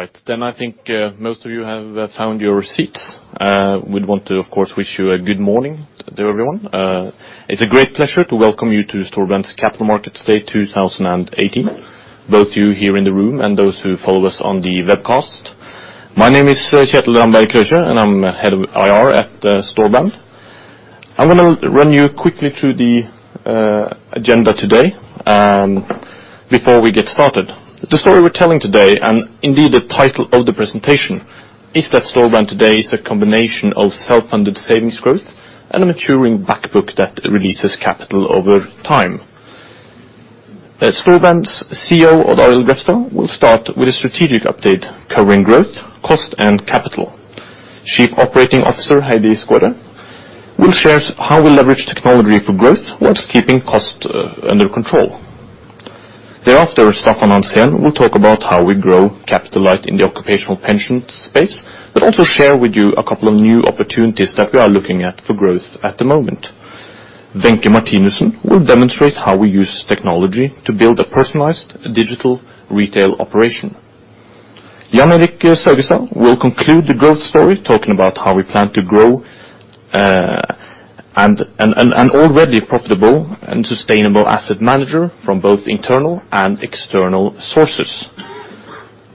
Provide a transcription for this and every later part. All right, then I think most of you have found your seats. We'd want to, of course, wish you a good morning to everyone. It's a great pleasure to welcome you to Storebrand's Capital Markets Day 2018, both you here in the room and those who follow us on the webcast. My name is Kjetil Ramberg Krøkje, and I'm Head of IR at Storebrand. I'm gonna run you quickly through the agenda today before we get started. The story we're telling today, and indeed, the title of the presentation, is that Storebrand today is a combination of self-funded savings growth and a maturing back book that releases capital over time. Storebrand's CEO, Odd Arild Grefstad, will start with a strategic update covering growth, cost, and capital. Chief Operating Officer, Heidi Skaaret, will share how we leverage technology for growth while keeping cost under control. Thereafter, Staffan Hansén will talk about how we grow capital-light in the occupational pension space, but also share with you a couple of new opportunities that we are looking at for growth at the moment. Wenche Martinussen will demonstrate how we use technology to build a personalized digital retail operation. Jan Erik Saugestad will conclude the growth story, talking about how we plan to grow and an already profitable and sustainable asset manager from both internal and external sources.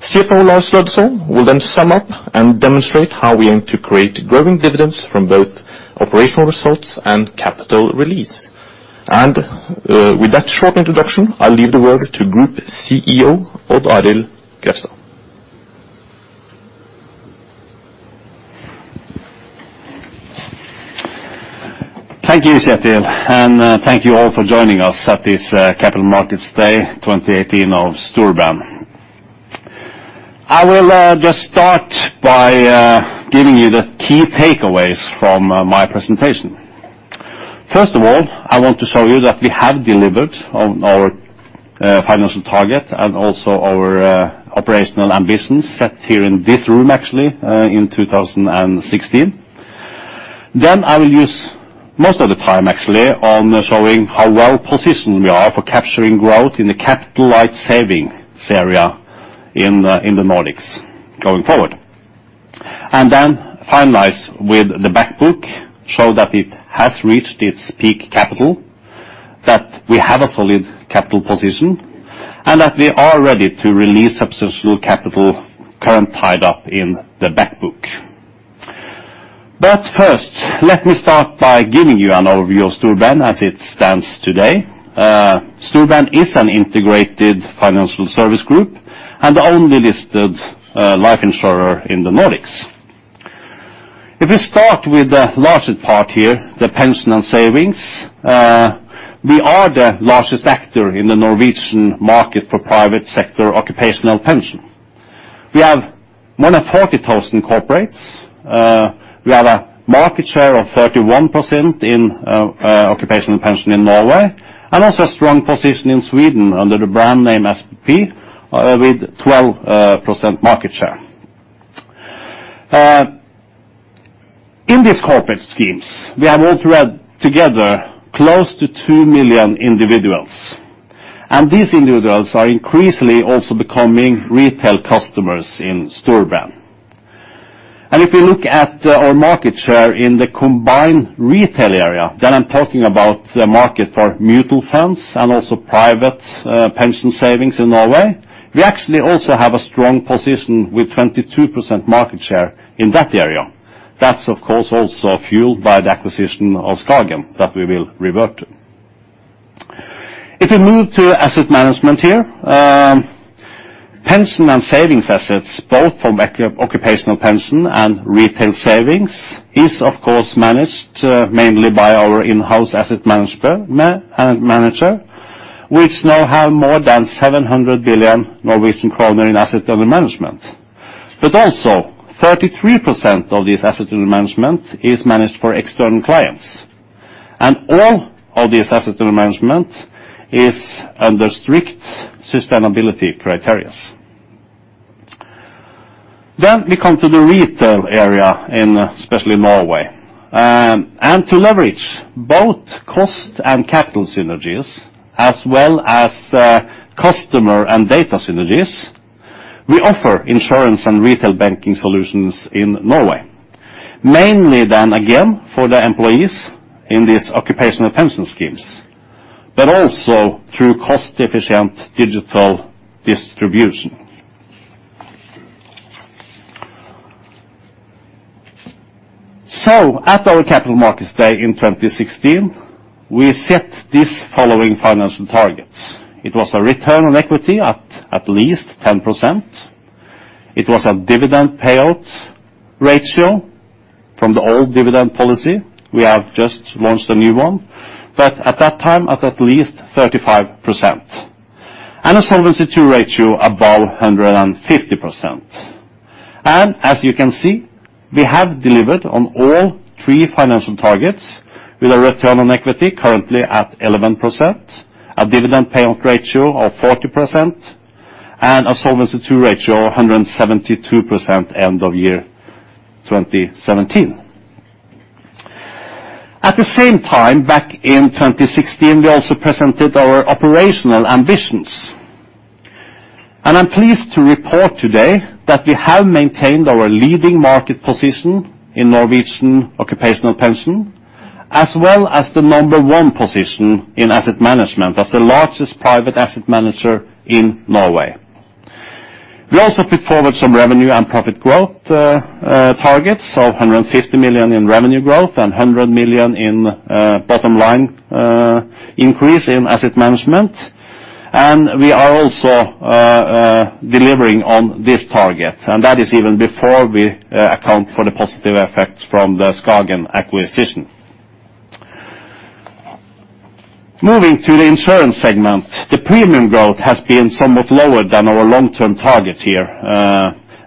CFO, Lars Løddesøl, will then sum up and demonstrate how we aim to create growing dividends from both operational results and capital release. And, with that short introduction, I'll leave the word to Group CEO, Odd Arild Grefstad. Thank you, Kjetil, and thank you all for joining us at this Capital Markets Day 2018 of Storebrand. I will just start by giving you the key takeaways from my presentation. First of all, I want to show you that we have delivered on our financial target and also our operational ambitions, set here in this room, actually, in 2016. Then, I will use most of the time, actually, on showing how well positioned we are for capturing growth in the capital-light savings area in the Nordics going forward. And then finalize with the back book, show that it has reached its peak capital, that we have a solid capital position, and that we are ready to release substantial capital currently tied up in the back book. But first, let me start by giving you an overview of Storebrand as it stands today. Storebrand is an integrated financial service group, and the only listed life insurer in the Nordics. If we start with the largest part here, the pension and savings, we are the largest actor in the Norwegian market for private sector occupational pension. We have more than 40,000 corporates. We have a market share of 31% in occupational pension in Norway, and also a strong position in Sweden under the brand name SPP with 12% market share. In these corporate schemes, we have all together close to 2 million individuals, and these individuals are increasingly also becoming retail customers in Storebrand. If you look at our market share in the combined retail area, then I'm talking about the market for mutual funds and also private pension savings in Norway. We actually also have a strong position with 22% market share in that area. That's, of course, also fueled by the acquisition of SKAGEN, that we will revert to. If you move to asset management here, pension and savings assets, both from occupational pension and retail savings, is, of course, managed mainly by our in-house asset manager, which now have more than 700 billion Norwegian kroner in assets under management. But also, 33% of these assets under management is managed for external clients. And all of these assets under management is under strict sustainability criteria. Then we come to the retail area in, especially Norway. And to leverage both cost and capital synergies, as well as customer and data synergies, we offer insurance and retail banking solutions in Norway. Mainly, then again, for the employees in these occupational pension schemes, but also through cost-efficient digital distribution. So at our Capital Markets Day in 2016, we set these following financial targets. It was a return on equity at least 10%. It was a dividend payout ratio from the old dividend policy. We have just launched a new one, but at that time at least 35%, and a Solvency II ratio above 150%. And as you can see, we have delivered on all three financial targets, with a return on equity currently at 11%, a dividend payout ratio of 40%, and a Solvency II ratio of 172% end of year 2017. At the same time, back in 2016, we also presented our operational ambitions. And I'm pleased to report today that we have maintained our leading market position in Norwegian occupational pension, as well as the number one position in asset management as the largest private asset manager in Norway. We also put forward some revenue and profit growth targets of 150 million in revenue growth, and 100 million in bottom line increase in asset management. And we are also delivering on this target, and that is even before we account for the positive effects from the SKAGEN acquisition. Moving to the insurance segment, the premium growth has been somewhat lower than our long-term target here.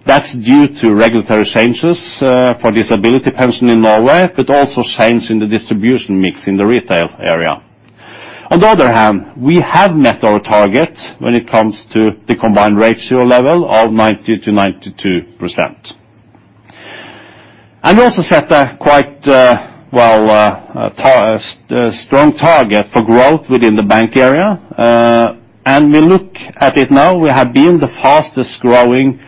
That's due to regulatory changes for disability pension in Norway, but also change in the distribution mix in the retail area. On the other hand, we have met our target when it comes to the combined ratio level of 90%-92%. And we also set a quite, well, strong target for growth within the bank area. And we look at it now, we have been the fastest growing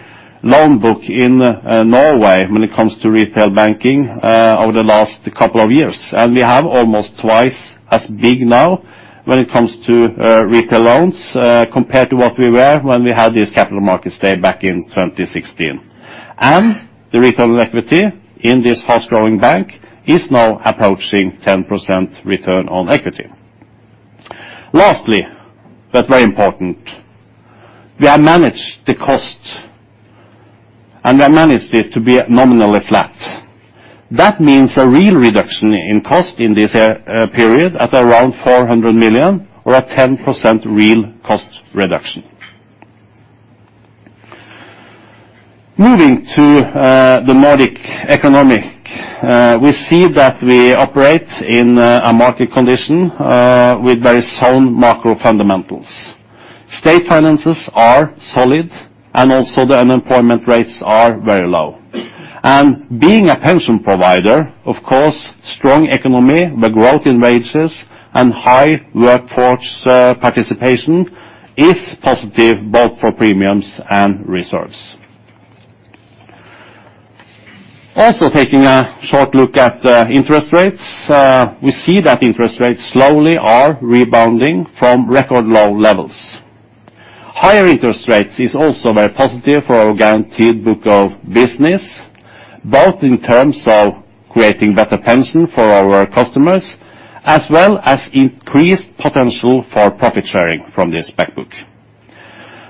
loan book in Norway when it comes to retail banking over the last couple of years. And we have almost twice as big now when it comes to retail loans compared to what we were when we had this capital markets day back in 2016. And the return on equity in this fast-growing bank is now approaching 10% return on equity. Lastly, but very important, we have managed the cost, and we have managed it to be nominally flat. That means a real reduction in cost in this period, at around 400 million or a 10% real cost reduction. Moving to the Nordic economy, we see that we operate in a market condition with very sound macro fundamentals. State finances are solid, and also the unemployment rates are very low. And being a pension provider, of course, strong economy, the growth in wages and high workforce participation is positive both for premiums and reserves. Also, taking a short look at the interest rates, we see that interest rates slowly are rebounding from record low levels. Higher interest rates is also very positive for our guaranteed book of business, both in terms of creating better pension for our customers, as well as increased potential for profit sharing from this back book.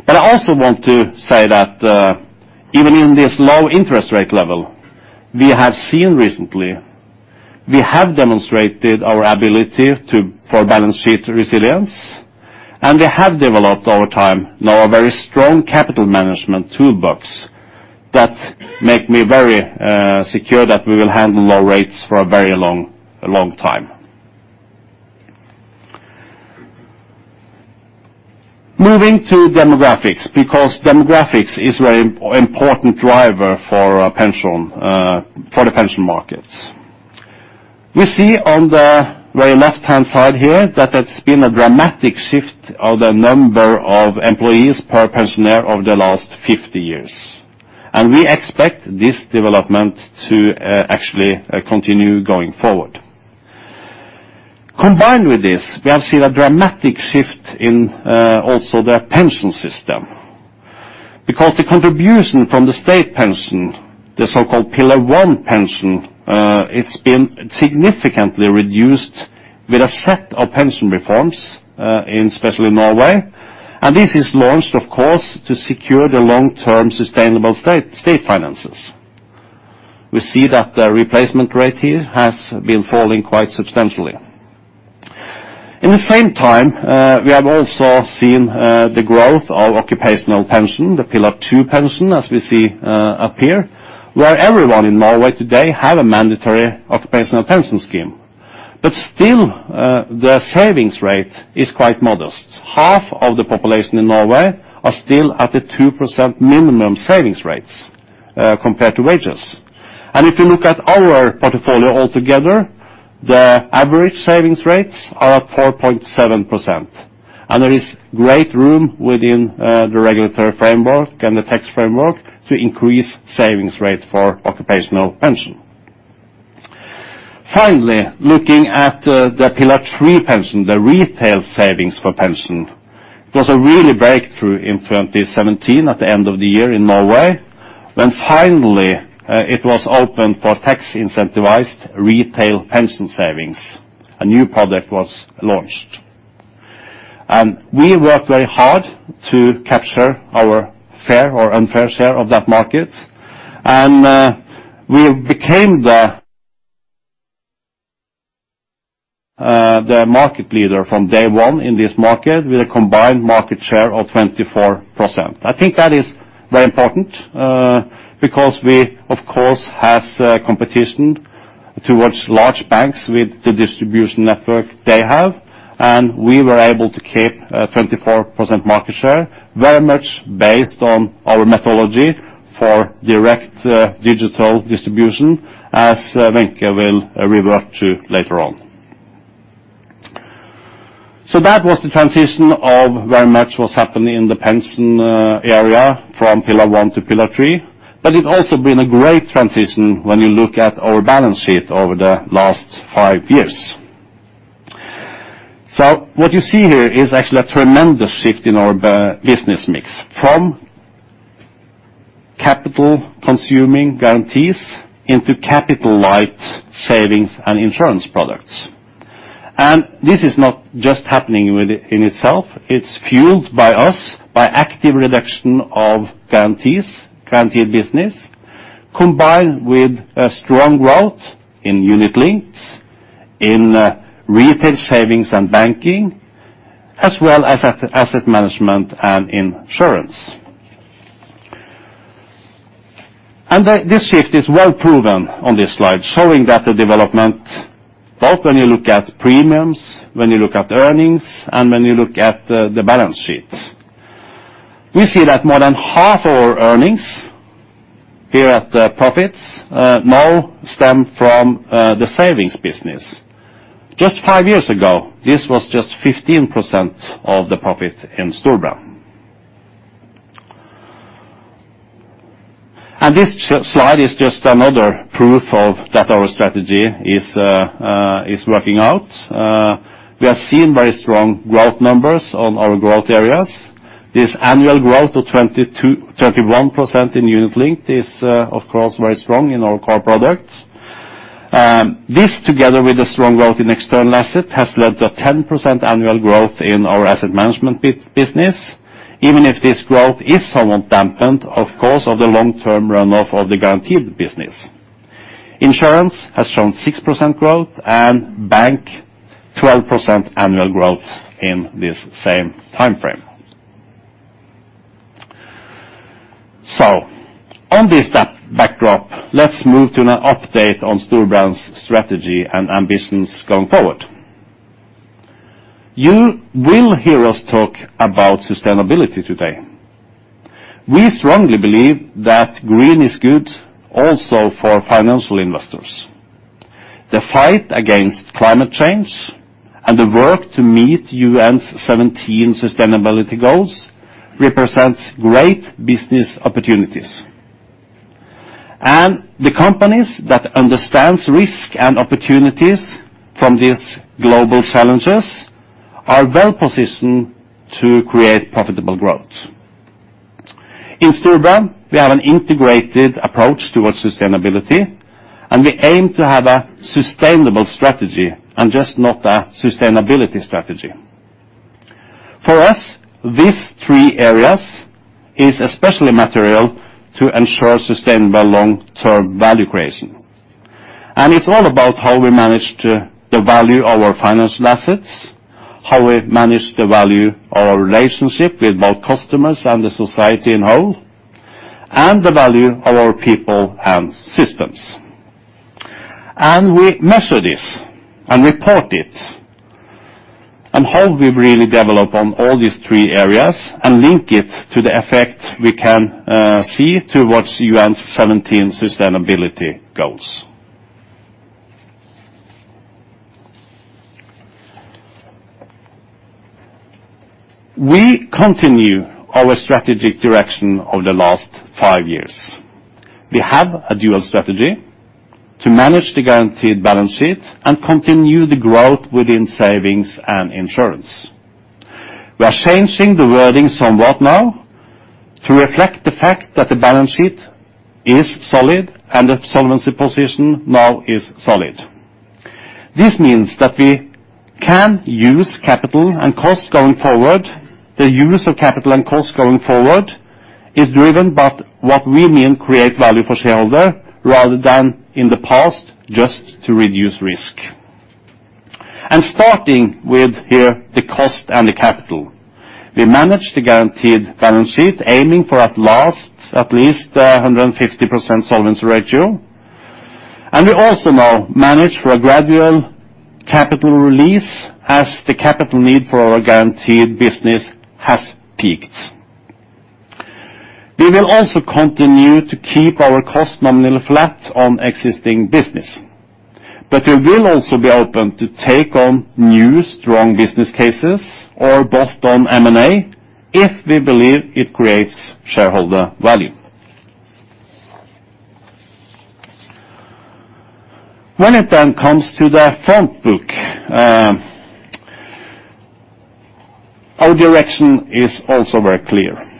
But I also want to say that, even in this low interest rate level we have seen recently, we have demonstrated our ability to for balance sheet resilience, and we have developed over time now a very strong capital management toolbox that make me very secure that we will handle low rates for a very long time. Moving to demographics, because demographics is very important driver for pension for the pension markets. We see on the very left-hand side here that it's been a dramatic shift of the number of employees per pensioner over the last 50 years, and we expect this development to actually continue going forward. Combined with this, we have seen a dramatic shift in also the pension system, because the contribution from the state pension, the so-called Pillar 1 pension, it's been significantly reduced with a set of pension reforms in especially Norway. And this is launched, of course, to secure the long-term sustainable state, state finances. We see that the replacement rate here has been falling quite substantially. In the same time, we have also seen the growth of occupational pension, the Pillar 2 pension, as we see up here, where everyone in Norway today have a mandatory occupational pension scheme. But still, the savings rate is quite modest. Half of the population in Norway are still at a 2% minimum savings rates compared to wages. And if you look at our portfolio altogether, the average savings rates are at 4.7%, and there is great room within the regulatory framework and the tax framework to increase savings rate for occupational pension. Finally, looking at the Pillar 3 pension, the retail savings for pension, it was a really breakthrough in 2017 at the end of the year in Norway, when finally it was opened for tax incentivized retail pension savings. A new product was launched. And we worked very hard to capture our fair or unfair share of that market, and we became the market leader from day one in this market with a combined market share of 24%. I think that is very important because we, of course, has competition towards large banks with the distribution network they have. And we were able to keep 24% market share, very much based on our methodology for direct digital distribution, as Wenche will revert to later on. So that was the transition of very much what's happening in the pension area, from Pillar 1 to Pillar 3. But it's also been a great transition when you look at our balance sheet over the last five years. So what you see here is actually a tremendous shift in our business mix, from capital consuming guarantees into capital-light savings and insurance products. And this is not just happening with it in itself; it's fueled by us, by active reduction of guarantees, guaranteed business, combined with a strong growth in unit-linked, in retail savings and banking, as well as at asset management and insurance. This shift is well proven on this slide, showing that the development, both when you look at premiums, when you look at earnings, and when you look at the balance sheets. We see that more than half our earnings, here at the profits, now stem from the savings business. Just five years ago, this was just 15% of the profit in Storebrand. This slide is just another proof of that our strategy is working out. We are seeing very strong growth numbers on our growth areas. This annual growth of 21% in unit-linked is, of course, very strong in our core products. This, together with the strong growth in external assets, has led to a 10% annual growth in our asset management business, even if this growth is somewhat dampened, of course, by the long-term run-off of the guaranteed business. Insurance has shown 6% growth, and bank, 12% annual growth in this same time frame. On this backdrop, let's move to an update on Storebrand's strategy and ambitions going forward. You will hear us talk about sustainability today. We strongly believe that green is good also for financial investors. The fight against climate change and the work to meet UN's 17 sustainability goals represents great business opportunities. The companies that understand risk and opportunities from these global challenges are well positioned to create profitable growth. In Storebrand, we have an integrated approach toward sustainability, and we aim to have a sustainable strategy, and just not a sustainability strategy. For us, these three areas is especially material to ensure sustainable long-term value creation. It's all about how we manage to the value of our financial assets, how we manage the value of our relationship with both customers and the society in whole, and the value of our people and systems. We measure this, and report it, and how we really develop on all these three areas, and link it to the effect we can see toward UN's 17 sustainability goals. We continue our strategic direction of the last five years. We have a dual strategy to manage the guaranteed balance sheet and continue the growth within savings and insurance. We are changing the wording somewhat now, to reflect the fact that the balance sheet is solid, and the solvency position now is solid. This means that we can use capital and cost going forward. The use of capital and cost going forward is driven by what we mean, create value for shareholder, rather than in the past, just to reduce risk. Starting with here, the cost and the capital. We manage the guaranteed balance sheet, aiming for at least 150% solvency ratio. And we also now manage for a gradual capital release, as the capital need for our guaranteed business has peaked. We will also continue to keep our cost nominally flat on existing business. But we will also be open to take on new, strong business cases or both on M&A, if we believe it creates shareholder value. When it then comes to the front book, our direction is also very clear.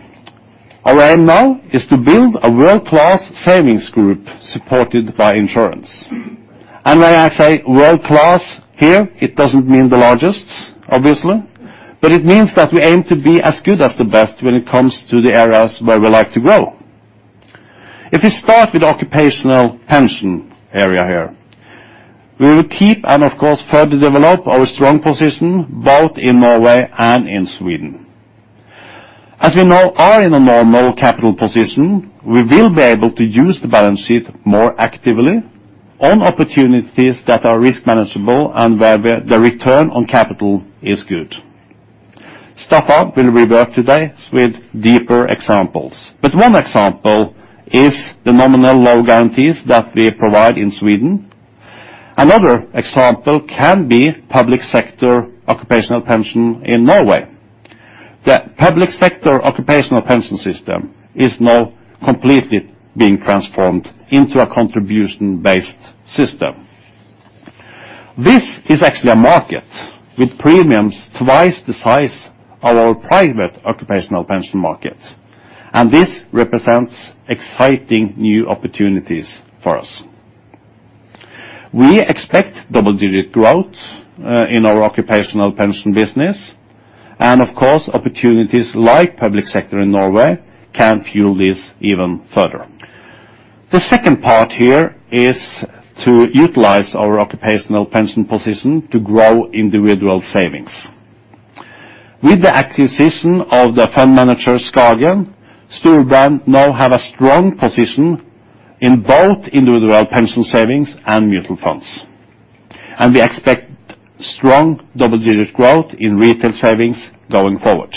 Our aim now is to build a world-class savings group supported by insurance. And when I say world-class here, it doesn't mean the largest, obviously, but it means that we aim to be as good as the best when it comes to the areas where we like to grow. If we start with occupational pension area here, we will keep and, of course, further develop our strong position, both in Norway and in Sweden. As we now are in a normal capital position, we will be able to use the balance sheet more actively on opportunities that are risk manageable and where the return on capital is good. Staffan will revert today with deeper examples. But one example is the nominal low guarantees that we provide in Sweden. Another example can be public sector occupational pension in Norway. The public sector occupational pension system is now completely being transformed into a contribution based system. This is actually a market with premiums twice the size of our private occupational pension market, and this represents exciting new opportunities for us. We expect double digit growth in our occupational pension business, and of course, opportunities like public sector in Norway can fuel this even further. The second part here is to utilize our occupational pension position to grow individual savings. With the acquisition of the fund manager, SKAGEN, Storebrand now have a strong position in both individual pension savings and mutual funds, and we expect strong double-digit growth in retail savings going forward.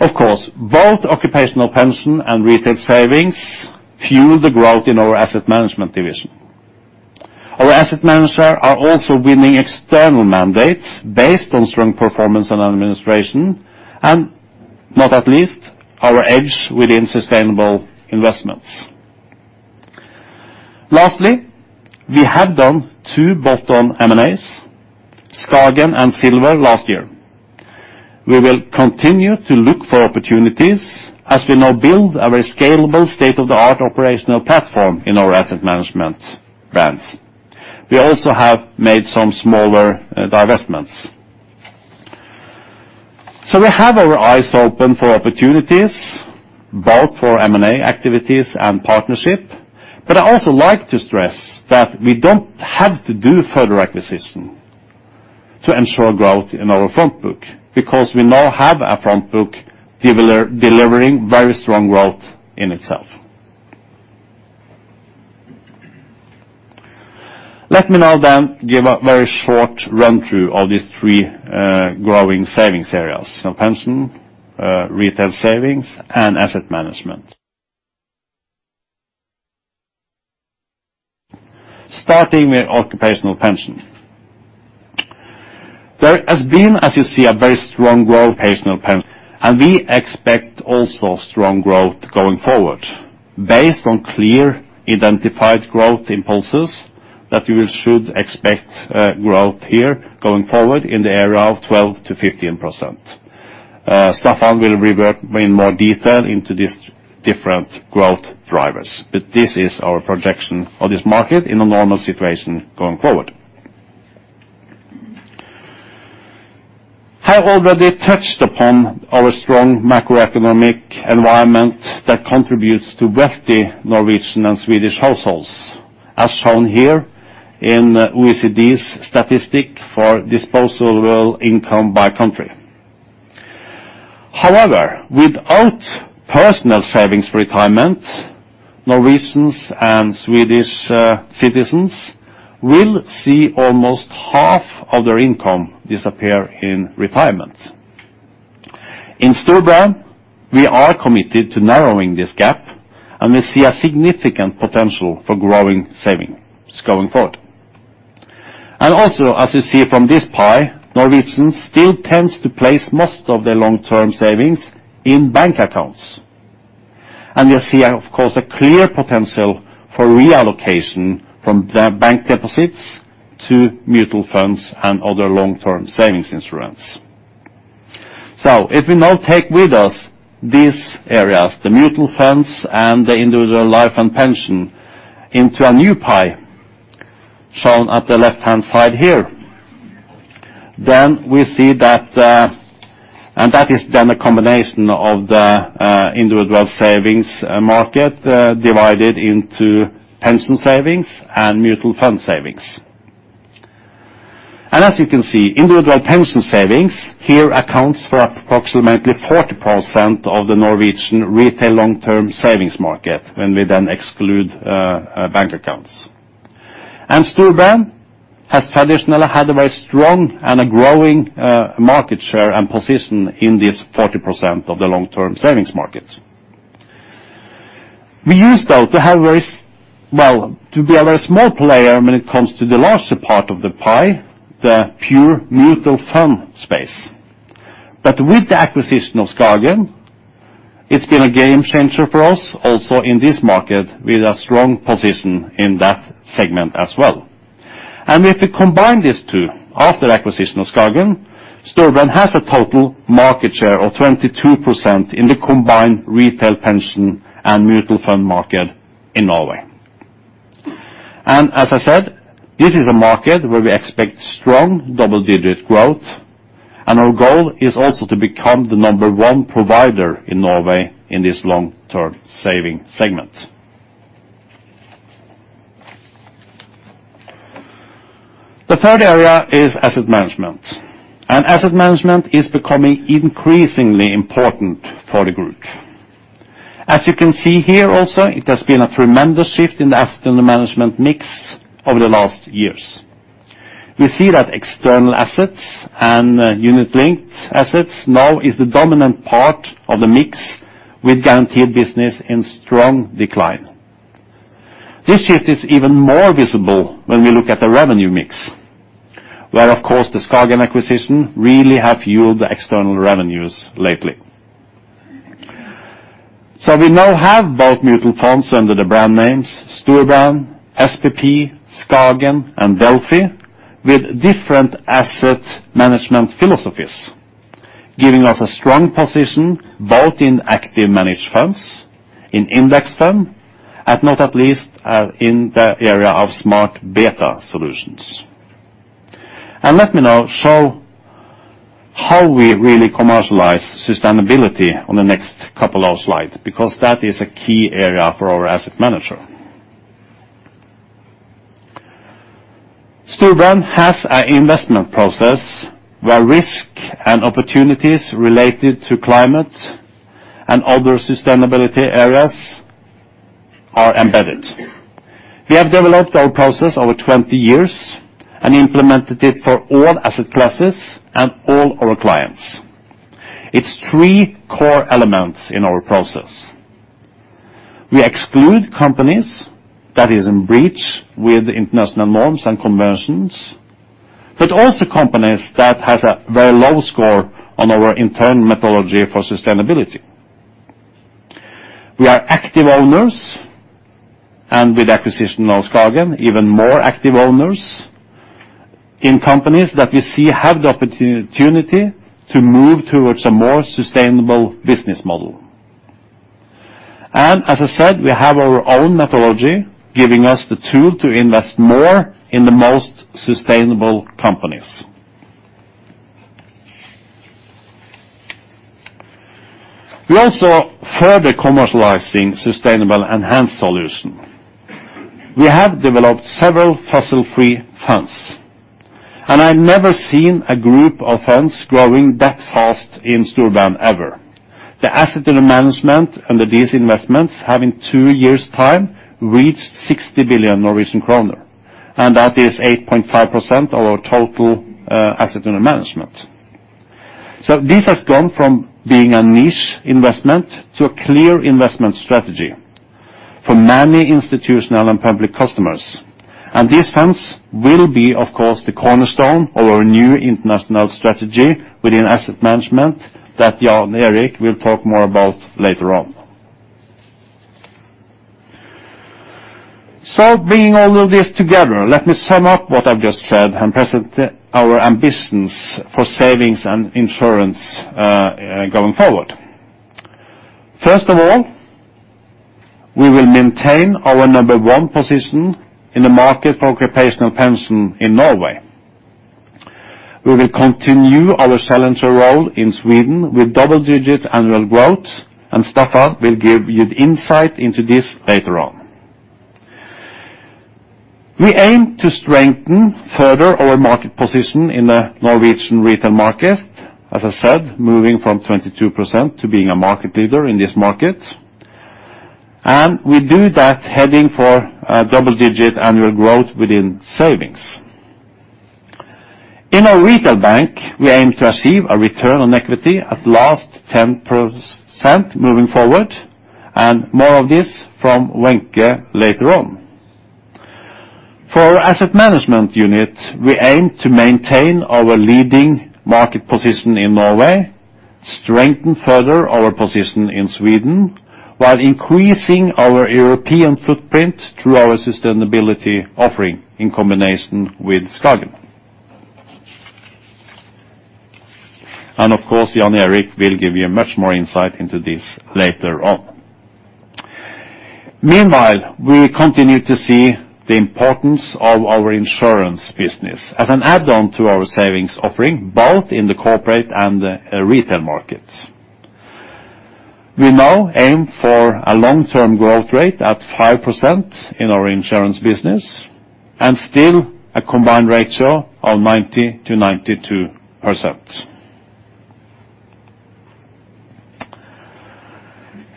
Of course, both occupational pension and retail savings fuel the growth in our asset management division. Our asset manager are also winning external mandates based on strong performance and administration, and not at least, our edge within sustainable investments. Lastly, we have done two bolt-on M&As, SKAGEN and Silver, last year. We will continue to look for opportunities as we now build a very scalable, state-of-the-art operational platform in our asset management brands. We also have made some smaller, divestments. So we have our eyes open for opportunities, both for M&A activities and partnership, but I also like to stress that we don't have to do further acquisition to ensure growth in our front book, because we now have a front book delivering very strong growth in itself. Let me now then give a very short run through of these three, growing savings areas: so pension, retail savings, and asset management. Starting with occupational pension. There has been, as you see, a very strong growth occupational pension, and we expect also strong growth going forward, based on clear identified growth impulses, that we should expect, growth here going forward in the area of 12%-15%. Staffan will revert in more detail into these different growth drivers, but this is our projection of this market in a normal situation going forward. I already touched upon our strong macroeconomic environment that contributes to wealthy Norwegian and Swedish households, as shown here in OECD's statistic for disposable income by country. However, without personal savings for retirement, Norwegians and Swedish citizens will see almost half of their income disappear in retirement. In Storebrand, we are committed to narrowing this gap, and we see a significant potential for growing savings going forward. Also, as you see from this pie, Norwegians still tends to place most of their long-term savings in bank accounts. And you see, of course, a clear potential for reallocation from the bank deposits to mutual funds and other long-term savings insurance. So if we now take with us these areas, the mutual funds and the individual life and pension, into a new pie, shown at the left-hand side here, then we see that, and that is then a combination of the, individual savings, market, divided into pension savings and mutual fund savings. And as you can see, individual pension savings here accounts for approximately 40% of the Norwegian retail long-term savings market, when we then exclude bank accounts. Storebrand has traditionally had a very strong and a growing market share and position in this 40% of the long-term savings market. We used, though, to have very small, well, to be a very small player when it comes to the larger part of the pie, the pure mutual fund space. But with the acquisition of SKAGEN, it's been a game changer for us, also in this market, with a strong position in that segment as well. And if we combine these two, after acquisition of SKAGEN, Storebrand has a total market share of 22% in the combined retail pension and mutual fund market in Norway. And as I said, this is a market where we expect strong double-digit growth, and our goal is also to become the number one provider in Norway in this long-term saving segment. The third area is asset management, and asset management is becoming increasingly important for the group. As you can see here also, it has been a tremendous shift in the asset and the management mix over the last years. We see that external assets and unit linked assets now is the dominant part of the mix, with guaranteed business in strong decline. This shift is even more visible when we look at the revenue mix, where, of course, the SKAGEN acquisition really have fueled the external revenues lately. So we now have both mutual funds under the brand names, Storebrand, SPP, SKAGEN, and Delphi, with different asset management philosophies, giving us a strong position both in active managed funds, in index fund, and not at least, in the area of smart beta solutions. Let me now show how we really commercialize sustainability on the next couple of slides, because that is a key area for our asset manager. Storebrand has an investment process, where risk and opportunities related to climate and other sustainability areas are embedded. We have developed our process over 20 years, and implemented it for all asset classes and all our clients. It's three core elements in our process. We exclude companies that is in breach with international norms and conventions, but also companies that has a very low score on our internal methodology for sustainability. We are active owners, and with acquisition of SKAGEN, even more active owners in companies that we see have the opportunity to move towards a more sustainable business model. As I said, we have our own methodology, giving us the tool to invest more in the most sustainable companies. We also further commercializing sustainable enhanced solution. We have developed several fossil-free funds, and I've never seen a group of funds growing that fast in Storebrand, ever. The asset under management under these investments have in two years' time, reached 60 billion Norwegian kroner, and that is 8.5% of our total asset under management. So this has gone from being a niche investment to a clear investment strategy for many institutional and public customers. And these funds will be, of course, the cornerstone of our new international strategy within asset management that Jan Erik will talk more about later on. So bringing all of this together, let me sum up what I've just said, and present the our ambitions for savings and insurance going forward. First of all, we will maintain our number one position in the market for occupational pension in Norway. We will continue our challenger role in Sweden with double-digit annual growth, and Staffan will give you the insight into this later on. We aim to strengthen further our market position in the Norwegian retail market, as I said, moving from 22% to being a market leader in this market. And we do that heading for double-digit annual growth within savings. In our retail bank, we aim to achieve a return on equity at least 10% moving forward, and more of this from Wenche later on. For our asset management unit, we aim to maintain our leading market position in Norway, strengthen further our position in Sweden, while increasing our European footprint through our sustainability offering in combination with SKAGEN. And of course, Jan Erik will give you much more insight into this later on. Meanwhile, we continue to see the importance of our insurance business as an add-on to our savings offering, both in the corporate and the retail market. We now aim for a long-term growth rate at 5% in our insurance business, and still a combined ratio of 90%-92%.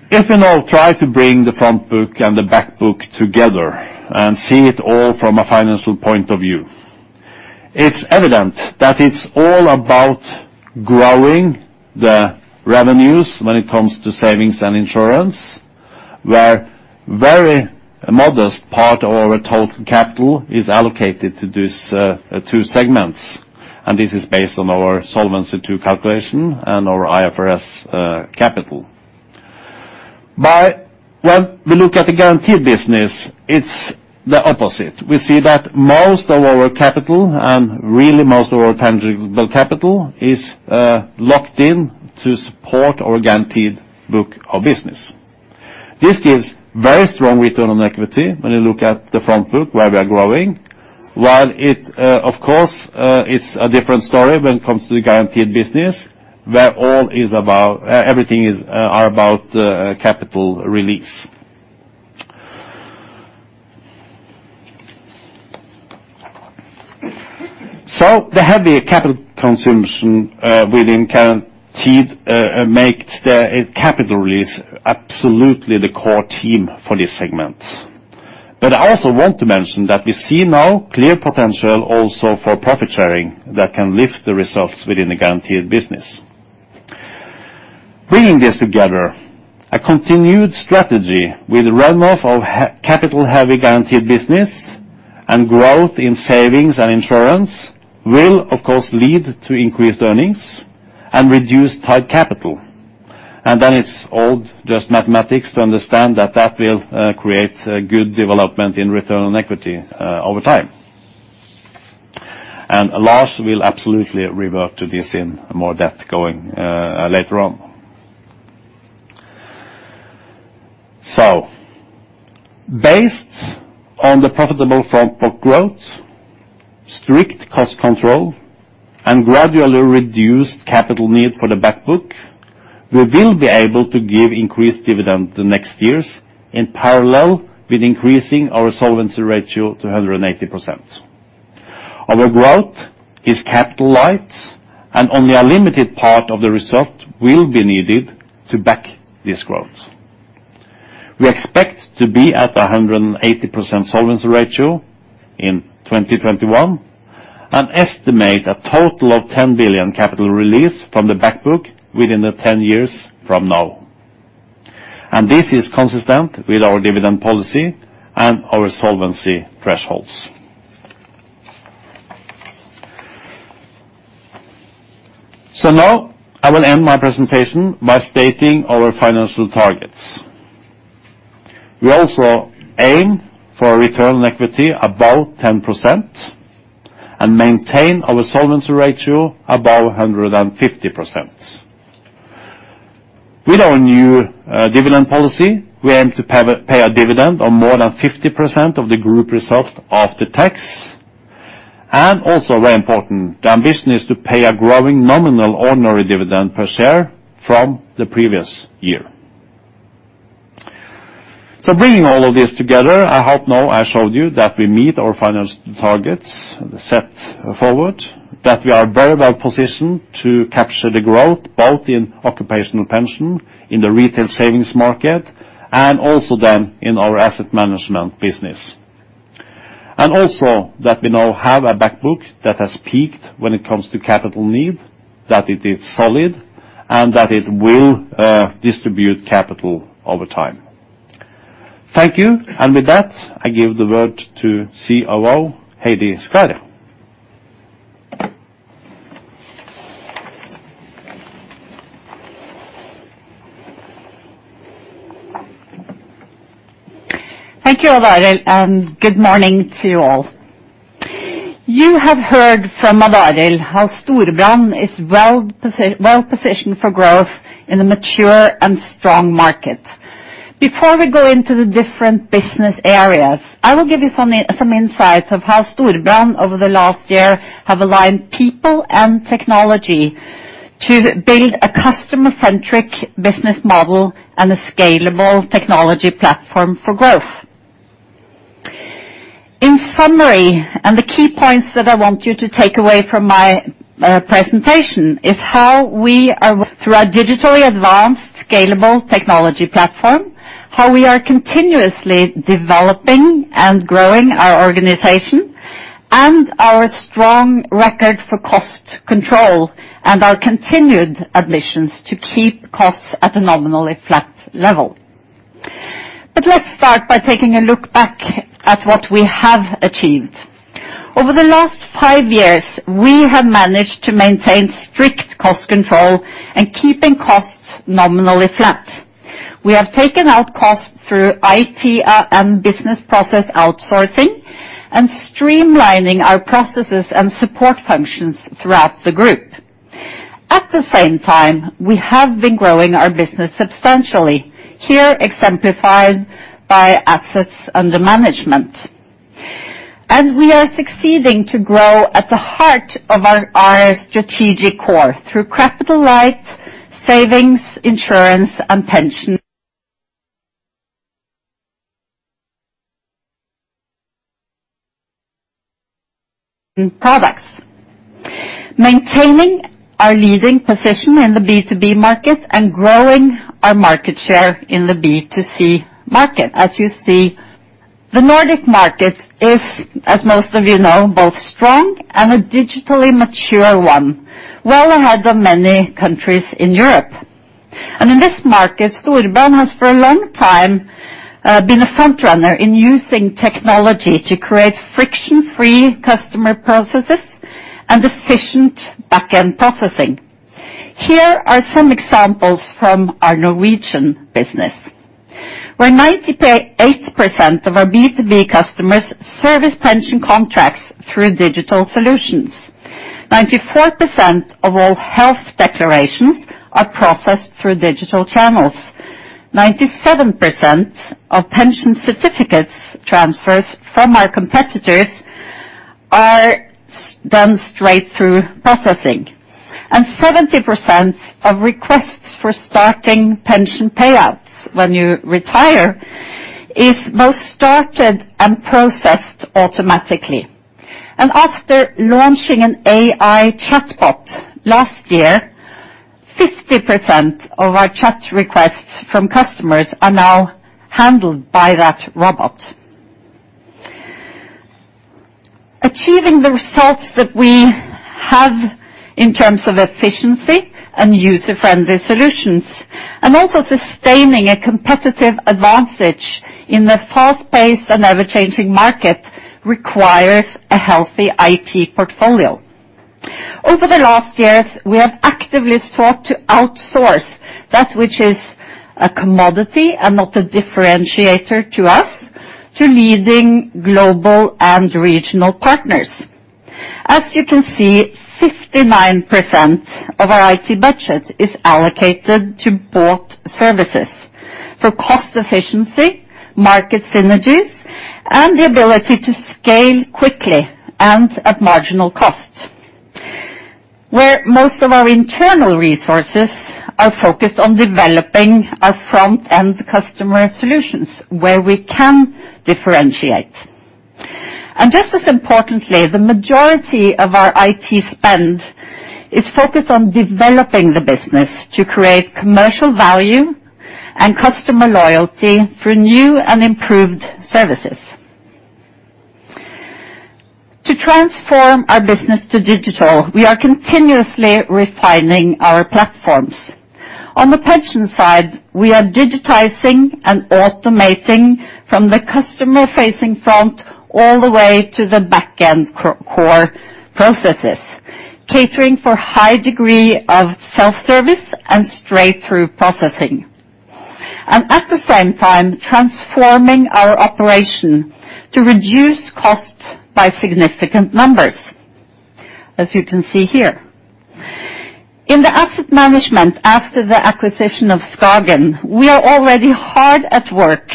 If you now try to bring the front book and the back book together and see it all from a financial point of view, it's evident that it's all about growing the revenues when it comes to savings and insurance, where very modest part of our total capital is allocated to these, two segments, and this is based on our Solvency II calculation and our IFRS, capital. But when we look at the guaranteed business, it's the opposite. We see that most of our capital, and really most of our tangible capital, is locked in to support our guaranteed book of business. This gives very strong return on equity when you look at the front book, where we are growing, while it, of course, it's a different story when it comes to the guaranteed business, where everything is about capital release. So the heavy capital consumption within guaranteed makes the capital release absolutely the core team for this segment. But I also want to mention that we see now clear potential also for profit sharing, that can lift the results within the guaranteed business. Bringing this together, a continued strategy with run off of capital heavy guaranteed business and growth in savings and insurance, will, of course, lead to increased earnings and reduce tied capital. And then it's all just mathematics to understand that, that will create a good development in return on equity over time. And Lars will absolutely revert to this in more depth going later on. So based on the profitable front book growth, strict cost control, and gradually reduced capital need for the back book, we will be able to give increased dividend the next years, in parallel with increasing our solvency ratio to 180%. Our growth is capital-light, and only a limited part of the result will be needed to back this growth. We expect to be at a 180% solvency ratio in 2021, and estimate a total of 10 billion capital release from the back book within the 10 years from now. And this is consistent with our dividend policy and our solvency thresholds. So now I will end my presentation by stating our financial targets. We also aim for a return on equity above 10% and maintain our solvency ratio above 150%. With our new dividend policy, we aim to pay a dividend of more than 50% of the group result after tax. And also very important, the ambition is to pay a growing nominal ordinary dividend per share from the previous year. So bringing all of this together, I hope now I showed you that we meet our financial targets set forward, that we are very well positioned to capture the growth, both in occupational pension, in the retail savings market, and also then in our asset management business. And also that we now have a back book that has peaked when it comes to capital need, that it is solid, and that it will distribute capital over time. Thank you, and with that, I give the word to COO, Heidi Skaaret. Thank you, Odd Arild, and good morning to you all. You have heard from Odd Arild how Storebrand is well positioned for growth in a mature and strong market. Before we go into the different business areas, I will give you some insights of how Storebrand, over the last years, have aligned people and technology to build a customer-centric business model and a scalable technology platform for growth. In summary, and the key points that I want you to take away from my presentation is how we are, through our digitally advanced, scalable technology platform, how we are continuously developing and growing our organization, and our strong record for cost control, and our continued ambitions to keep costs at a nominally flat level. Let's start by taking a look back at what we have achieved. Over the last five years, we have managed to maintain strict cost control and keeping costs nominally flat. We have taken out costs through IT, and business process outsourcing, and streamlining our processes and support functions throughout the group. At the same time, we have been growing our business substantially, here exemplified by assets under management. We are succeeding to grow at the heart of our, our strategic core through capital-light, savings, insurance, and pension products. Maintaining our leading position in the B2B market and growing our market share in the B2C market. As you see, the Nordic market is, as most of you know, both strong and a digitally mature one, well ahead of many countries in Europe. In this market, Storebrand has, for a long time, been a front runner in using technology to create friction-free customer processes and efficient back-end processing. Here are some examples from our Norwegian business, where 98% of our B2B customers service pension contracts through digital solutions. 94% of all health declarations are processed through digital channels. 97% of pension certificate transfers from our competitors are done straight-through processing, and 70% of requests for starting pension payouts when you retire is both started and processed automatically. And after launching an AI chatbot last year, 50% of our chat requests from customers are now handled by that robot. Achieving the results that we have in terms of efficiency and user-friendly solutions, and also sustaining a competitive advantage in the fast-paced and ever-changing market, requires a healthy IT portfolio. Over the last years, we have actively sought to outsource that which is a commodity and not a differentiator to us, to leading global and regional partners. As you can see, 69% of our IT budget is allocated to bought services, for cost efficiency, market synergies, and the ability to scale quickly and at marginal cost. Where most of our internal resources are focused on developing our front-end customer solutions, where we can differentiate. And just as importantly, the majority of our IT spend is focused on developing the business to create commercial value and customer loyalty for new and improved services. To transform our business to digital, we are continuously refining our platforms. On the pension side, we are digitizing and automating from the customer-facing front, all the way to the back-end core processes, catering for high degree of self-service and straight-through processing. And at the same time, transforming our operation to reduce costs by significant numbers, as you can see here. In the asset management, after the acquisition of SKAGEN, we are already hard at work,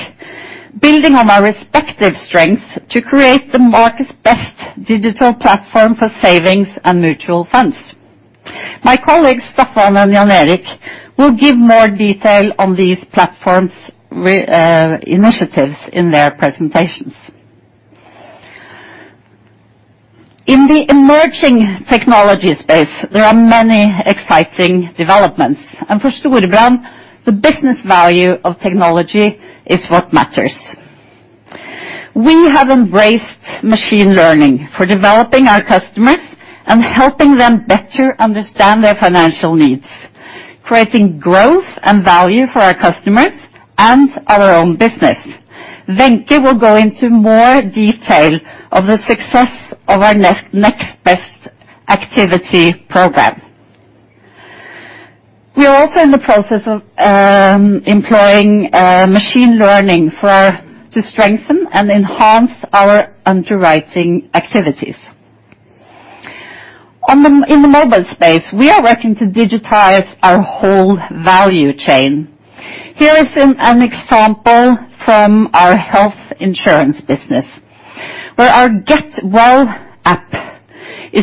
building on our respective strengths to create the market's best digital platform for savings and mutual funds. My colleagues, Staffan and Jan Erik, will give more detail on these platforms, initiatives in their presentations. In the emerging technology space, there are many exciting developments, and for Storebrand, the business value of technology is what matters. We have embraced machine learning for developing our customers, and helping them better understand their financial needs, creating growth and value for our customers and our own business. Wenche will go into more detail of the success of our Next Best Activity program. We are also in the process of employing machine learning for, to strengthen and enhance our underwriting activities. In the mobile space, we are working to digitize our whole value chain. Here is an example from our health insurance business, where our Get Well app is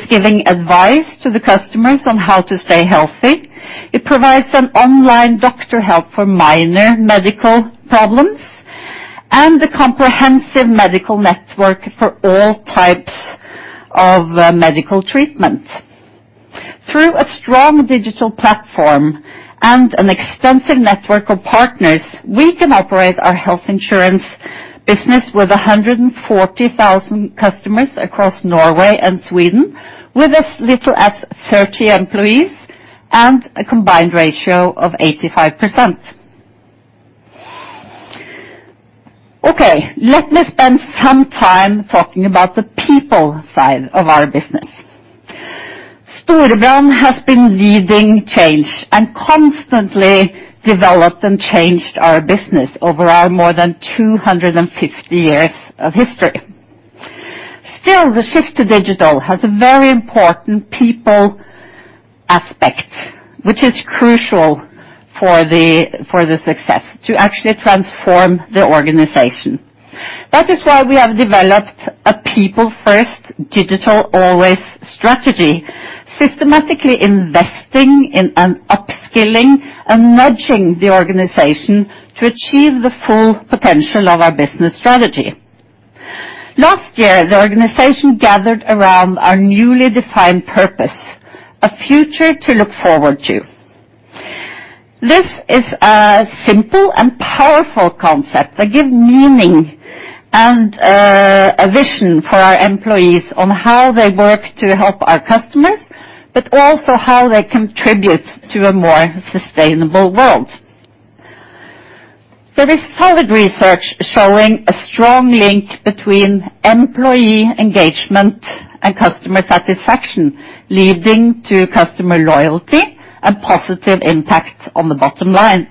giving advice to the customers on how to stay healthy. It provides an online doctor help for minor medical problems, and a comprehensive medical network for all types of medical treatment. Through a strong digital platform and an extensive network of partners, we can operate our health insurance business with 140,000 customers across Norway and Sweden, with as little as 30 employees, and a combined ratio of 85%. Okay, let me spend some time talking about the people side of our business. Storebrand has been leading change, and constantly developed and changed our business over our more than 250 years of history. Still, the shift to digital has a very important people aspect, which is crucial for the success to actually transform the organization. That is why we have developed a people first, digital always strategy, systematically investing in and upskilling and nudging the organization to achieve the full potential of our business strategy. Last year, the organization gathered around our newly defined purpose, a future to look forward to. This is a simple and powerful concept that give meaning and a vision for our employees on how they work to help our customers, but also how they contribute to a more sustainable world. There is solid research showing a strong link between employee engagement and customer satisfaction, leading to customer loyalty and positive impact on the bottom line.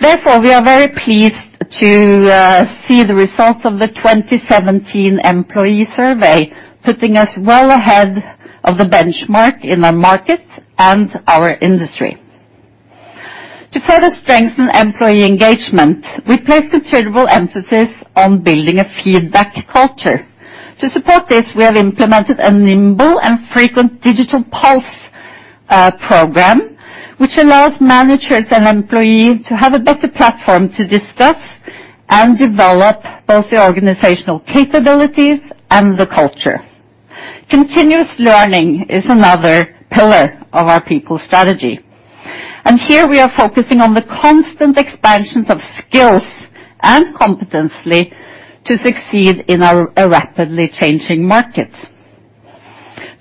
Therefore, we are very pleased to see the results of the 2017 employee survey, putting us well ahead of the benchmark in the market and our industry. To further strengthen employee engagement, we place considerable emphasis on building a feedback culture. To support this, we have implemented a nimble and frequent Digital Pulse program, which allows managers and employees to have a better platform to discuss and develop both the organizational capabilities and the culture. Continuous learning is another pillar of our people strategy, and here we are focusing on the constant expansions of skills and competency to succeed in our a rapidly changing market.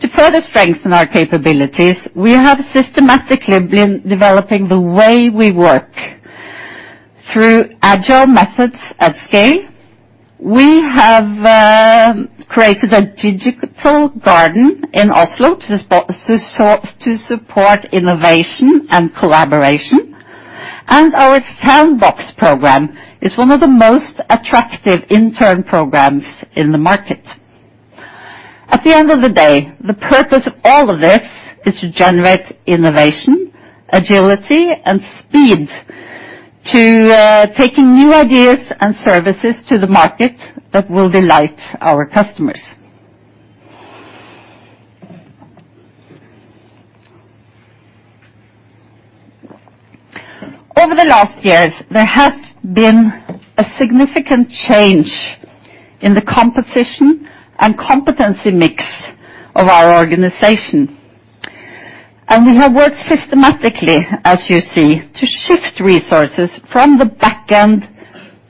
To further strengthen our capabilities, we have systematically been developing the way we work. Through agile methods at scale, we have created a Digital Garden in Oslo to support innovation and collaboration. Our Sandbox program is one of the most attractive intern programs in the market. At the end of the day, the purpose of all of this is to generate innovation, agility, and speed to taking new ideas and services to the market that will delight our customers. Over the last years, there has been a significant change in the composition and competency mix of our organization. We have worked systematically, as you see, to shift resources from the back end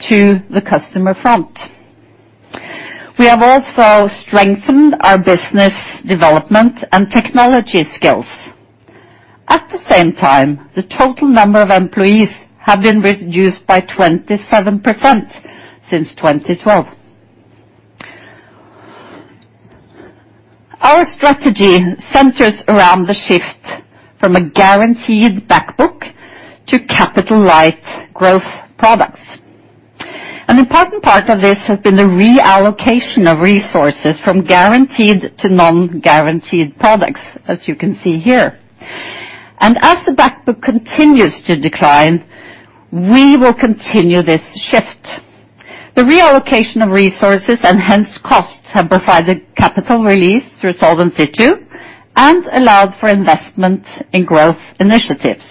to the customer front. We have also strengthened our business development and technology skills. At the same time, the total number of employees have been reduced by 27% since 2012. Our strategy centers around the shift from a guaranteed back book to capital-light growth products. An important part of this has been the reallocation of resources from guaranteed to non-guaranteed products, as you can see here. As the back book continues to decline, we will continue this shift. The reallocation of resources, and hence costs, have provided capital release through Solvency II, and allowed for investment in growth initiatives.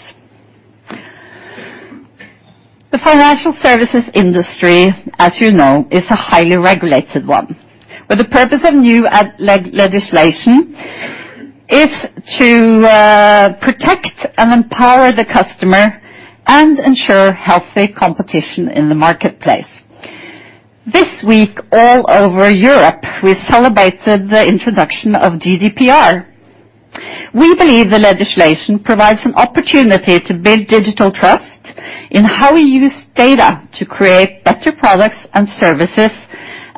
The financial services industry, as you know, is a highly regulated one. But the purpose of new legislation is to protect and empower the customer, and ensure healthy competition in the marketplace. This week, all over Europe, we celebrated the introduction of GDPR. We believe the legislation provides an opportunity to build digital trust in how we use data to create better products and services,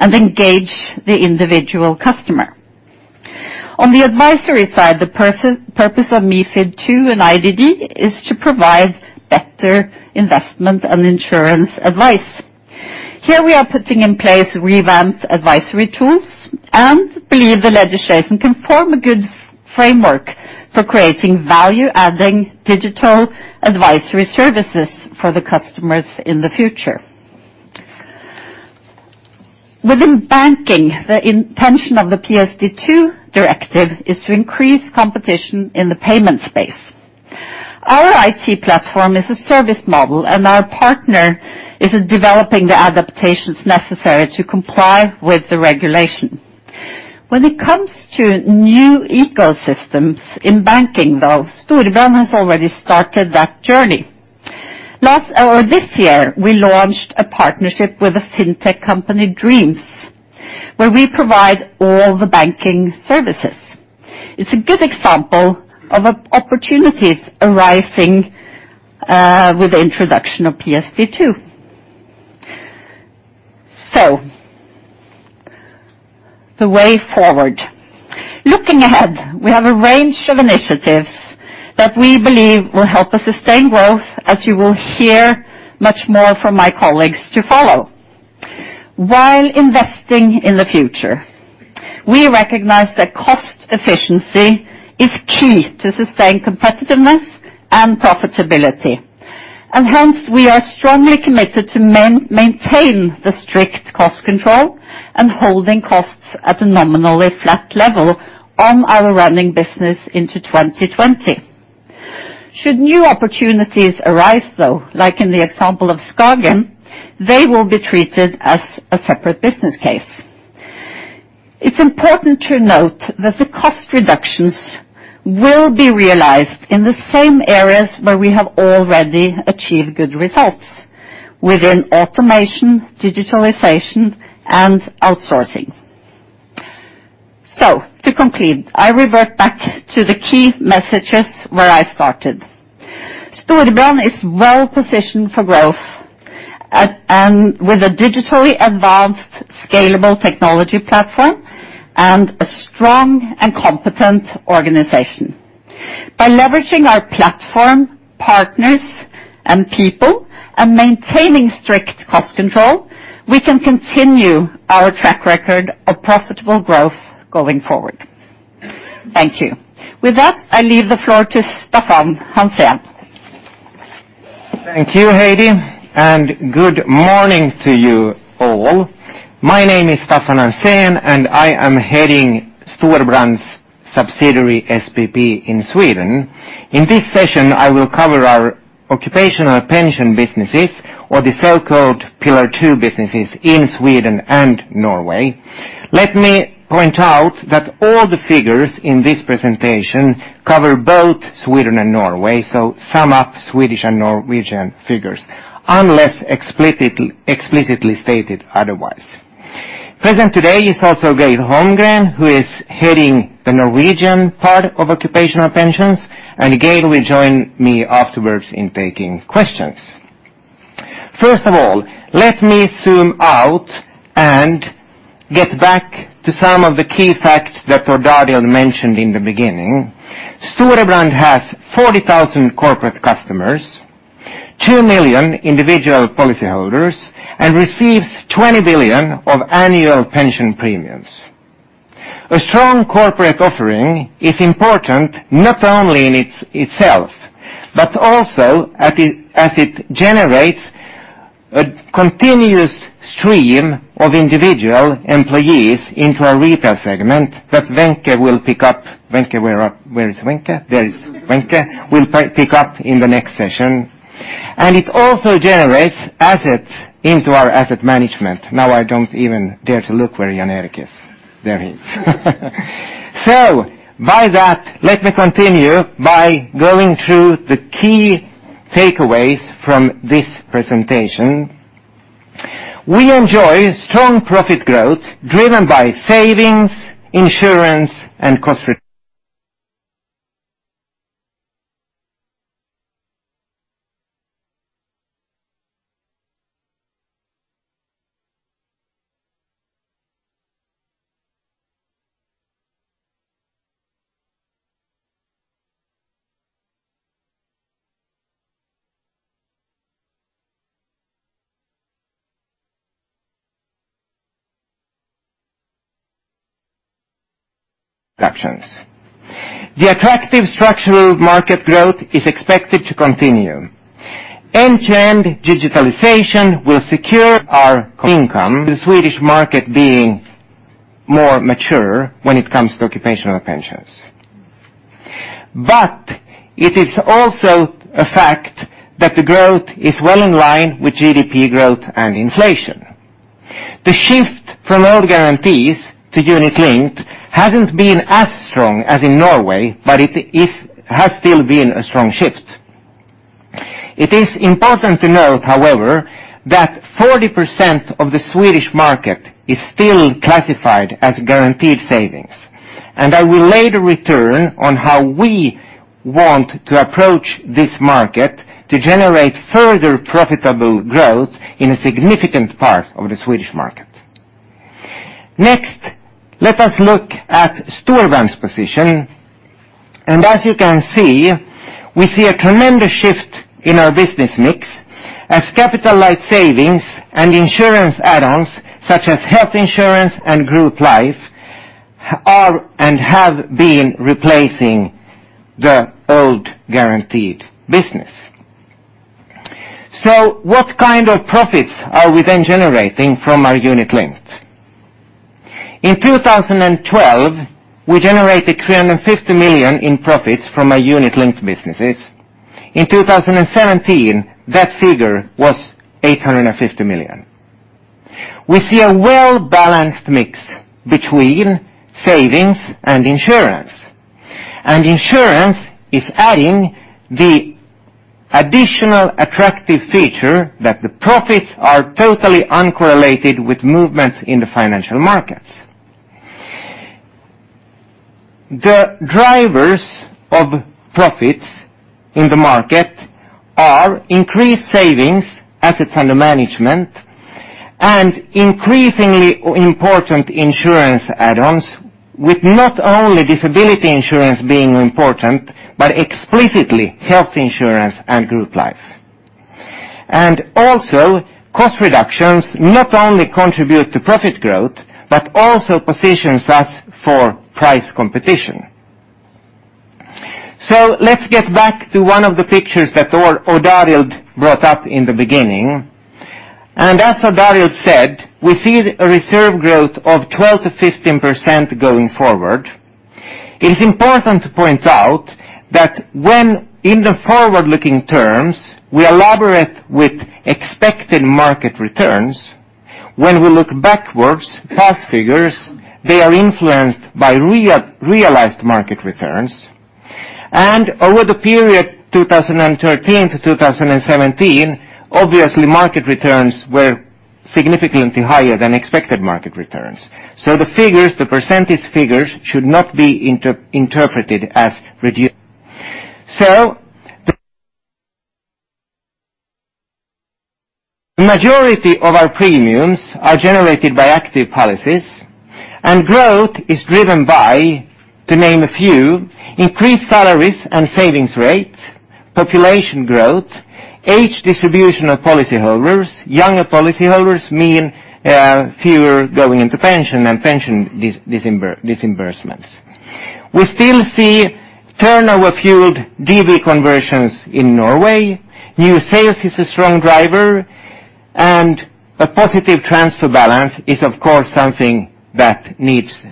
and engage the individual customer. On the advisory side, the purpose of MiFID II and IDD is to provide better investment and insurance advice. Here, we are putting in place revamped advisory tools, and believe the legislation can form a good framework for creating value-adding digital advisory services for the customers in the future. Within banking, the intention of the PSD2 directive is to increase competition in the payment space. Our IT platform is a service model, and our partner is developing the adaptations necessary to comply with the regulation. When it comes to new ecosystems in banking, though, Storebrand has already started that journey. Last year or this year, we launched a partnership with a fintech company, Dreams, where we provide all the banking services. It's a good example of opportunities arising with the introduction of PSD2. So, the way forward. Looking ahead, we have a range of initiatives that we believe will help us sustain growth, as you will hear much more from my colleagues to follow. While investing in the future, we recognize that cost efficiency is key to sustaining competitiveness and profitability. Hence, we are strongly committed to maintain the strict cost control, and holding costs at a nominally flat level on our running business into 2020. Should new opportunities arise, though, like in the example of SKAGEN, they will be treated as a separate business case. It's important to note that the cost reductions will be realized in the same areas where we have already achieved good results, within automation, digitalization, and outsourcing. So, to conclude, I revert back to the key messages where I started. Storebrand is well positioned for growth and with a digitally advanced, scalable technology platform, and a strong and competent organization. By leveraging our platform, partners, and people, and maintaining strict cost control, we can continue our track record of profitable growth going forward. Thank you. With that, I leave the floor to Staffan Hansén. Thank you, Heidi, and good morning to you all. My name is Staffan Hansén, and I am heading Storebrand's subsidiary, SPP, in Sweden. In this session, I will cover our occupational pension businesses or the so-called Pillar 2 businesses in Sweden and Norway. Let me point out that all the figures in this presentation cover both Sweden and Norway, so sum up Swedish and Norwegian figures, unless explicitly, explicitly stated otherwise. Present today is also Geir Holmgren, who is heading the Norwegian part of occupational pensions, and Geir will join me afterwards in taking questions. First of all, let me zoom out and get back to some of the key facts that Odd Arild mentioned in the beginning. Storebrand has 40,000 corporate customers, two million individual policyholders, and receives 20 billion of annual pension premiums. A strong corporate offering is important, not only in itself, but also as it, as it generates a continuous stream of individual employees into our retail segment that Wenche will pick up. Wenche, where are—where is Wenche? There is Wenche, will pick up in the next session. And it also generates assets into our asset management. Now, I don't even dare to look where Jan Erik is. There he is. So by that, let me continue by going through the key takeaways from this presentation. We enjoy strong profit growth, driven by savings, insurance, and cost reductions. The attractive structural market growth is expected to continue. End-to-end digitalization will secure our income, the Swedish market being more mature when it comes to occupational pensions. But it is also a fact that the growth is well in line with GDP growth and inflation. The shift from old guarantees to unit-linked hasn't been as strong as in Norway, but it has still been a strong shift. It is important to note, however, that 40% of the Swedish market is still classified as guaranteed savings, and I will later return on how we want to approach this market to generate further profitable growth in a significant part of the Swedish market. Next, let us look at Storebrand's position. As you can see, we see a tremendous shift in our business mix as capital-light savings and insurance add-ons, such as health insurance and group life, are and have been replacing the old guaranteed business. So what kind of profits are we then generating from our unit-linked? In 2012, we generated 350 million in profits from our unit-linked businesses. In 2017, that figure was 850 million. We see a well-balanced mix between savings and insurance, and insurance is adding the additional attractive feature that the profits are totally uncorrelated with movements in the financial markets. The drivers of profits in the market are increased savings, assets under management, and increasingly important insurance add-ons, with not only disability insurance being important, but explicitly, health insurance and group life. And also, cost reductions not only contribute to profit growth, but also positions us for price competition. So let's get back to one of the pictures that Odd Arild brought up in the beginning. And as Odd Arild said, we see a reserve growth of 12%-15% going forward. It is important to point out that when in the forward-looking terms, we elaborate with expected market returns, when we look backwards, past figures, they are influenced by realized market returns. Over the period 2013 to 2017, obviously, market returns were significantly higher than expected market returns. The figures, the percentage figures, should not be interpreted as reduced. The majority of our premiums are generated by active policies, and growth is driven by, to name a few, increased salaries and savings rates. Population growth, age distribution of policyholders, younger policyholders mean fewer going into pension and pension disbursements. We still see turnover-fueled DB conversions in Norway, new sales is a strong driver, and a positive transfer balance is, of course, something that needs,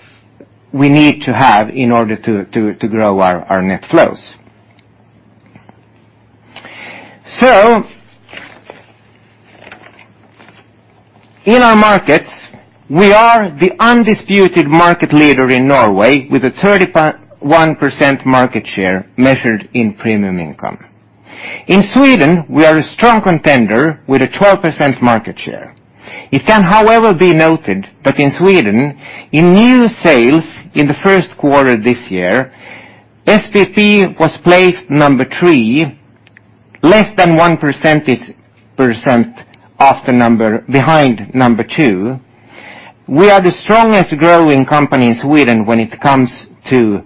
we need to have in order to grow our net flows. So, in our markets, we are the undisputed market leader in Norway, with a 31% market share measured in premium income. In Sweden, we are a strong contender with a 12% market share. It can, however, be noted that in Sweden, in new sales in the first quarter this year, SPP was placed number three, less than 1 percentage point behind number two. We are the strongest growing company in Sweden when it comes to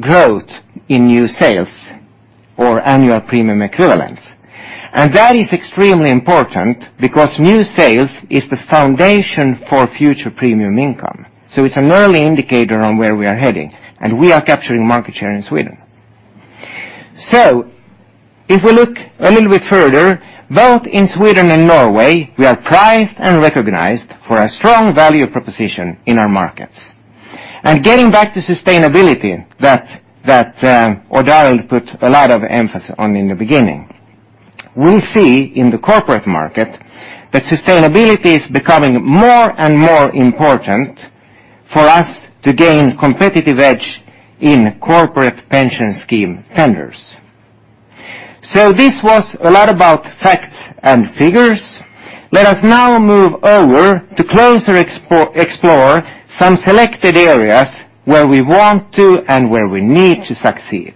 growth in new sales or annual premium equivalents. And that is extremely important because new sales is the foundation for future premium income. So it's an early indicator on where we are heading, and we are capturing market share in Sweden. So if we look a little bit further, both in Sweden and Norway, we are prized and recognized for a strong value proposition in our markets. Getting back to sustainability, that Odd Arild put a lot of emphasis on in the beginning. We see in the corporate market that sustainability is becoming more and more important for us to gain competitive edge in corporate pension scheme tenders. This was a lot about facts and figures. Let us now move over to explore some selected areas where we want to and where we need to succeed.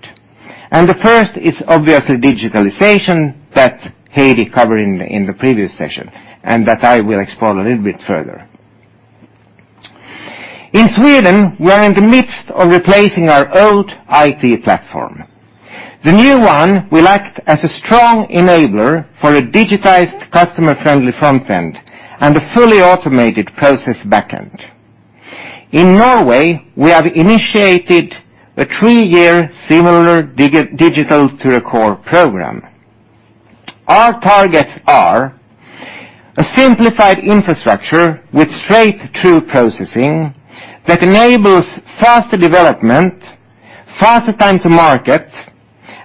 The first is obviously digitization, that Heidi covered in the previous session, and that I will explore a little bit further. In Sweden, we are in the midst of replacing our old IT platform. The new one will act as a strong enabler for a digitized, customer-friendly front end and a fully automated process back end. In Norway, we have initiated a three-year similar Digital to the Core program. Our targets are a simplified infrastructure with straight-through processing that enables faster development, faster time to market,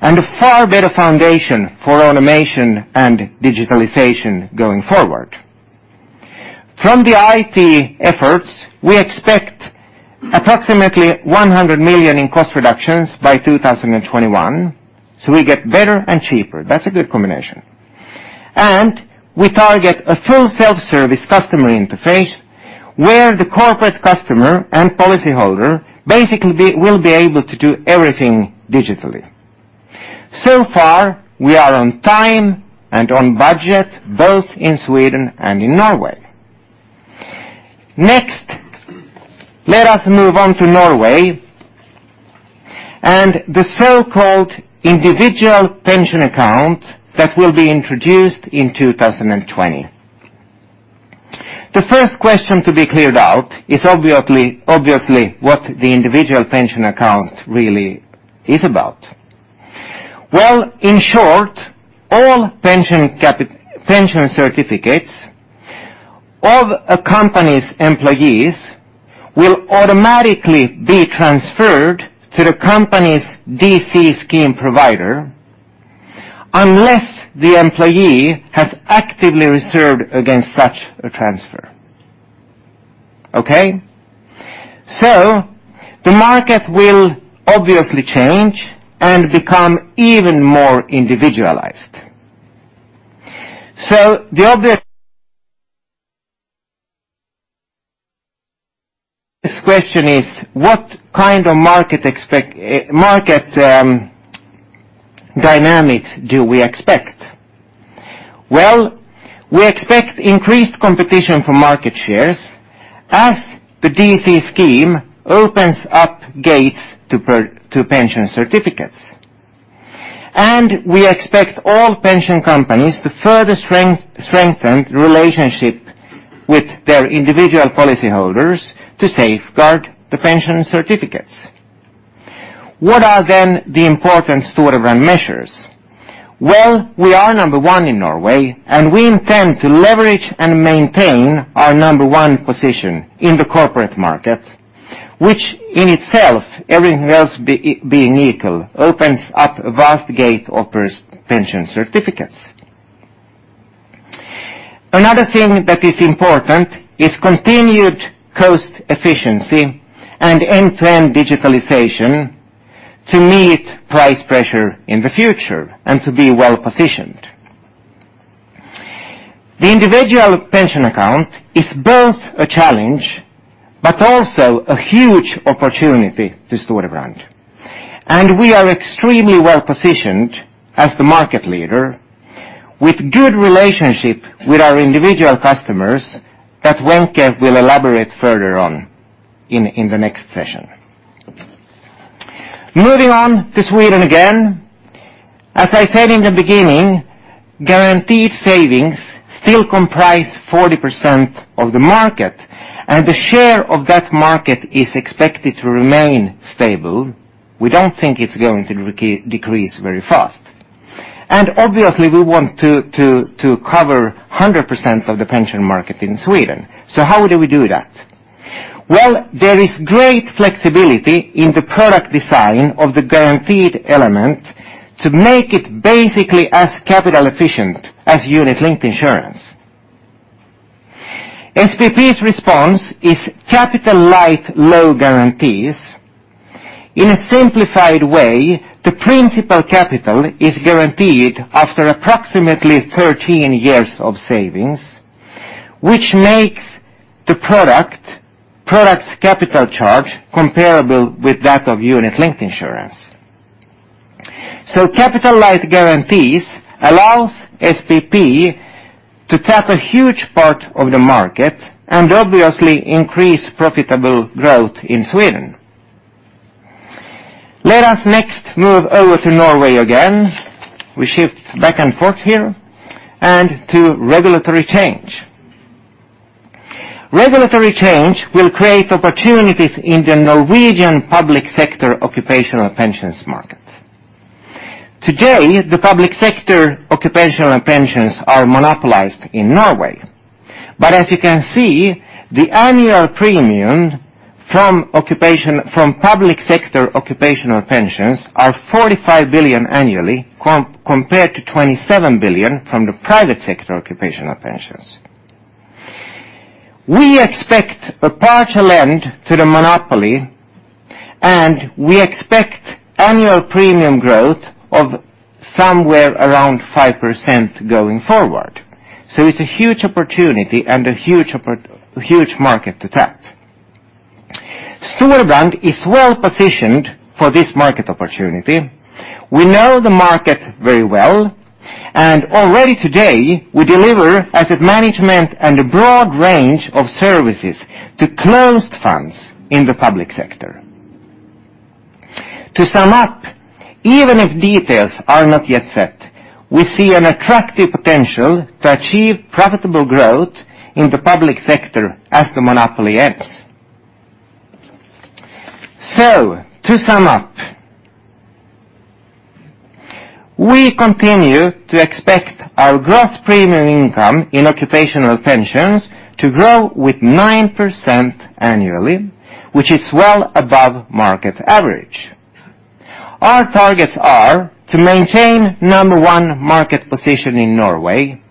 and a far better foundation for automation and digitalization going forward. From the IT efforts, we expect approximately 100 million in cost reductions by 2021, so we get better and cheaper. That's a good combination. We target a full self-service customer interface, where the corporate customer and policyholder will be able to do everything digitally. So far, we are on time and on budget, both in Sweden and in Norway. Next, let us move on to Norway and the so-called individual pension account that will be introduced in 2020. The first question to be cleared out is obviously, obviously, what the individual pension account really is about. Well, in short, all pension certificates of a company's employees will automatically be transferred to the company's DC scheme provider, unless the employee has actively reserved against such a transfer. Okay? So the market will obviously change and become even more individualized. So the obvious question is, what kind of market dynamics do we expect? Well, we expect increased competition for market shares as the DC scheme opens up gates to pension certificates. And we expect all pension companies to further strengthen the relationship with their individual policyholders to safeguard the pension certificates. What are then the important Storebrand measures? Well, we are number one in Norway, and we intend to leverage and maintain our number one position in the corporate market, which in itself, everything else being equal, opens up a vast gate of pension certificates. Another thing that is important is continued cost efficiency and end-to-end digitalization to meet price pressure in the future and to be well-positioned. The individual pension account is both a challenge, but also a huge opportunity to Storebrand, and we are extremely well-positioned as the market leader. With good relationship with our individual customers, that Wenche will elaborate further on in the next session. Moving on to Sweden again, as I said in the beginning, guaranteed savings still comprise 40% of the market, and the share of that market is expected to remain stable. We don't think it's going to decrease very fast. And obviously, we want to cover 100% of the pension market in Sweden. So how do we do that? Well, there is great flexibility in the product design of the guaranteed element to make it basically as capital efficient as unit-linked insurance. SPP's response is capital-light low guarantees. In a simplified way, the principal capital is guaranteed after approximately 13 years of savings, which makes the product, product's capital charge comparable with that of unit-linked insurance. So capital-light guarantees allows SPP to tap a huge part of the market and obviously increase profitable growth in Sweden. Let us next move over to Norway again. We shift back and forth here, and to regulatory change. Regulatory change will create opportunities in the Norwegian public sector occupational pensions market. Today, the public sector occupational pensions are monopolized in Norway. But as you can see, the annual premium from public sector occupational pensions are 45 billion annually, compared to 27 billion from the private sector occupational pensions. We expect a partial end to the monopoly, and we expect annual premium growth of somewhere around 5% going forward. So it's a huge opportunity and a huge market to tap. Storebrand is well positioned for this market opportunity. We know the market very well, and already today, we deliver asset management and a broad range of services to closed funds in the public sector. To sum up, even if details are not yet set, we see an attractive potential to achieve profitable growth in the public sector as the monopoly ends. So to sum up, we continue to expect our gross premium income in occupational pensions to grow with 9% annually, which is well above market average. Our targets are to maintain number one market position in Norway,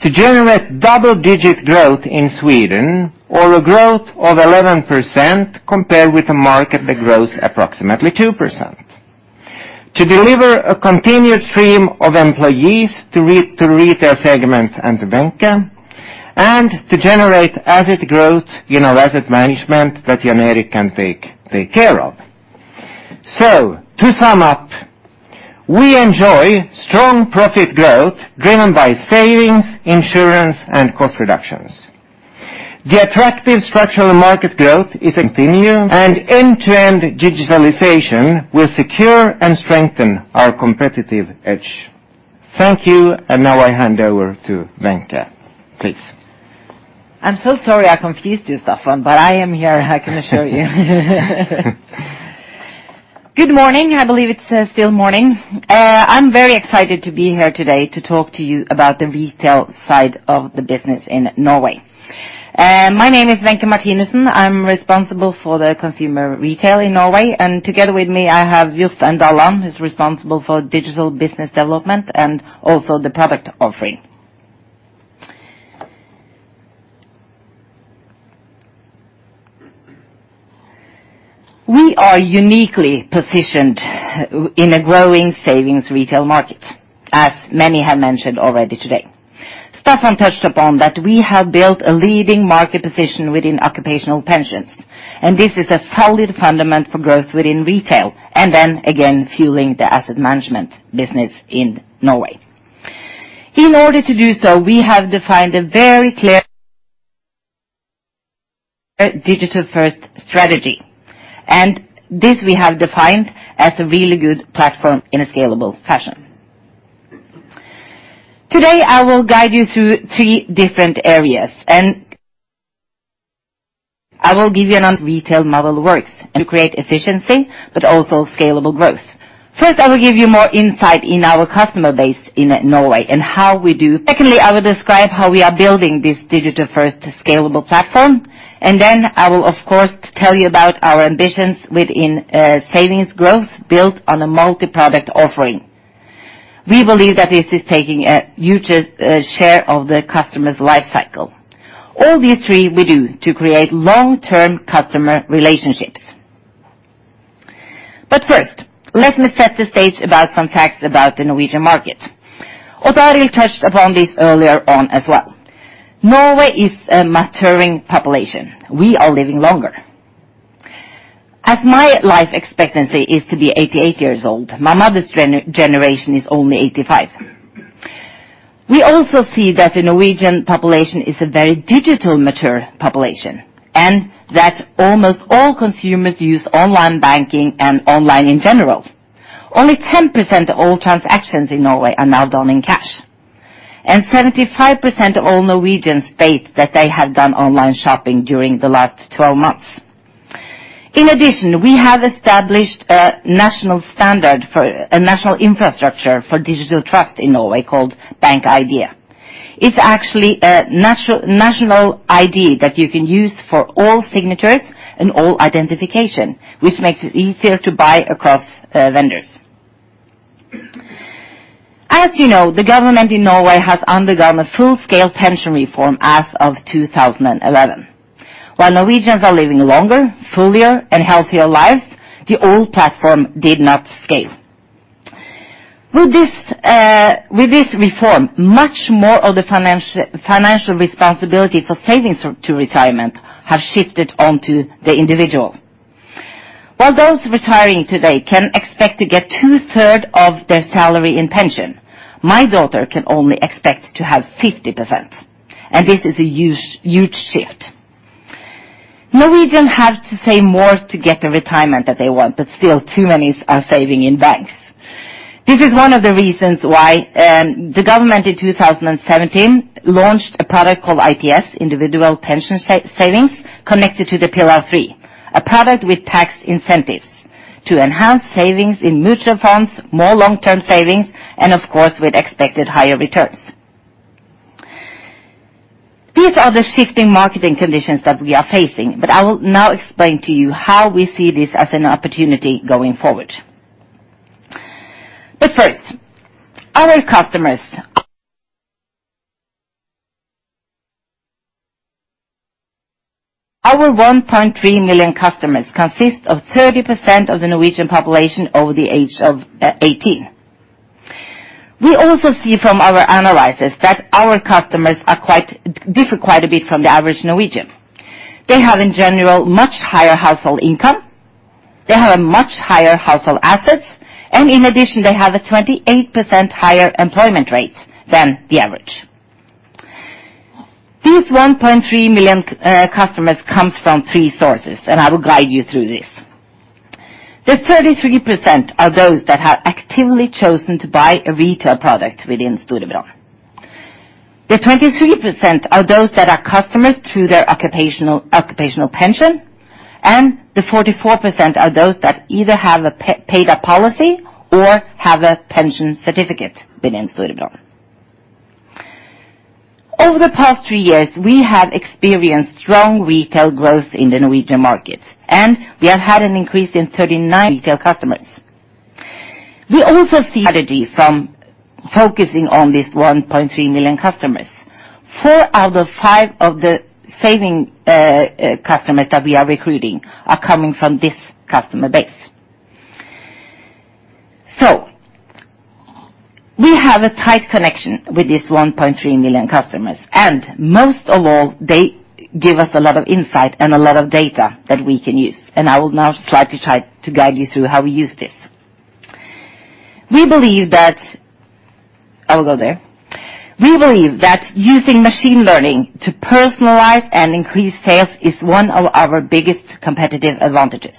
to generate double-digit growth in Sweden, or a growth of 11% compared with a market that grows approximately 2%. To deliver a continued stream of employees to retail segments and to Wenche, and to generate asset growth in our asset management that Jan Erik can take care of. So to sum up, we enjoy strong profit growth driven by savings, insurance, and cost reductions. The attractive structural market growth is continue, and end-to-end digitalization will secure and strengthen our competitive edge. Thank you, and now I hand over to Wenche. Please. I'm so sorry I confused you, Staffan, but I am here. I can assure you. Good morning. I believe it's still morning. I'm very excited to be here today to talk to you about the retail side of the business in Norway. My name is Wenche Martinussen. I'm responsible for the consumer retail in Norway, and together with me, I have Jostein Dalland, who's responsible for digital business development and also the product offering. We are uniquely positioned in a growing savings retail market, as many have mentioned already today. Staffan touched upon that we have built a leading market position within occupational pensions, and this is a solid fundament for growth within retail, and then again, fueling the asset management business in Norway. In order to do so, we have defined a very clear digital-first strategy, and this we have defined as a really good platform in a scalable fashion. Today, I will guide you through three different areas, and I will give you an understanding of how our retail model works and create efficiency, but also scalable growth. First, I will give you more insight in our customer base in Norway and how we do... Secondly, I will describe how we are building this digital-first scalable platform, and then I will, of course, tell you about our ambitions within, savings growth built on a multi-product offering. We believe that this is taking a huge, share of the customer's life cycle. All these three we do to create long-term customer relationships. But first, let me set the stage about some facts about the Norwegian market. Odd Arild touched upon this earlier on as well. Norway is a maturing population. We are living longer. As my life expectancy is to be 88 years old, my mother's generation is only 85. We also see that the Norwegian population is a very digital, mature population, and that almost all consumers use online banking and online in general. Only 10% of all transactions in Norway are now done in cash, and 75% of all Norwegians state that they have done online shopping during the last 12 months. In addition, we have established a national standard for a national infrastructure for digital trust in Norway called BankID. It's actually a national ID that you can use for all signatures and all identification, which makes it easier to buy across vendors. As you know, the government in Norway has undergone a full-scale pension reform as of 2011. While Norwegians are living longer, fuller, and healthier lives, the old platform did not scale. With this reform, much more of the financial responsibility for savings to retirement have shifted onto the individual. While those retiring today can expect to get 2/3 of their salary in pension, my daughter can only expect to have 50%, and this is a huge, huge shift. Norwegians have to save more to get the retirement that they want, but still too many are saving in banks. This is one of the reasons why the government in 2017 launched a product called IPS, Individual Pension Savings, connected to the Pillar 3. A product with tax incentives to enhance savings in mutual funds, more long-term savings, and of course, with expected higher returns. These are the shifting marketing conditions that we are facing, but I will now explain to you how we see this as an opportunity going forward. But first, our customers. Our 1.3 million customers consist of 30% of the Norwegian population over the age of 18. We also see from our analysis that our customers differ quite a bit from the average Norwegian. They have, in general, much higher household income, they have a much higher household assets, and in addition, they have a 28% higher employment rate than the average. These 1.3 million customers come from three sources, and I will guide you through this. The 33% are those that have actively chosen to buy a retail product within Storebrand. The 23% are those that are customers through their occupational pension, and the 44% are those that either have a paid-up policy or have a pension certificate within Storebrand. Over the past three years, we have experienced strong retail growth in the Norwegian market, and we have had an increase in 39% retail customers. We also see strategy from focusing on these 1.3 million customers. Four out of five of the saving customers that we are recruiting are coming from this customer base. So we have a tight connection with these 1.3 million customers, and most of all, they give us a lot of insight and a lot of data that we can use, and I will now try to guide you through how we use this. We believe that... I will go there. We believe that using machine learning to personalize and increase sales is one of our biggest competitive advantages.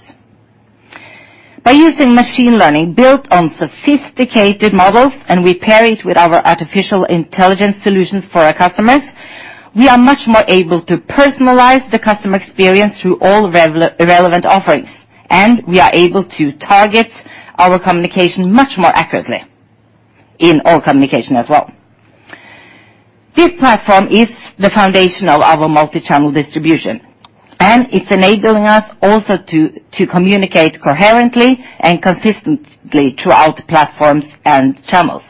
By using machine learning built on sophisticated models, and we pair it with our artificial intelligence solutions for our customers, we are much more able to personalize the customer experience through all relevant offerings, and we are able to target our communication much more accurately in all communication as well. This platform is the foundation of our multi-channel distribution, and it's enabling us also to communicate coherently and consistently throughout platforms and channels.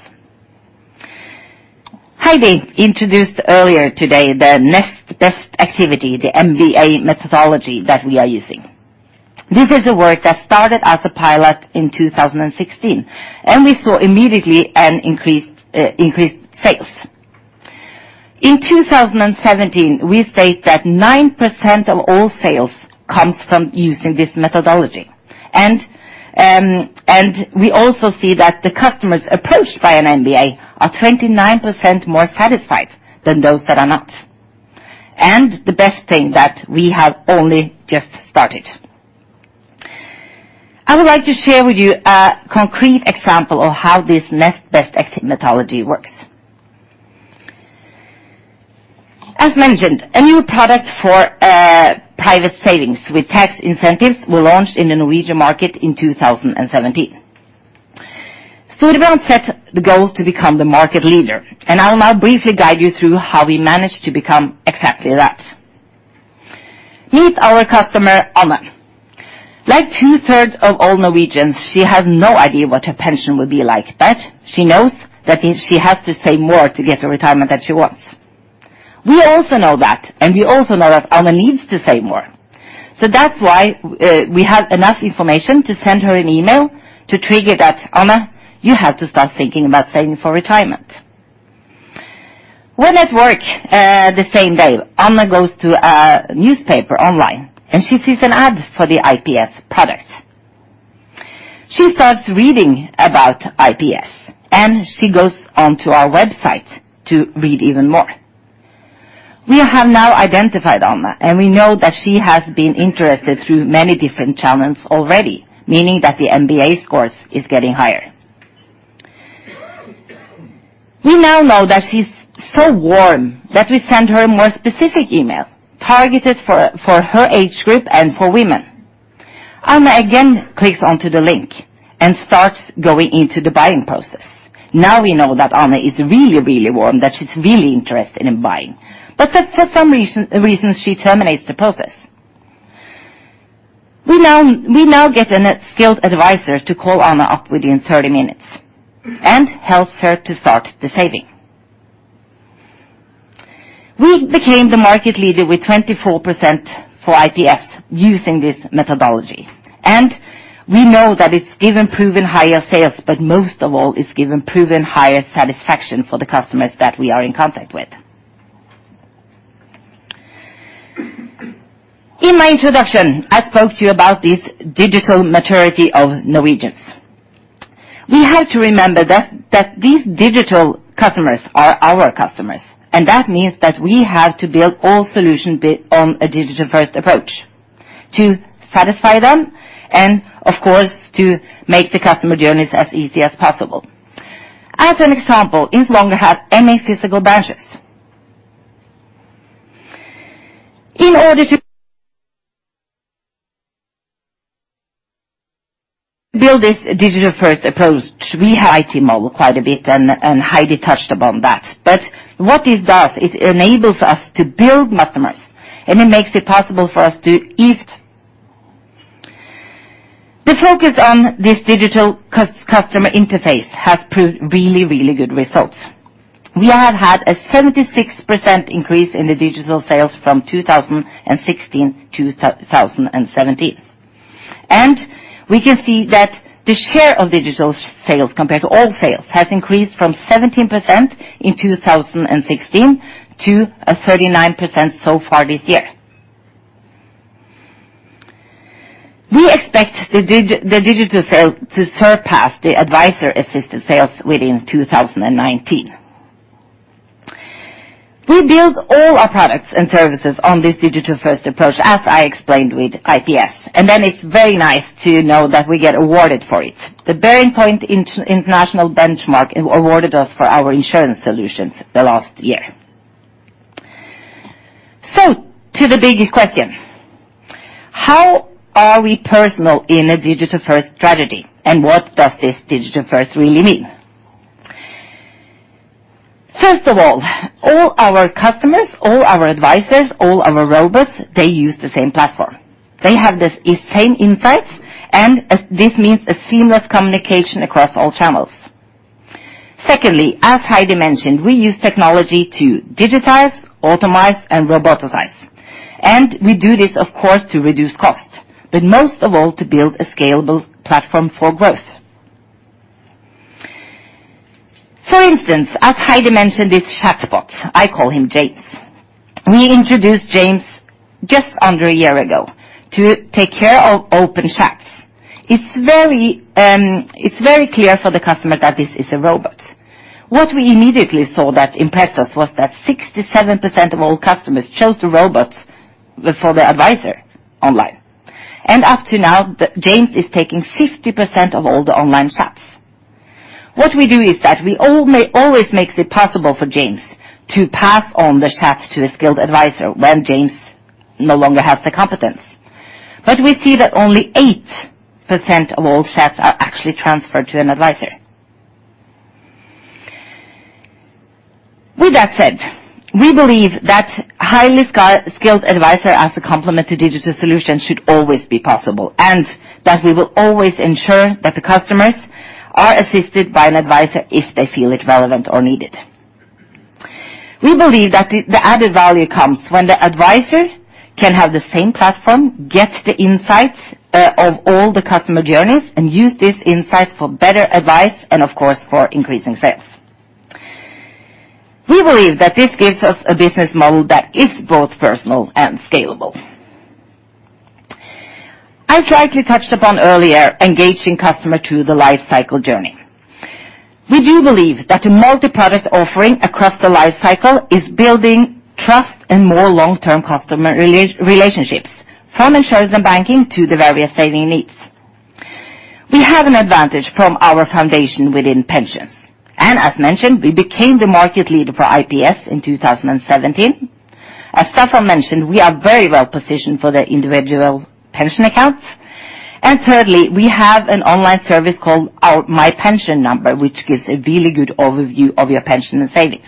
Heidi introduced earlier today the next best activity, the NBA methodology that we are using. This is a work that started as a pilot in 2016, and we saw immediately an increased sales. In 2017, we state that 9% of all sales comes from using this methodology. We also see that the customers approached by an NBA are 29% more satisfied than those that are not. The best thing that we have only just started. I would like to share with you a concrete example of how this next best methodology works. As mentioned, a new product for private savings with tax incentives were launched in the Norwegian market in 2017. Storebrand set the goal to become the market leader, and I will now briefly guide you through how we managed to become exactly that. Meet our customer, Anna. Like 2/3 of all Norwegians, she has no idea what her pension would be like, but she knows that she has to save more to get the retirement that she wants. We also know that, and we also know that Anna needs to save more. So that's why we have enough information to send her an email to trigger that, "Anna, you have to start thinking about saving for retirement." When at work the same day, Anna goes to a newspaper online, and she sees an ad for the IPS products. She starts reading about IPS, and she goes onto our website to read even more. We have now identified Anna, and we know that she has been interested through many different channels already, meaning that the NBA scores is getting higher. We now know that she's so warm that we send her a more specific email, targeted for her age group and for women. Anna again clicks onto the link and starts going into the buying process. Now we know that Anna is really, really warm, that she's really interested in buying. But for some reason she terminates the process. We now get a net-skilled advisor to call Anna up within 30 minutes, and helps her to start the saving. We became the market leader with 24% for IPS using this methodology. We know that it's given proven higher sales, but most of all, it's given proven higher satisfaction for the customers that we are in contact with. In my introduction, I spoke to you about this digital maturity of Norwegians. We have to remember that these digital customers are our customers, and that means that we have to build all solutions built on a digital-first approach to satisfy them and, of course, to make the customer journeys as easy as possible. As an example, we no longer have any physical branches. In order to build this digital-first approach, we have invested quite a bit, and Heidi touched upon that. But what it does, it enables us to build customers, and it makes it possible for us to ease... The focus on this digital customer interface has proved really, really good results. We have had a 76% increase in the digital sales from 2016 to 2017. And we can see that the share of digital sales, compared to all sales, has increased from 17% in 2016 to a 39% so far this year. We expect the digital sale to surpass the advisor-assisted sales within 2019. We build all our products and services on this digital-first approach, as I explained with IPS, and then it's very nice to know that we get awarded for it. The BearingPoint International Benchmark awarded us for our insurance solutions the last year. To the biggest question: How are we personal in a digital-first strategy, and what does this digital first really mean? First of all, all our customers, all our advisors, all our robots, they use the same platform. They have the same insights, and this means a seamless communication across all channels. Secondly, as Heidi mentioned, we use technology to digitize, automate, and robotize. And we do this, of course, to reduce costs, but most of all, to build a scalable platform for growth. For instance, as Heidi mentioned, this chatbot, I call him James. We introduced James just under a year ago to take care of open chats. It's very, it's very clear for the customer that this is a robot. What we immediately saw that impressed us was that 67% of all customers chose the robot before the advisor online. Up to now, James is taking 50% of all the online chats. What we do is that we always makes it possible for James to pass on the chats to a skilled advisor when James no longer has the competence. But we see that only 8% of all chats are actually transferred to an advisor. With that said, we believe that highly skilled advisor as a complement to digital solutions should always be possible, and that we will always ensure that the customers are assisted by an advisor if they feel it relevant or needed. We believe that the added value comes when the advisor can have the same platform, get the insights of all the customer journeys, and use these insights for better advice and, of course, for increasing sales. We believe that this gives us a business model that is both personal and scalable. I slightly touched upon earlier, engaging customer through the life cycle journey. We do believe that a multi-product offering across the life cycle is building trust and more long-term customer relationships, from insurance and banking to the various saving needs. We have an advantage from our foundation within pensions, and as mentioned, we became the market leader for IPS in 2017. As Staffan mentioned, we are very well positioned for the individual pension accounts. And thirdly, we have an online service called My Pension Number, which gives a really good overview of your pension and savings.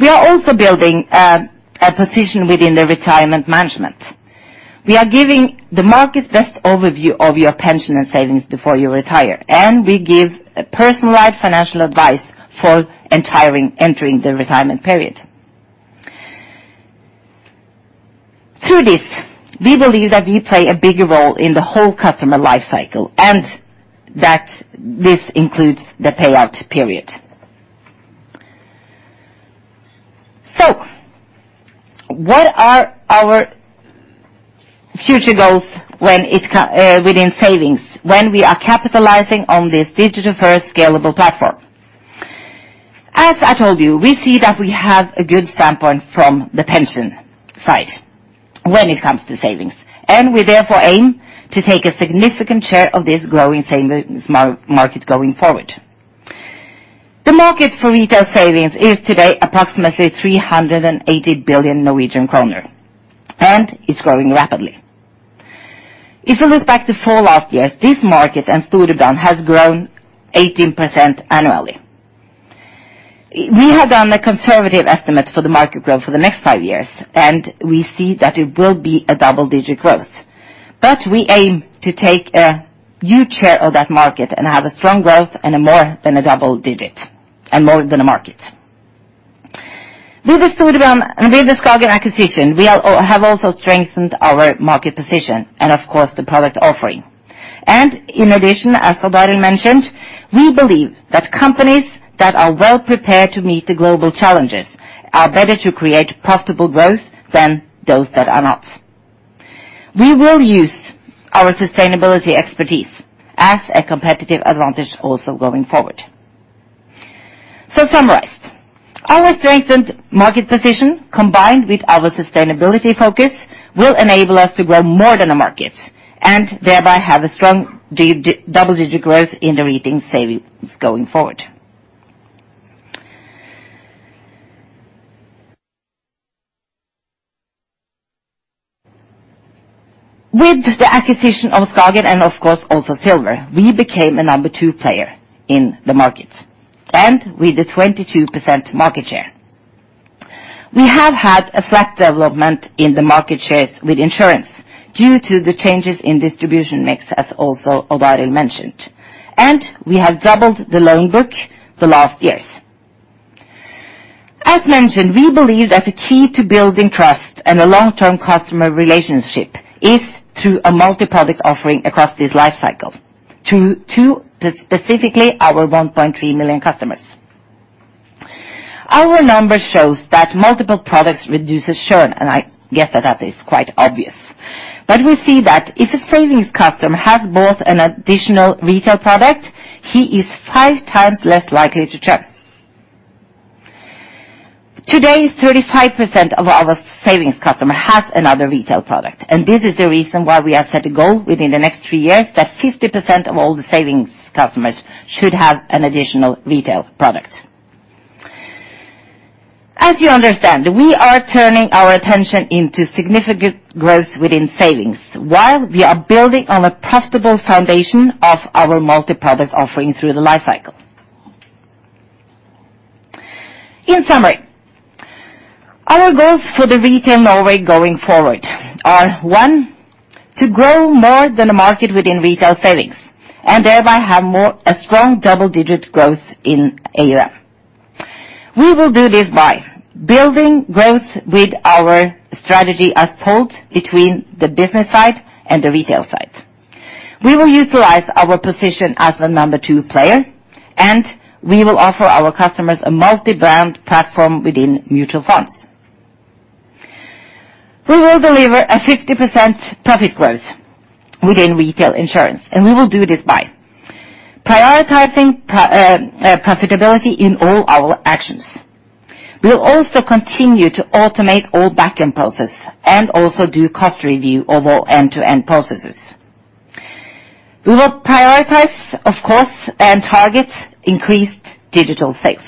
We are also building a position within the retirement management. We are giving the market best overview of your pension and savings before you retire, and we give a personalized financial advice for retiring, entering the retirement period. Through this, we believe that we play a bigger role in the whole customer life cycle, and that this includes the payout period. What are our future goals within savings, when we are capitalizing on this digital first scalable platform? As I told you, we see that we have a good standpoint from the pension side when it comes to savings, and we therefore aim to take a significant share of this growing savings market going forward. The market for retail savings is today approximately 380 billion Norwegian kroner, and it's growing rapidly. If you look back to the last four years, this market and Storebrand has grown 18% annually. We have done a conservative estimate for the market growth for the next five years, and we see that it will be a double-digit growth. But we aim to take a huge share of that market and have a strong growth and a more than a double digit, and more than a market. With the Storebrand, and with the SKAGEN acquisition, we have also strengthened our market position and, of course, the product offering. In addition, as Odd Arild mentioned, we believe that companies that are well prepared to meet the global challenges are better to create profitable growth than those that are not. We will use our sustainability expertise as a competitive advantage also going forward. So summarized, our strengthened market position, combined with our sustainability focus, will enable us to grow more than the markets, and thereby have a strong double-digit growth in the retail savings going forward. With the acquisition of SKAGEN, and of course, also Silver, we became a number two player in the market, and with a 22% market share. We have had a flat development in the market shares with insurance due to the changes in distribution mix, as also Odd Arild mentioned, and we have doubled the loan book the last years. As mentioned, we believe that the key to building trust and a long-term customer relationship is through a multi-product offering across this life cycle to specifically our 1.3 million customers. Our numbers shows that multiple products reduces churn, and I guess that is quite obvious. But we see that if a savings customer has bought an additional retail product, he is 5x less likely to churn. Today, 35% of our savings customer has another retail product, and this is the reason why we have set a goal within the next three years that 50% of all the savings customers should have an additional retail product. As you understand, we are turning our attention into significant growth within savings, while we are building on a profitable foundation of our multi-product offering through the life cycle. In summary, our goals for the Retail Norway going forward are, one, to grow more than a market within retail savings, and thereby have more, a strong double-digit growth in AUM. We will do this by building growth with our strategy as told between the business side and the retail side. We will utilize our position as the number two player, and we will offer our customers a multi-brand platform within mutual funds. We will deliver a 50% profit growth within retail insurance, and we will do this by prioritizing profitability in all our actions. We'll also continue to automate all back-end process and also do cost review of all end-to-end processes. We will prioritize, of course, and target increased digital sales.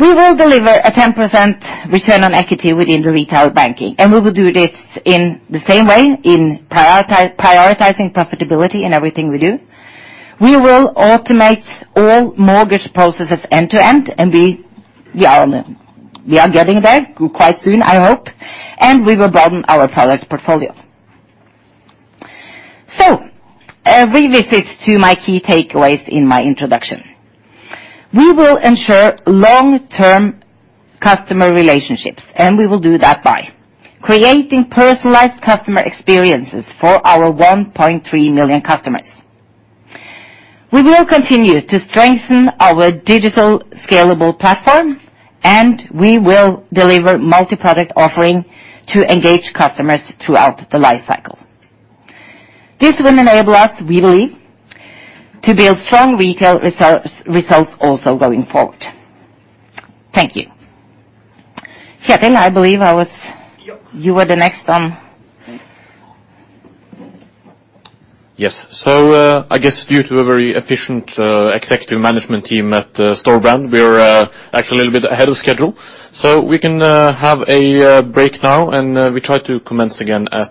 We will deliver a 10% return on equity within the retail banking, and we will do this in the same way, in prioritizing profitability in everything we do. We will automate all mortgage processes end to end, and we are getting there, quite soon, I hope, and we will broaden our product portfolio. So a revisit to my key takeaways in my introduction. We will ensure long-term customer relationships, and we will do that by creating personalized customer experiences for our 1.3 million customers. We will continue to strengthen our digital scalable platform, and we will deliver multi-product offering to engage customers throughout the life cycle. This will enable us, we believe, to build strong retail results also going forward. Thank you. Kjetil, I believe I was- Yep. You were the next on. Yes. I guess due to a very efficient executive management team at Storebrand, we are actually a little bit ahead of schedule. We can have a break now, and we try to commence again at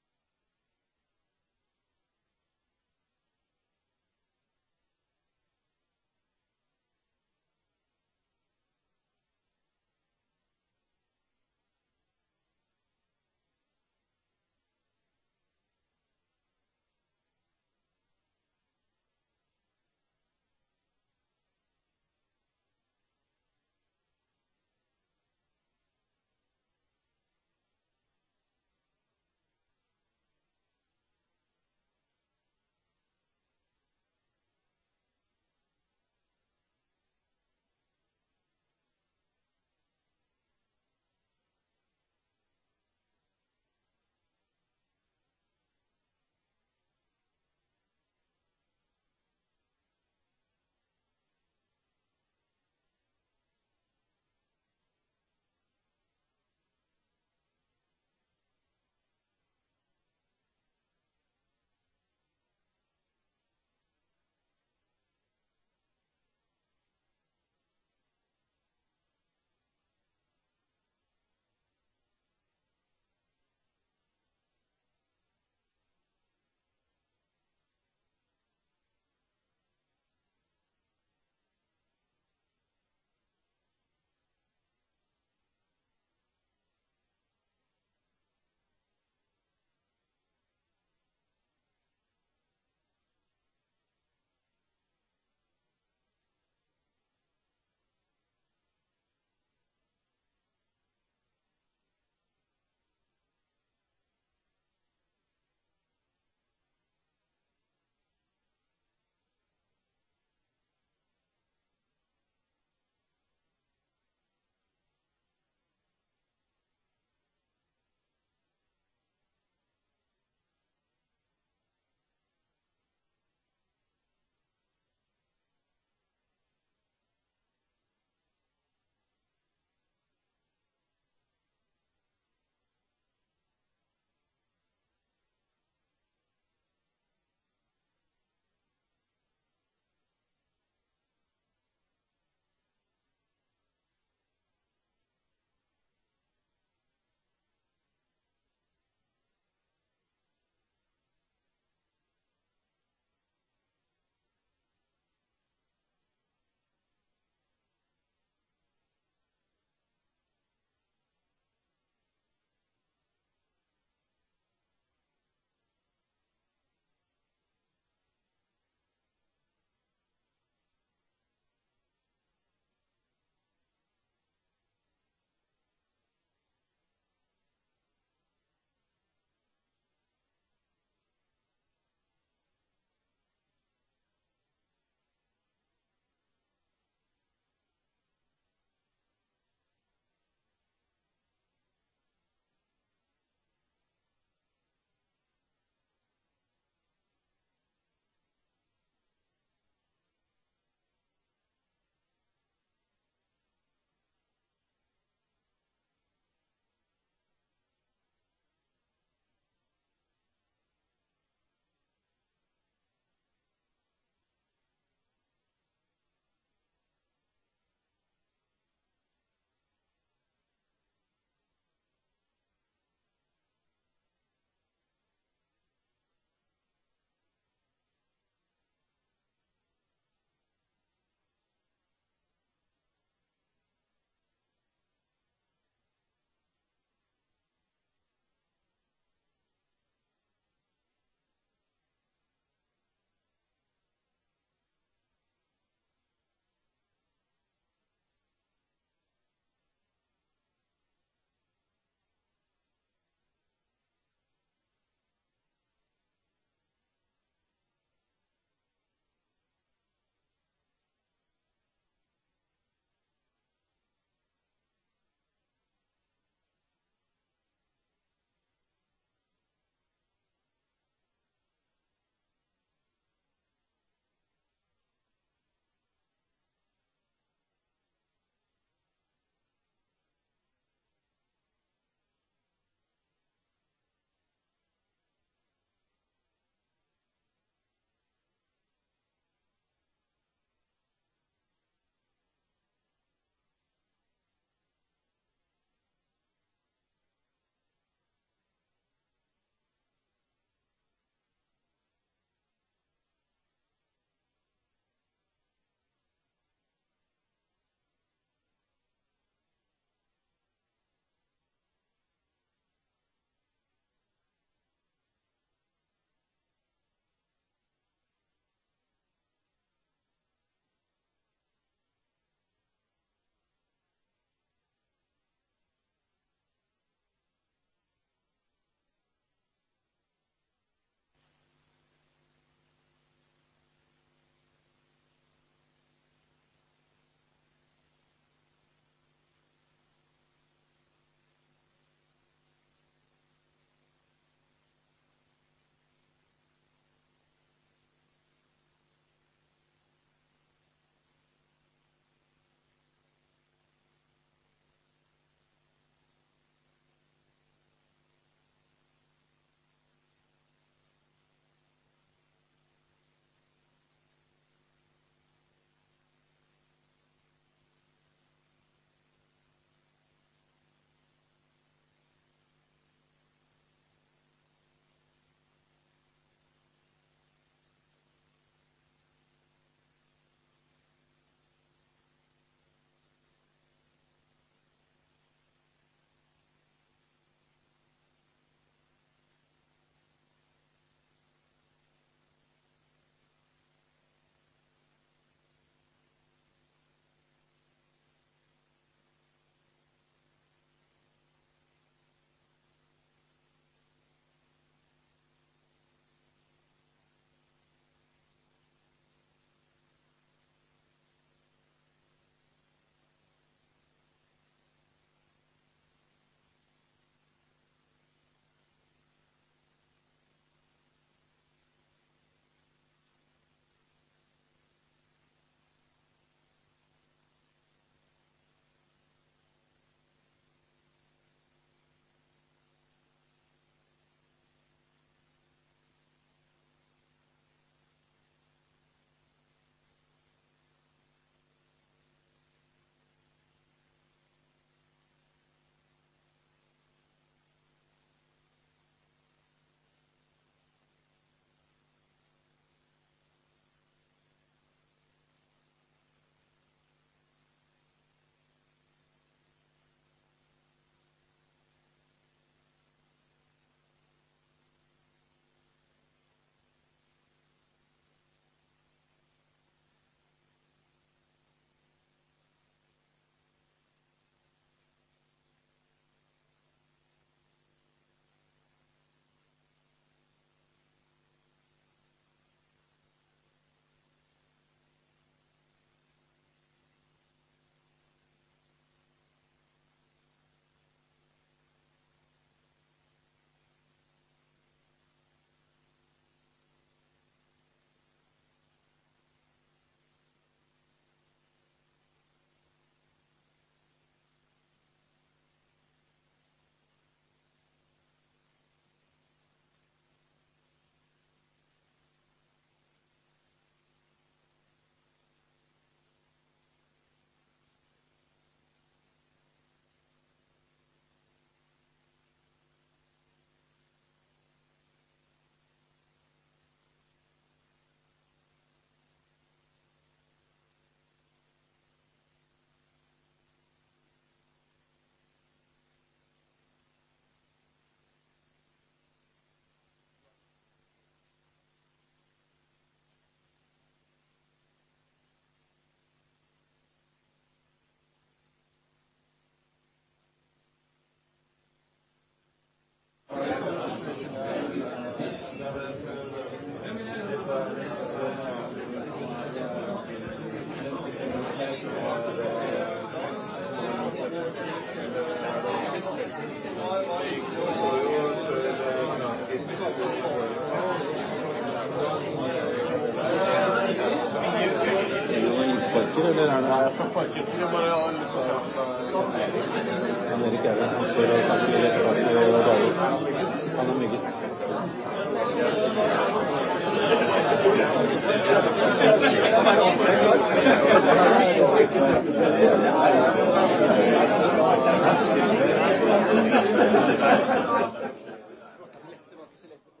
10:45 A.M.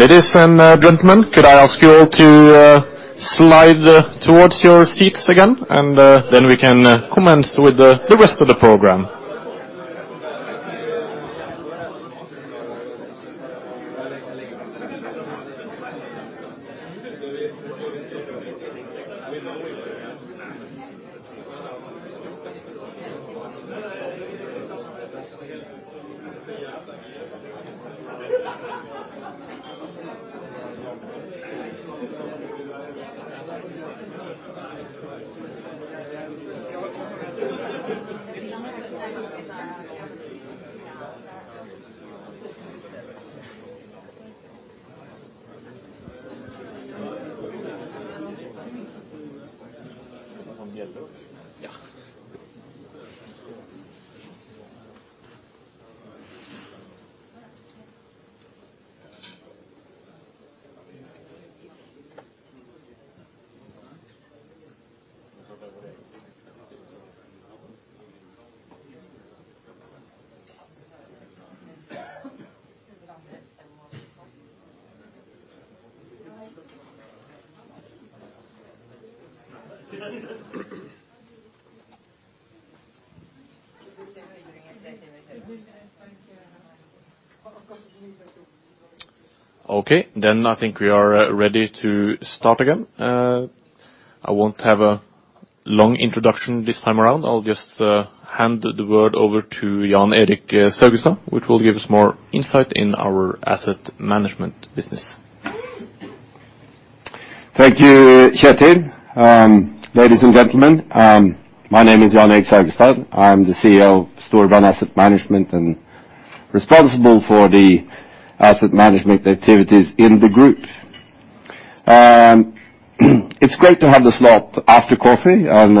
Ladies and gentlemen, could I ask you all to slide towards your seats again? And then we can commence with the rest of the program. Okay, then I think we are ready to start again. I won't have a long introduction this time around. I'll just hand the word over to Jan Erik Saugestad, who will give us more insight in our asset management business. Thank you, Kjetil. Ladies and gentlemen, my name is Jan Erik Saugestad. I'm the CEO of Storebrand Asset Management, and responsible for the asset management activities in the group. It's great to have the slot after coffee and,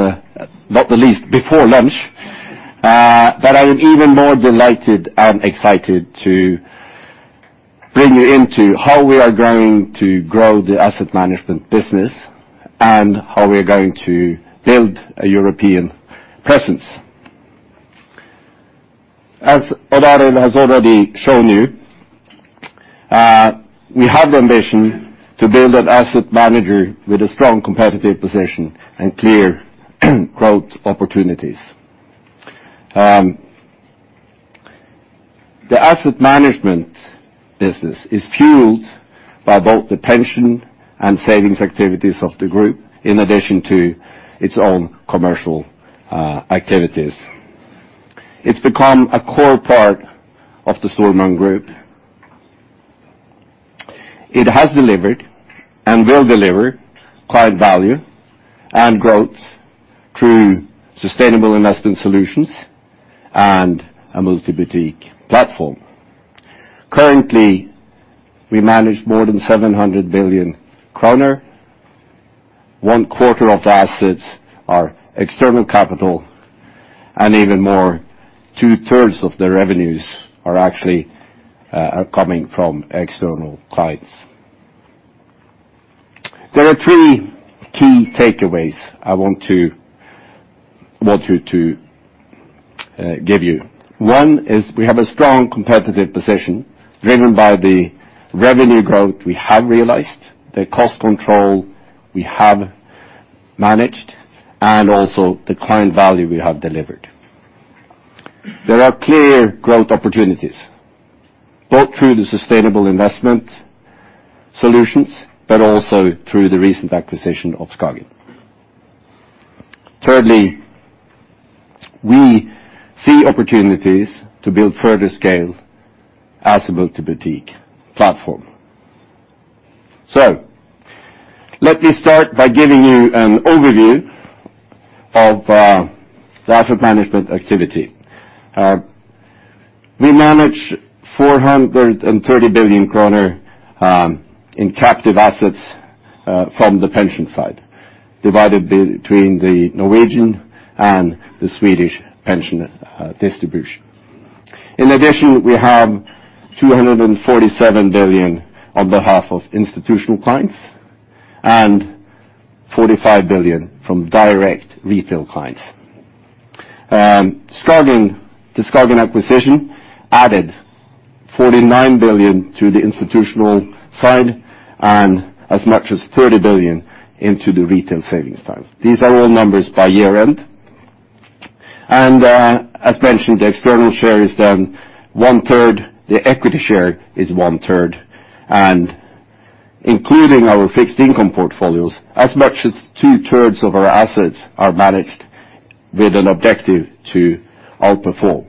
not the least, before lunch. But I am even more delighted and excited to bring you into how we are going to grow the asset management business, and how we are going to build a European presence. As Odd Arild has already shown you, we have the ambition to build an asset manager with a strong competitive position and clear growth opportunities. The asset management business is fueled by both the pension and savings activities of the group, in addition to its own commercial activities. It's become a core part of the Storebrand Group. It has delivered, and will deliver, client value and growth through sustainable investment solutions and a multi-boutique platform. Currently, we manage more than 700 billion kroner. One quarter of the assets are external capital, and even more, 2/3 of the revenues are actually, are coming from external clients. There are three key takeaways I want you to give you. One, is we have a strong competitive position, driven by the revenue growth we have realized, the cost control we have managed, and also the client value we have delivered. There are clear growth opportunities, both through the sustainable investment solutions, but also through the recent acquisition of SKAGEN. Thirdly, we see opportunities to build further scale as a multi-boutique platform. So let me start by giving you an overview of the asset management activity. We manage 430 billion kroner in captive assets from the pension side, divided between the Norwegian and the Swedish pension distribution. In addition, we have 247 billion on behalf of institutional clients, and 45 billion from direct retail clients. SKAGEN, the SKAGEN acquisition added 49 billion to the institutional side, and as much as 30 billion into the retail savings side. These are all numbers by year-end. As mentioned, the external share is then 1/3, the equity share is 1/3. Including our fixed income portfolios, as much as 2/3 of our assets are managed with an objective to outperform.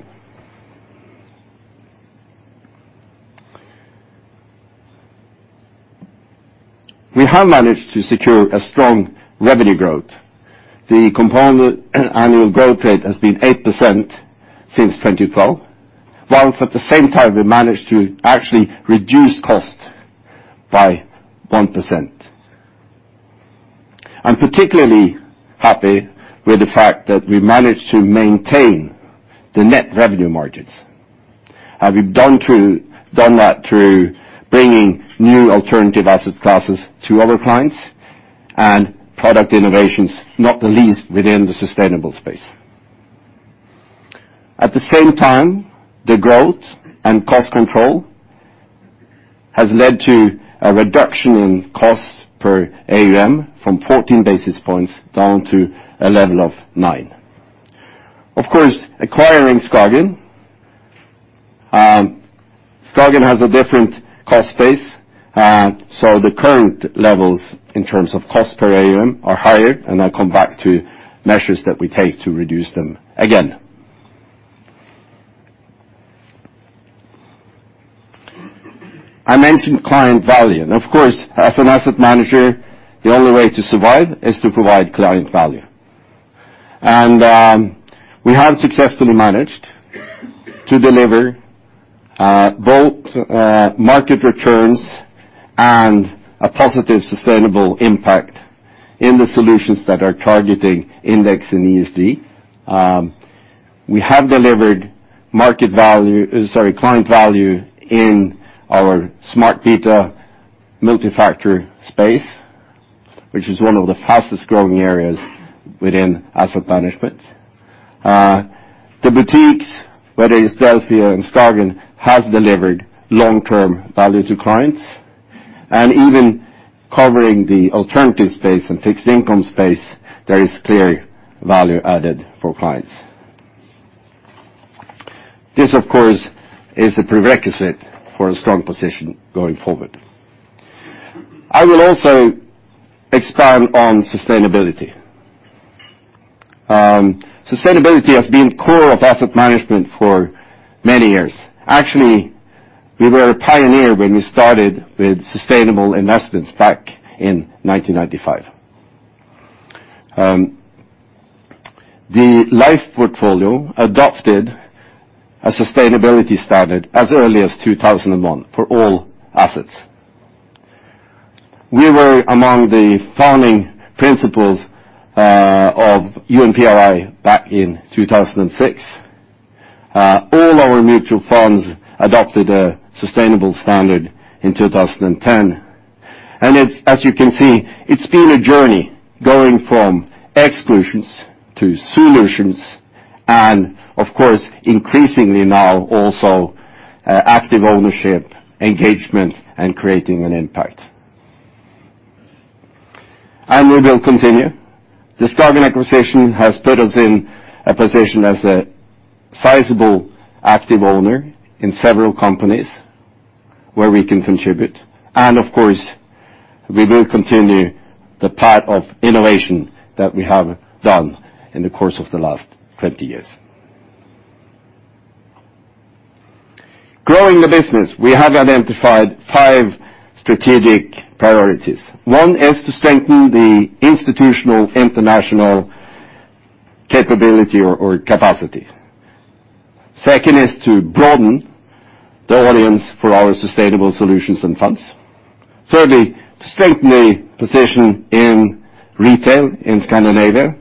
We have managed to secure a strong revenue growth. The component annual growth rate has been 8% since 2012, while at the same time, we managed to actually reduce cost by 1%. I'm particularly happy with the fact that we managed to maintain the net revenue margins. And we've done that through bringing new alternative asset classes to our clients, and product innovations, not the least within the sustainable space. At the same time, the growth and cost control has led to a reduction in costs per AUM, from 14 basis points down to a level of nine. Of course, acquiring SKAGEN has a different cost base. So the current levels in terms of cost per AUM are higher, and I'll come back to measures that we take to reduce them again. I mentioned client value, and of course, as an asset manager, the only way to survive is to provide client value. We have successfully managed to deliver both market returns and a positive, sustainable impact in the solutions that are targeting index and ESG. We have delivered market value... Sorry, client value in our smart beta multi-factor space, which is one of the fastest growing areas within asset management. The boutiques, whether it's Delphi or SKAGEN, has delivered long-term value to clients. And even covering the alternative space and fixed income space, there is clear value added for clients. This, of course, is a prerequisite for a strong position going forward. I will also expand on sustainability. Sustainability has been core of asset management for many years. Actually, we were a pioneer when we started with sustainable investments back in 1995. The life portfolio adopted a sustainability standard as early as 2001 for all assets. We were among the founding principles of UNPRI back in 2006. All our mutual funds adopted a sustainable standard in 2010, and it's, as you can see, it's been a journey going from exclusions to solutions and of course, increasingly now also, active ownership, engagement, and creating an impact. And we will continue. The SKAGEN acquisition has put us in a position as a sizable active owner in several companies where we can contribute. And of course, we will continue the path of innovation that we have done in the course of the last 20 years. Growing the business, we have identified five strategic priorities. One is to strengthen the institutional, international capability or capacity. Second is to broaden the audience for our sustainable solutions and funds. Thirdly, to strengthen the position in retail in Scandinavia.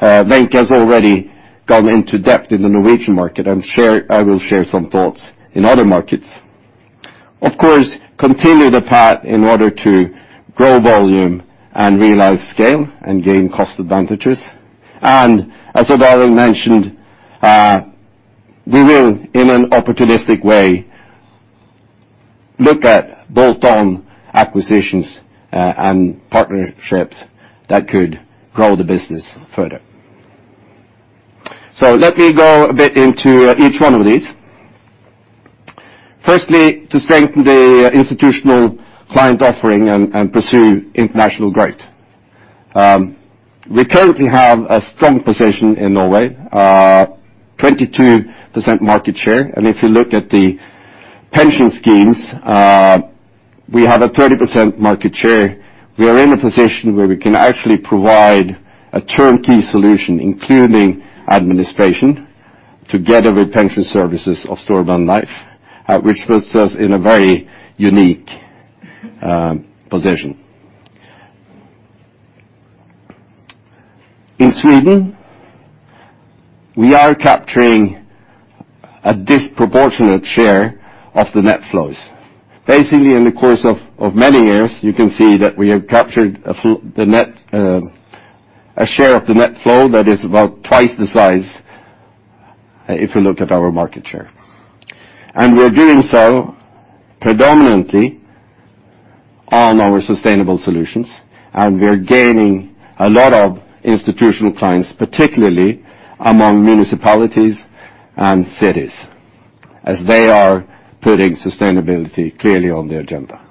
Wenche has already gone into depth in the Norwegian market. I'm sure I will share some thoughts in other markets. Of course, continue the path in order to grow volume and realize scale and gain cost advantages. And as I've already mentioned, we will, in an opportunistic way, look at bolt-on acquisitions and partnerships that could grow the business further. So let me go a bit into each one of these. Firstly, to strengthen the institutional client offering and pursue international growth. We currently have a strong position in Norway, 22% market share, and if you look at the pension schemes, we have a 30% market share. We are in a position where we can actually provide a turnkey solution, including administration, together with pension services of Storebrand Life, which puts us in a very unique position. In Sweden, we are capturing a disproportionate share of the net flows. Basically, in the course of many years, you can see that we have captured a share of the net flow that is about twice the size if you look at our market share. And we are doing so predominantly on our sustainable solutions, and we are gaining a lot of institutional clients, particularly among municipalities and cities, as they are putting sustainability clearly on the agenda.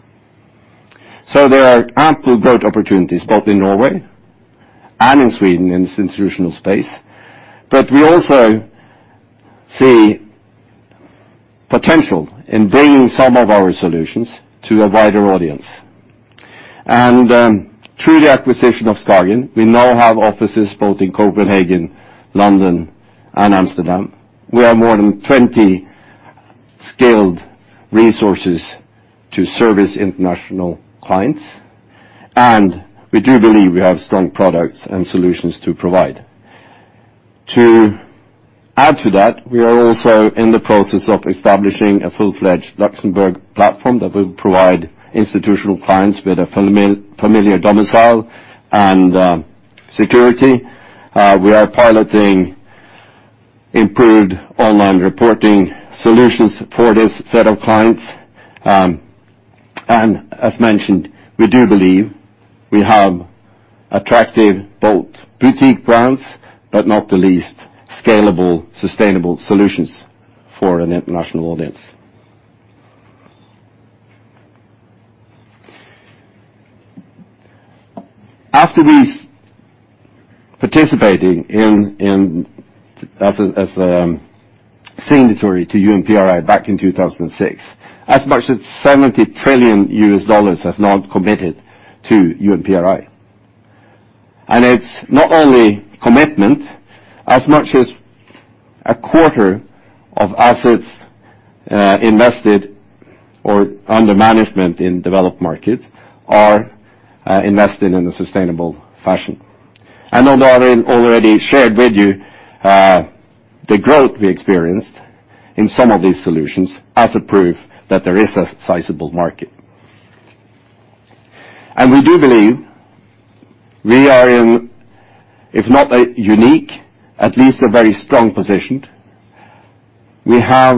So there are ample growth opportunities, both in Norway and in Sweden, in this institutional space. But we also see potential in bringing some of our solutions to a wider audience. And through the acquisition of SKAGEN, we now have offices both in Copenhagen, London, and Amsterdam. We have more than 20 skilled resources to service international clients, and we do believe we have strong products and solutions to provide. To add to that, we are also in the process of establishing a full-fledged Luxembourg platform that will provide institutional clients with a familiar domicile and security. We are piloting improved online reporting solutions for this set of clients. And as mentioned, we do believe we have attractive, both boutique brands, but not the least, scalable, sustainable solutions for an international audience. After these, participating as a signatory to UNPRI back in 2006, as much as $70 trillion have now committed to UNPRI. And it's not only commitment, as much as 1/4 of assets invested or under management in developed markets are invested in a sustainable fashion. And although I already shared with you the growth we experienced in some of these solutions, as a proof that there is a sizable market. And we do believe we are in, if not a unique, at least a very strong position. We have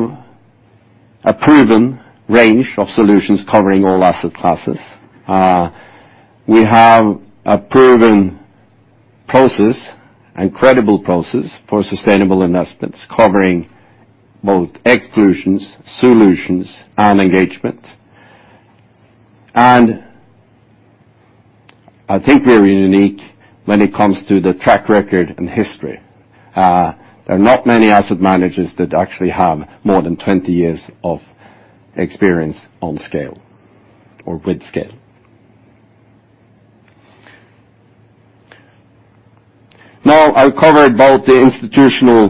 a proven range of solutions covering all asset classes. We have a proven process and credible process for sustainable investments, covering both exclusions, solutions, and engagement. And I think we're unique when it comes to the track record and history. There are not many asset managers that actually have more than 20 years of experience on scale or with scale. Now, I've covered both the institutional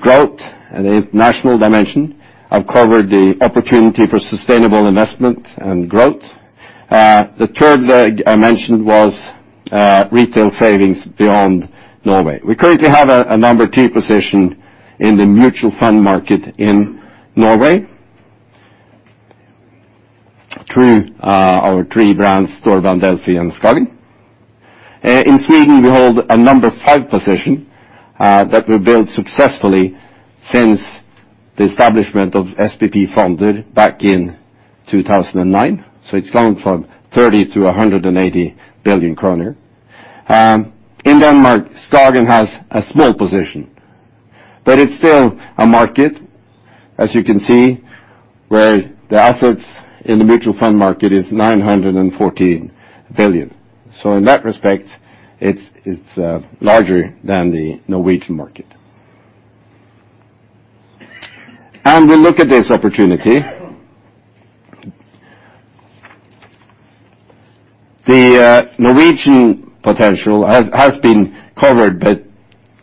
growth and the international dimension. I've covered the opportunity for sustainable investment and growth. The third leg I mentioned was retail savings beyond Norway. We currently have a number two position in the mutual fund market in Norway through our three brands, Storebrand, Delphi, and SKAGEN. In Sweden, we hold a number five position that we built successfully since the establishment of SPP Fonder back in 2009. So it's gone from 30 billion to 180 billion kroner. In Denmark, SKAGEN has a small position, but it's still a market, as you can see, where the assets in the mutual fund market is 914 billion. So in that respect, it's larger than the Norwegian market. And we look at this opportunity. The Norwegian potential has been covered, but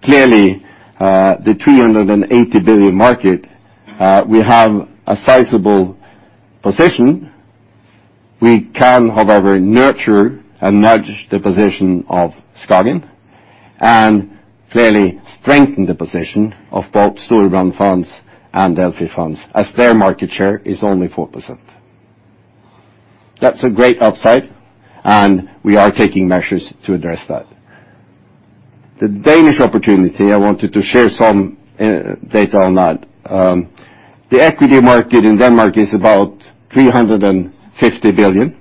clearly the 380 billion market we have a sizable position. We can, however, nurture and nudge the position of SKAGEN, and clearly strengthen the position of both Storebrand funds and Delphi funds, as their market share is only 4%. That's a great upside, and we are taking measures to address that. The Danish opportunity, I wanted to share some data on that. The equity market in Denmark is about 350 billion.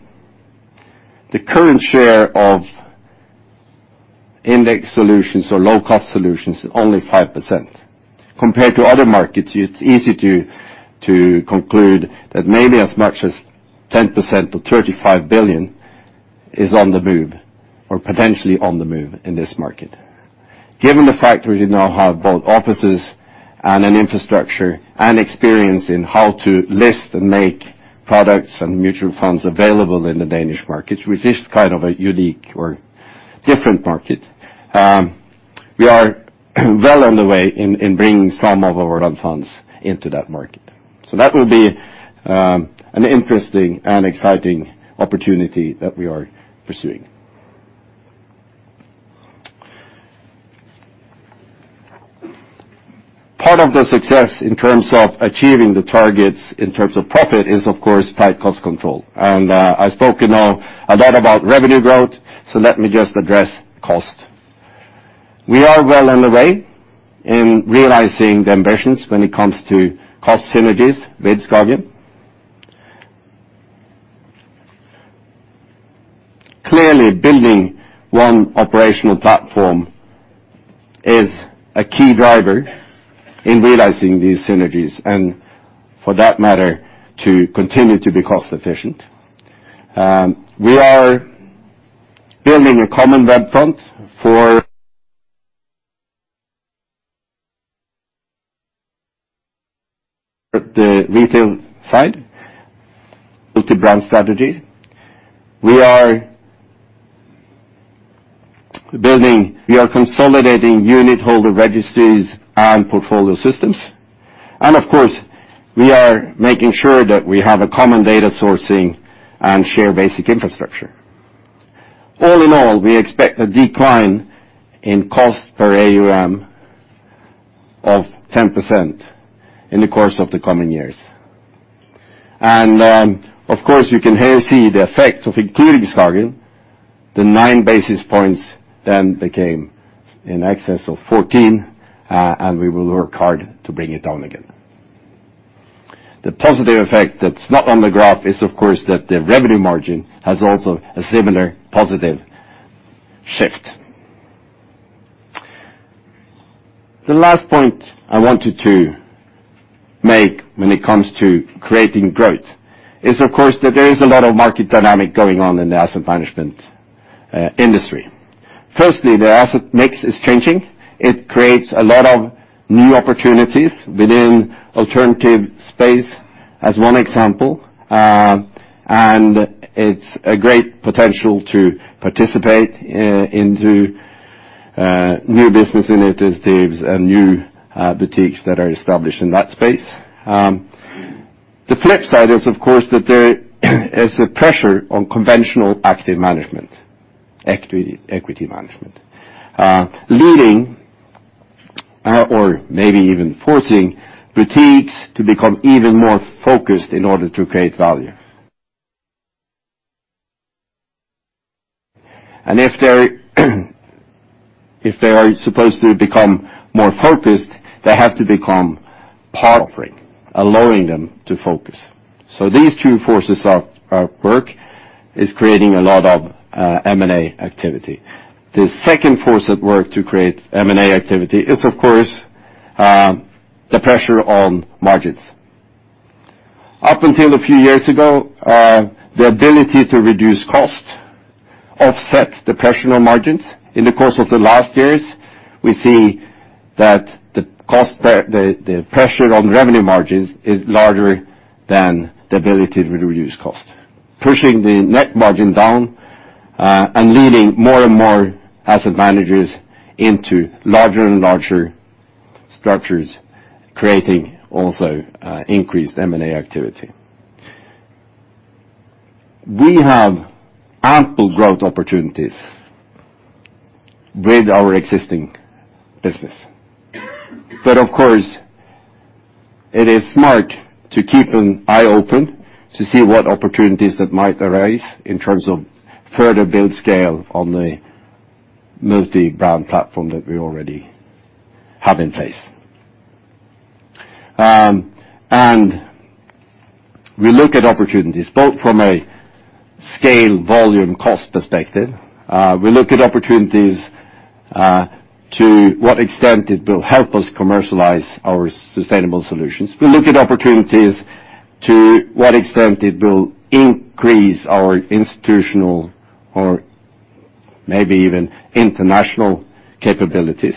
The current share of index solutions or low-cost solutions is only 5%. Compared to other markets, it's easy to conclude that maybe as much as 10% to 35 billion is on the move, or potentially on the move in this market. Given the fact we now have both offices and an infrastructure and experience in how to list and make products and mutual funds available in the Danish markets, which is kind of a unique or different market, we are well on the way in bringing some of our own funds into that market. So that will be an interesting and exciting opportunity that we are pursuing. Part of the success in terms of achieving the targets, in terms of profit, is, of course, tight cost control. I spoke, you know, a lot about revenue growth, so let me just address cost. We are well on the way in realizing the ambitions when it comes to cost synergies with SKAGEN. Clearly, building one operational platform is a key driver in realizing these synergies, and for that matter, to continue to be cost efficient. We are building a common web front for the retail side, multi-brand strategy. We are consolidating unitholder registries and portfolio systems. And of course, we are making sure that we have a common data sourcing and shared basic infrastructure. All in all, we expect a decline in cost per AUM of 10% in the course of the coming years. And, of course, you can here see the effect of including SKAGEN, the 9 basis points then became in excess of 14, and we will work hard to bring it down again. The positive effect that's not on the graph is, of course, that the revenue margin has also a similar positive shift. The last point I wanted to make when it comes to creating growth is, of course, that there is a lot of market dynamic going on in the asset management industry. Firstly, the asset mix is changing. It creates a lot of new opportunities within alternative space, as one example, and it's a great potential to participate into new business initiatives and new boutiques that are established in that space. The flip side is, of course, that there is a pressure on conventional active management, equity management, leading or maybe even forcing boutiques to become even more focused in order to create value. And if they are supposed to become more focused, they have to become part of offering, allowing them to focus. So these two forces at work is creating a lot of M&A activity. The second force at work to create M&A activity is, of course, the pressure on margins. Up until a few years ago, the ability to reduce costs to offset the pressure on margins. In the course of the last years, we see that the pressure on revenue margins is larger than the ability to reduce costs, pushing the net margin down, and leading more and more asset managers into larger and larger structures, creating also increased M&A activity. We have ample growth opportunities with our existing business. But of course, it is smart to keep an eye open to see what opportunities that might arise in terms of further build scale on the multi-brand platform that we already have in place. And we look at opportunities, both from a scale, volume, cost perspective. We look at opportunities to what extent it will help us commercialize our sustainable solutions. We look at opportunities to what extent it will increase our institutional or maybe even international capabilities,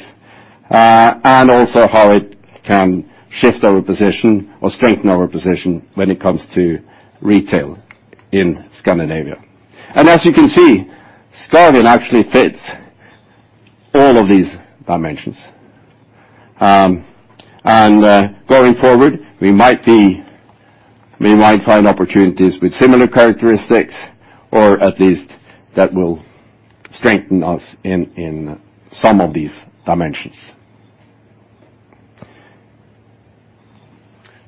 and also how it can shift our position or strengthen our position when it comes to retail in Scandinavia. And as you can see, SKAGEN actually fits all of these dimensions. And going forward, we might find opportunities with similar characteristics, or at least that will strengthen us in some of these dimensions.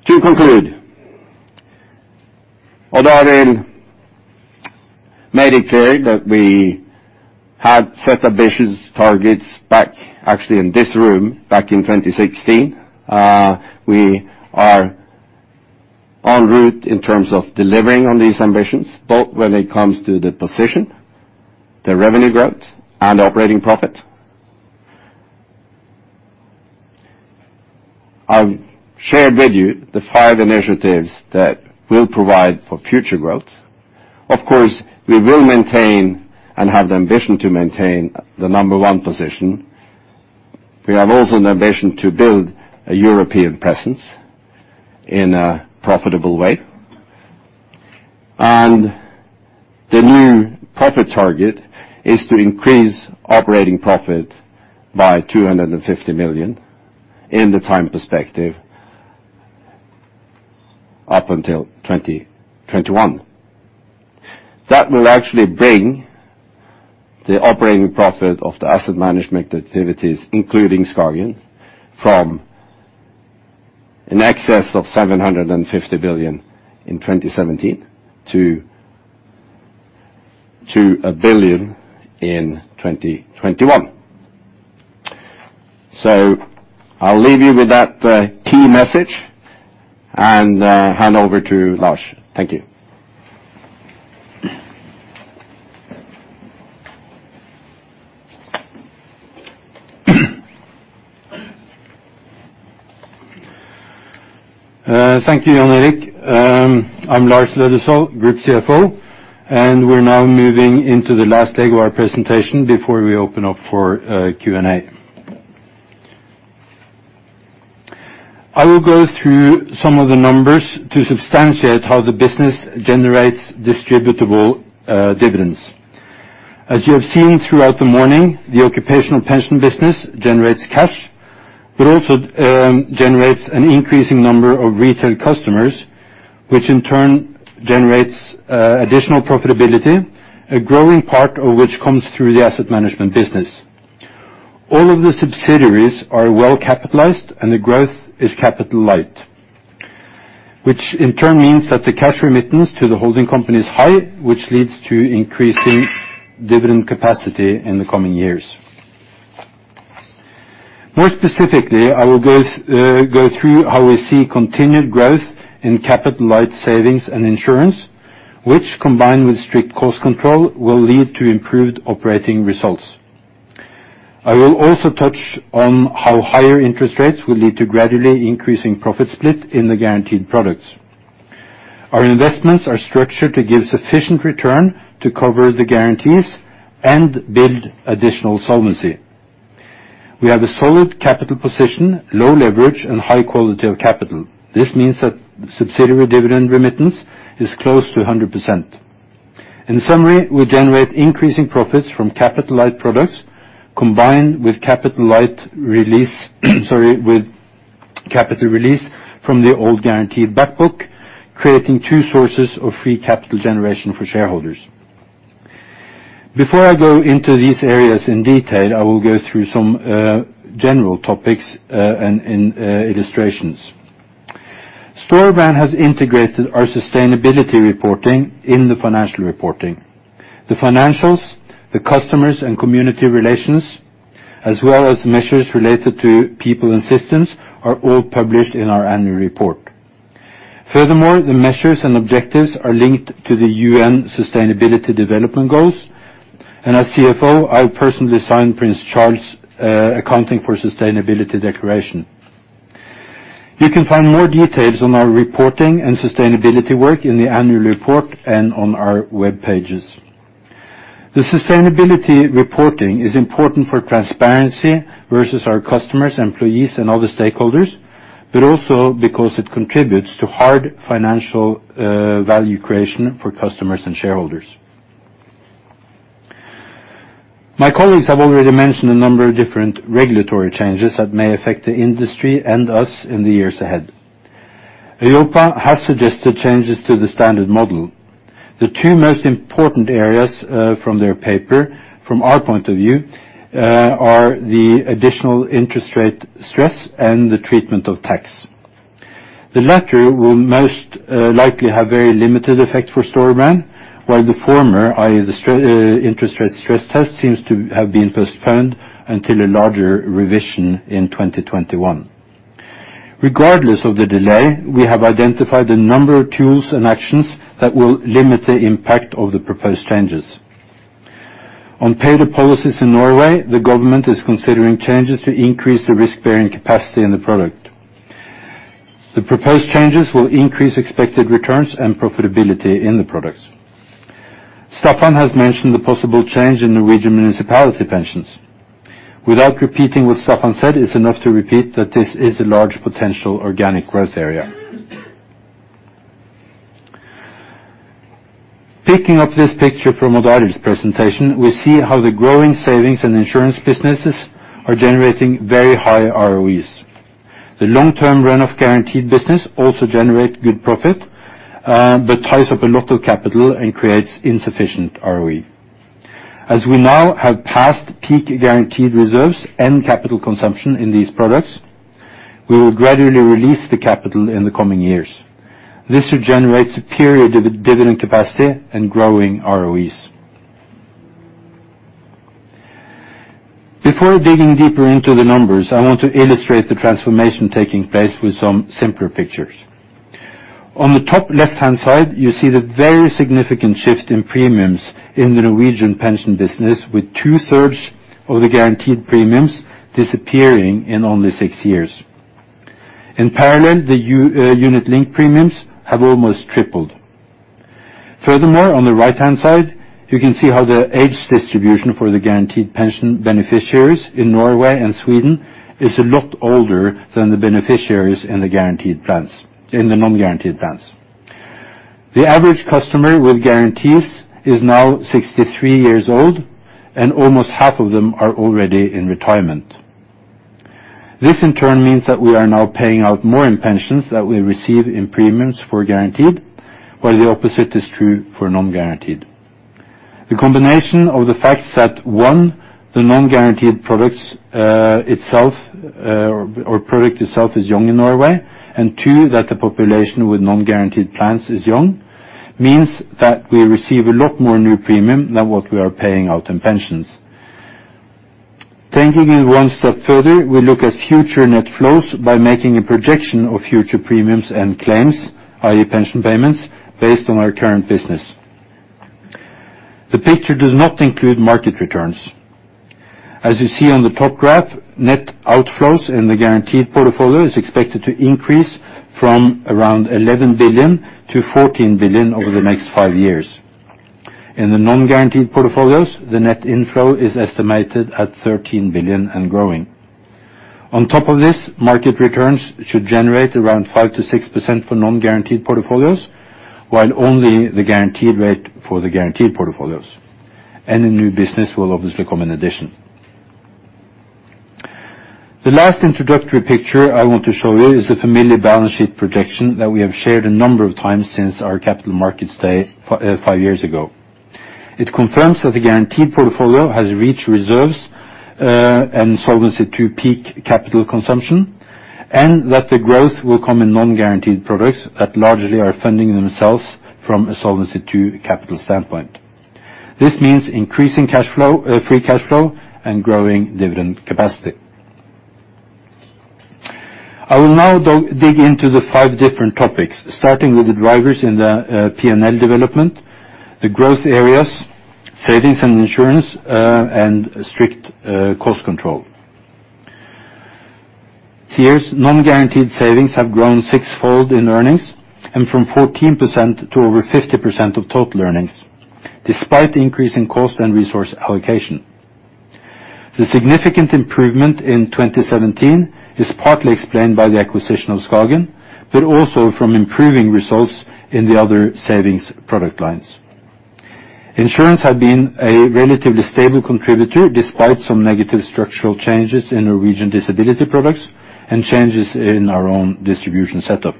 To conclude, Odd Arild made it clear that we had set ambitious targets back, actually, in this room, back in 2016. We are on route in terms of delivering on these ambitions, both when it comes to the position, the revenue growth, and operating profit. I've shared with you the five initiatives that will provide for future growth. Of course, we will maintain and have the ambition to maintain the number one position. We have also an ambition to build a European presence in a profitable way. The new profit target is to increase operating profit by 250 million in the time perspective up until 2021. That will actually bring the operating profit of the asset management activities, including SKAGEN, from in excess of 750 million in 2017 to 1 billion in 2021. So I'll leave you with that key message and hand over to Lars. Thank you. Thank you, Jan Erik. I'm Lars Løddesøl, Group CFO, and we're now moving into the last leg of our presentation before we open up for Q&A. I will go through some of the numbers to substantiate how the business generates distributable dividends. As you have seen throughout the morning, the occupational pension business generates cash, but also generates an increasing number of retail customers, which in turn generates additional profitability, a growing part of which comes through the asset management business. All of the subsidiaries are well capitalized, and the growth is capital-light, which in turn means that the cash remittance to the holding company is high, which leads to increasing dividend capacity in the coming years. More specifically, I will go through how we see continued growth in capital-light savings and insurance, which, combined with strict cost control, will lead to improved operating results. I will also touch on how higher interest rates will lead to gradually increasing profit split in the guaranteed products. Our investments are structured to give sufficient return to cover the guarantees and build additional solvency. We have a solid capital position, low leverage, and high quality of capital. This means that subsidiary dividend remittance is close to 100%. In summary, we generate increasing profits from capital-light products, combined with capital-light release, sorry, with capital release from the old guaranteed back book, creating two sources of free capital generation for shareholders. Before I go into these areas in detail, I will go through some general topics and illustrations. Storebrand has integrated our sustainability reporting in the financial reporting. The financials, the customers and community relations, as well as measures related to people and systems, are all published in our annual report. Furthermore, the measures and objectives are linked to the UN Sustainable Development Goals, and as CFO, I personally signed Prince Charles's Accounting for Sustainability Declaration. You can find more details on our reporting and sustainability work in the annual report and on our web pages. The sustainability reporting is important for transparency versus our customers, employees, and all the stakeholders, but also because it contributes to hard financial value creation for customers and shareholders. My colleagues have already mentioned a number of different regulatory changes that may affect the industry and us in the years ahead. EIOPA has suggested changes to the standard model. The two most important areas, from their paper, from our point of view, are the additional interest rate stress and the treatment of tax. The latter will most likely have very limited effect for Storebrand, while the former, i.e., the interest rate stress test, seems to have been postponed until a larger revision in 2021. Regardless of the delay, we have identified a number of tools and actions that will limit the impact of the proposed changes. On paid-up policies in Norway, the government is considering changes to increase the risk-bearing capacity in the product. The proposed changes will increase expected returns and profitability in the products. Staffan has mentioned the possible change in Norwegian municipality pensions. Without repeating what Staffan said, it's enough to repeat that this is a large potential organic growth area. Picking up this picture from Odd Arild's presentation, we see how the growing savings and insurance businesses are generating very high ROEs. The long-term run of guaranteed business also generates good profit, but ties up a lot of capital and creates insufficient ROE. As we now have passed peak guaranteed reserves and capital consumption in these products, we will gradually release the capital in the coming years. This should generate superior dividend capacity and growing ROEs. Before digging deeper into the numbers, I want to illustrate the transformation taking place with some simpler pictures. On the top left-hand side, you see the very significant shift in premiums in the Norwegian pension business, with 2/3 of the guaranteed premiums disappearing in only six years. In parallel, the unit link premiums have almost tripled. Furthermore, on the right-hand side, you can see how the age distribution for the guaranteed pension beneficiaries in Norway and Sweden is a lot older than the beneficiaries in the guaranteed plans, in the non-guaranteed plans. The average customer with guarantees is now 63 years old, and almost half of them are already in retirement. This, in turn, means that we are now paying out more in pensions that we receive in premiums for guaranteed, while the opposite is true for non-guaranteed. The combination of the facts that, one, the non-guaranteed products, itself, or product itself is young in Norway, and two, that the population with non-guaranteed plans is young, means that we receive a lot more new premium than what we are paying out in pensions. Taking it one step further, we look at future net flows by making a projection of future premiums and claims, i.e., pension payments, based on our current business. The picture does not include market returns. As you see on the top graph, net outflows in the guaranteed portfolio is expected to increase from around 11 billion to 14 billion over the next five years. In the non-guaranteed portfolios, the net inflow is estimated at 13 billion and growing. On top of this, market returns should generate around 5%-6% for non-guaranteed portfolios, while only the guaranteed rate for the guaranteed portfolios, and the new business will obviously come in addition. The last introductory picture I want to show you is a familiar balance sheet projection that we have shared a number of times since our capital markets day five years ago. It confirms that the guaranteed portfolio has reached reserves and Solvency II peak capital consumption, and that the growth will come in non-guaranteed products that largely are funding themselves from a Solvency II capital standpoint. This means increasing cash flow, free cash flow and growing dividend capacity. I will now dig into the five different topics, starting with the drivers in the P&L development, the growth areas, savings and insurance, and strict cost control. There, non-guaranteed savings have grown sixfold in earnings and from 14% to over 50% of total earnings, despite the increase in cost and resource allocation. The significant improvement in 2017 is partly explained by the acquisition of SKAGEN, but also from improving results in the other savings product lines. Insurance had been a relatively stable contributor, despite some negative structural changes in Norwegian disability products and changes in our own distribution setup.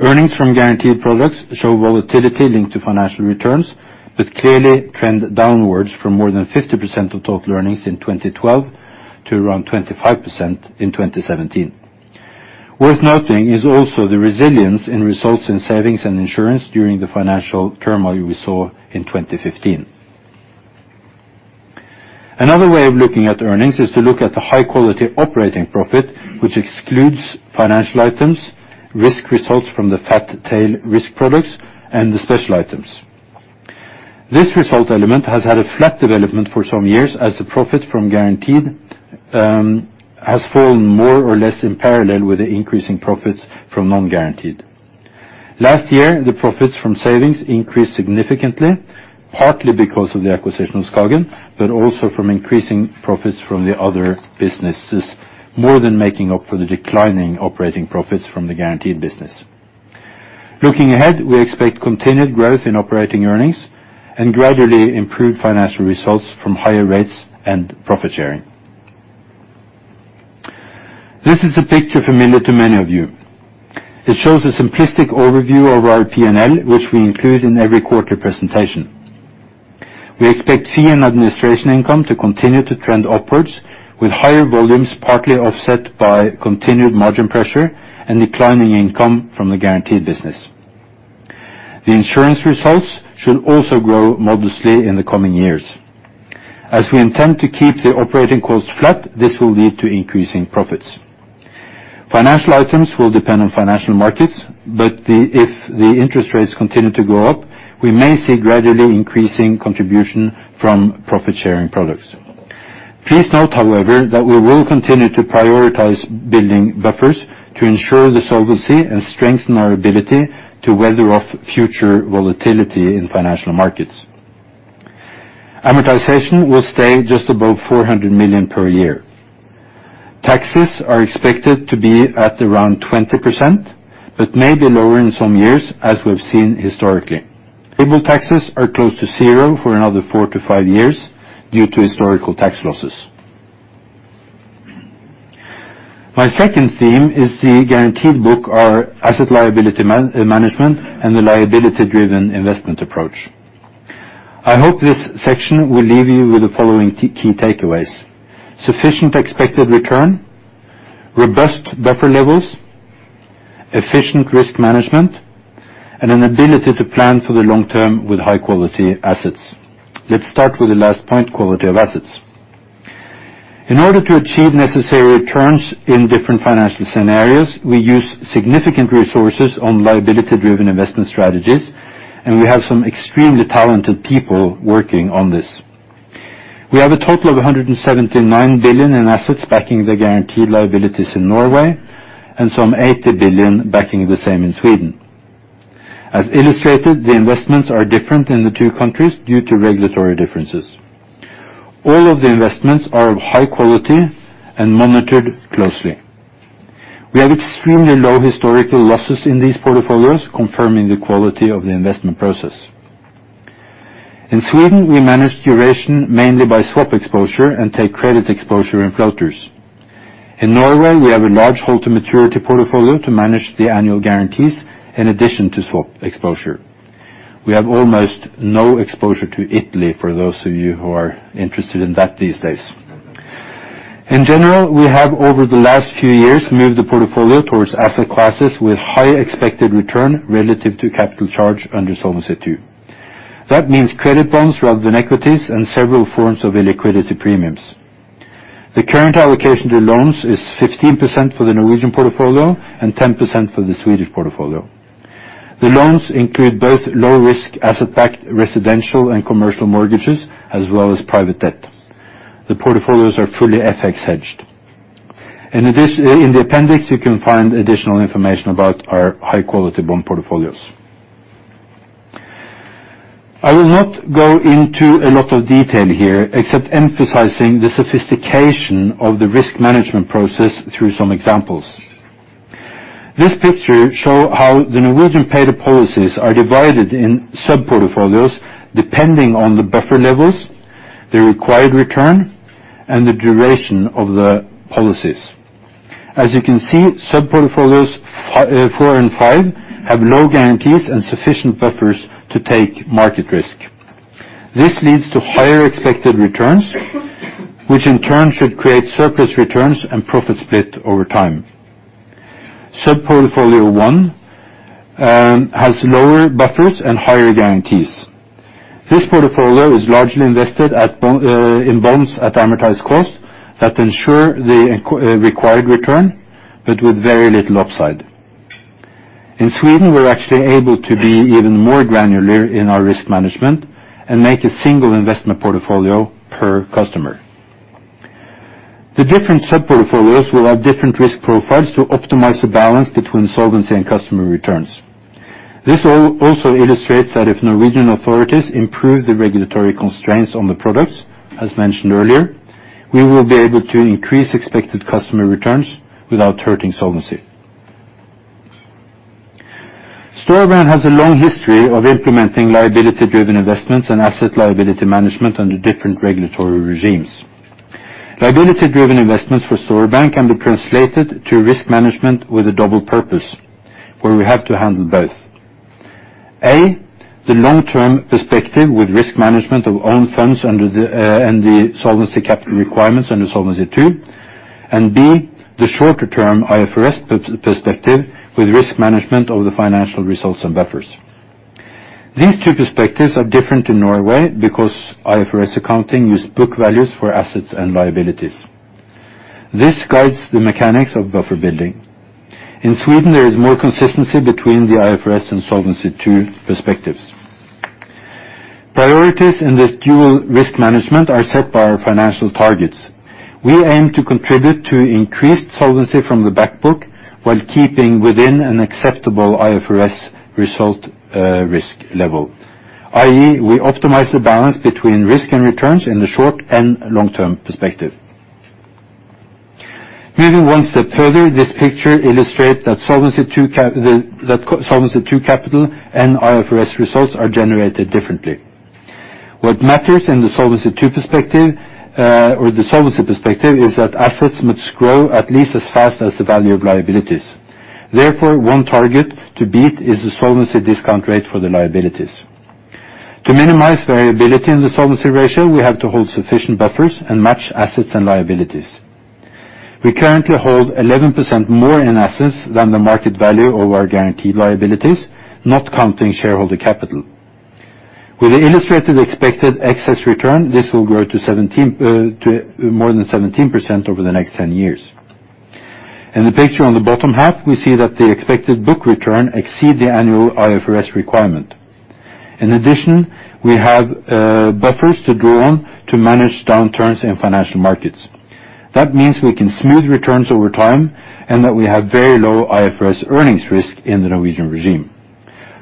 Earnings from guaranteed products show volatility linked to financial returns, but clearly trend downwards from more than 50% of total earnings in 2012 to around 25% in 2017. Worth noting is also the resilience in results in savings and insurance during the financial turmoil we saw in 2015. Another way of looking at earnings is to look at the high quality operating profit, which excludes financial items, risk results from the fat-tail risk products, and the special items. This result element has had a flat development for some years, as the profit from guaranteed has fallen more or less in parallel with the increasing profits from non-guaranteed. Last year, the profits from savings increased significantly, partly because of the acquisition of SKAGEN, but also from increasing profits from the other businesses, more than making up for the declining operating profits from the guaranteed business. Looking ahead, we expect continued growth in operating earnings and gradually improved financial results from higher rates and profit sharing. This is a picture familiar to many of you. It shows a simplistic overview of our P&L, which we include in every quarter presentation. We expect fee and administration income to continue to trend upwards, with higher volumes, partly offset by continued margin pressure and declining income from the guaranteed business. The insurance results should also grow modestly in the coming years. As we intend to keep the operating costs flat, this will lead to increasing profits. Financial items will depend on financial markets, but if the interest rates continue to go up, we may see gradually increasing contribution from profit-sharing products. Please note, however, that we will continue to prioritize building buffers to ensure the solvency and strengthen our ability to weather future volatility in financial markets. Amortization will stay just above 400 million per year. Taxes are expected to be at around 20%, but may be lower in some years, as we've seen historically. Deferred taxes are close to zero for another four to five years due to historical tax losses. My second theme is the guaranteed book, our asset liability management, and the liability-driven investment approach. I hope this section will leave you with the following key, key takeaways: sufficient expected return, robust buffer levels, efficient risk management, and an ability to plan for the long term with high quality assets. Let's start with the last point, quality of assets. In order to achieve necessary returns in different financial scenarios, we use significant resources on liability-driven investment strategies, and we have some extremely talented people working on this. We have a total of 179 billion in assets backing the guaranteed liabilities in Norway and some 80 billion backing the same in Sweden. As illustrated, the investments are different in the two countries due to regulatory differences. All of the investments are of high quality and monitored closely. We have extremely low historical losses in these portfolios, confirming the quality of the investment process. In Sweden, we manage duration mainly by swap exposure and take credit exposure in floaters. In Norway, we have a large hold-to-maturity portfolio to manage the annual guarantees in addition to swap exposure. We have almost no exposure to Italy, for those of you who are interested in that these days. In general, we have, over the last few years, moved the portfolio towards asset classes with high expected return relative to capital charge under Solvency II. That means credit bonds rather than equities and several forms of illiquidity premiums. The current allocation to loans is 15% for the Norwegian portfolio and 10% for the Swedish portfolio. The loans include both low-risk, asset-backed residential and commercial mortgages, as well as private debt. The portfolios are fully FX hedged. In this, in the appendix, you can find additional information about our high-quality bond portfolios. I will not go into a lot of detail here, except emphasizing the sophistication of the risk management process through some examples. This picture shows how the Norwegian paid-up policies are divided in sub-portfolios, depending on the buffer levels, the required return, and the duration of the policies. As you can see, sub-portfolios four and five have low guarantees and sufficient buffers to take market risk. This leads to higher expected returns, which in turn should create surplus returns and profit split over time. Sub-portfolio one has lower buffers and higher guarantees. This portfolio is largely invested in bonds at amortized cost that ensure the required return, but with very little upside. In Sweden, we're actually able to be even more granular in our risk management and make a single investment portfolio per customer. The different sub-portfolios will have different risk profiles to optimize the balance between solvency and customer returns. This also illustrates that if Norwegian authorities improve the regulatory constraints on the products, as mentioned earlier, we will be able to increase expected customer returns without hurting solvency. Storebrand has a long history of implementing liability-driven investments and asset liability management under different regulatory regimes. Liability-driven investments for Storebrand can be translated to risk management with a double purpose, where we have to handle both. A, the long-term perspective with risk management of own funds under the and the solvency capital requirements under Solvency II. And B, the shorter term IFRS perspective with risk management of the financial results and buffers. These two perspectives are different in Norway because IFRS accounting use book values for assets and liabilities. This guides the mechanics of buffer building. In Sweden, there is more consistency between the IFRS and Solvency II perspectives. Priorities in this dual risk management are set by our financial targets. We aim to contribute to increased solvency from the back book, while keeping within an acceptable IFRS result, risk level, i.e., we optimize the balance between risk and returns in the short and long-term perspective. Moving one step further, this picture illustrates that Solvency II capital and IFRS results are generated differently. What matters in the Solvency II perspective, or the solvency perspective, is that assets must grow at least as fast as the value of liabilities. Therefore, one target to beat is the solvency discount rate for the liabilities. To minimize variability in the solvency ratio, we have to hold sufficient buffers and match assets and liabilities. We currently hold 11% more in assets than the market value of our guaranteed liabilities, not counting shareholder capital. With the illustrated expected excess return, this will grow to 17 to more than 17% over the next 10 years. In the picture on the bottom half, we see that the expected book return exceed the annual IFRS requirement. In addition, we have buffers to draw on to manage downturns in financial markets. That means we can smooth returns over time, and that we have very low IFRS earnings risk in the Norwegian regime.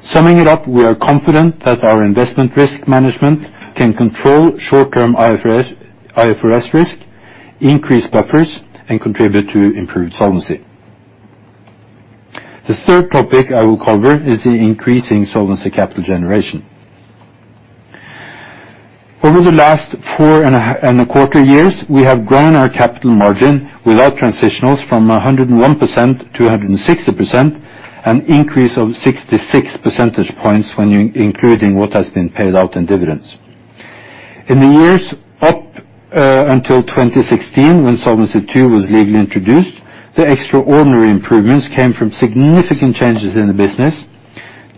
Summing it up, we are confident that our investment risk management can control short-term IFRS risk, increase buffers, and contribute to improved solvency. The third topic I will cover is the increasing solvency capital generation. Over the last four and a quarter years, we have grown our capital margin without transitionals, from 101% to 160%, an increase of 66 percentage points when you're including what has been paid out in dividends. In the years up until 2016, when Solvency II was legally introduced, the extraordinary improvements came from significant changes in the business,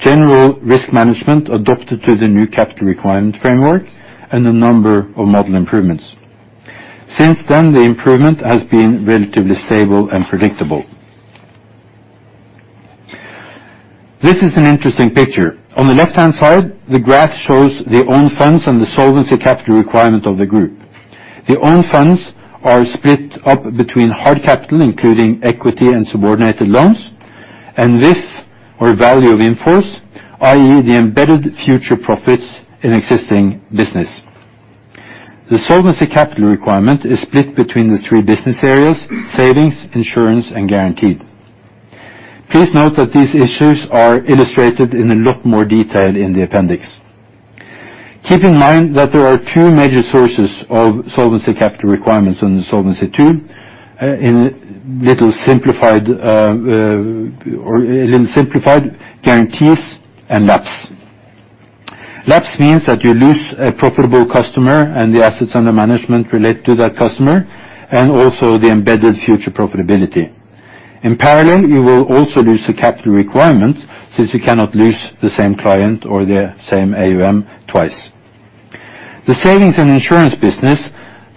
general risk management adapted to the new capital requirement framework, and a number of model improvements. Since then, the improvement has been relatively stable and predictable. This is an interesting picture. On the left-hand side, the graph shows the own funds and the solvency capital requirement of the group. The own funds are split up between hard capital, including equity and subordinated loans, and VIF, or Value in Force, i.e., the embedded future profits in existing business. The solvency capital requirement is split between the three business areas: savings, insurance, and guaranteed. Please note that these issues are illustrated in a lot more detail in the appendix. Keep in mind that there are two major sources of solvency capital requirements under Solvency II, in a little simplified, or in simplified guarantees and lapse. Lapse means that you lose a profitable customer and the assets under management related to that customer, and also the embedded future profitability. In parallel, you will also lose the capital requirements, since you cannot lose the same client or the same AUM twice. The savings and insurance business,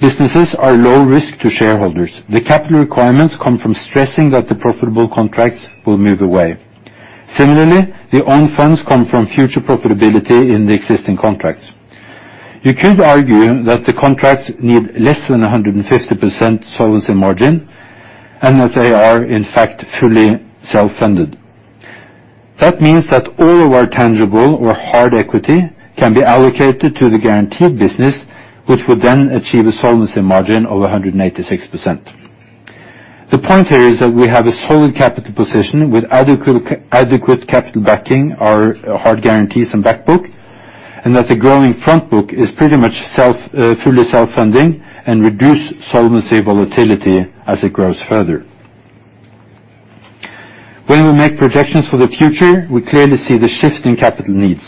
businesses are low risk to shareholders. The capital requirements come from stressing that the profitable contracts will move away. Similarly, the own funds come from future profitability in the existing contracts. You could argue that the contracts need less than 150% solvency margin, and that they are, in fact, fully self-funded. That means that all of our tangible or hard equity can be allocated to the guaranteed business, which would then achieve a solvency margin of 186%. The point here is that we have a solid capital position, with adequate capital backing our hard guarantees and back book, and that the growing front book is pretty much self, fully self-funding, and reduce solvency volatility as it grows further. When we make projections for the future, we clearly see the shift in capital needs.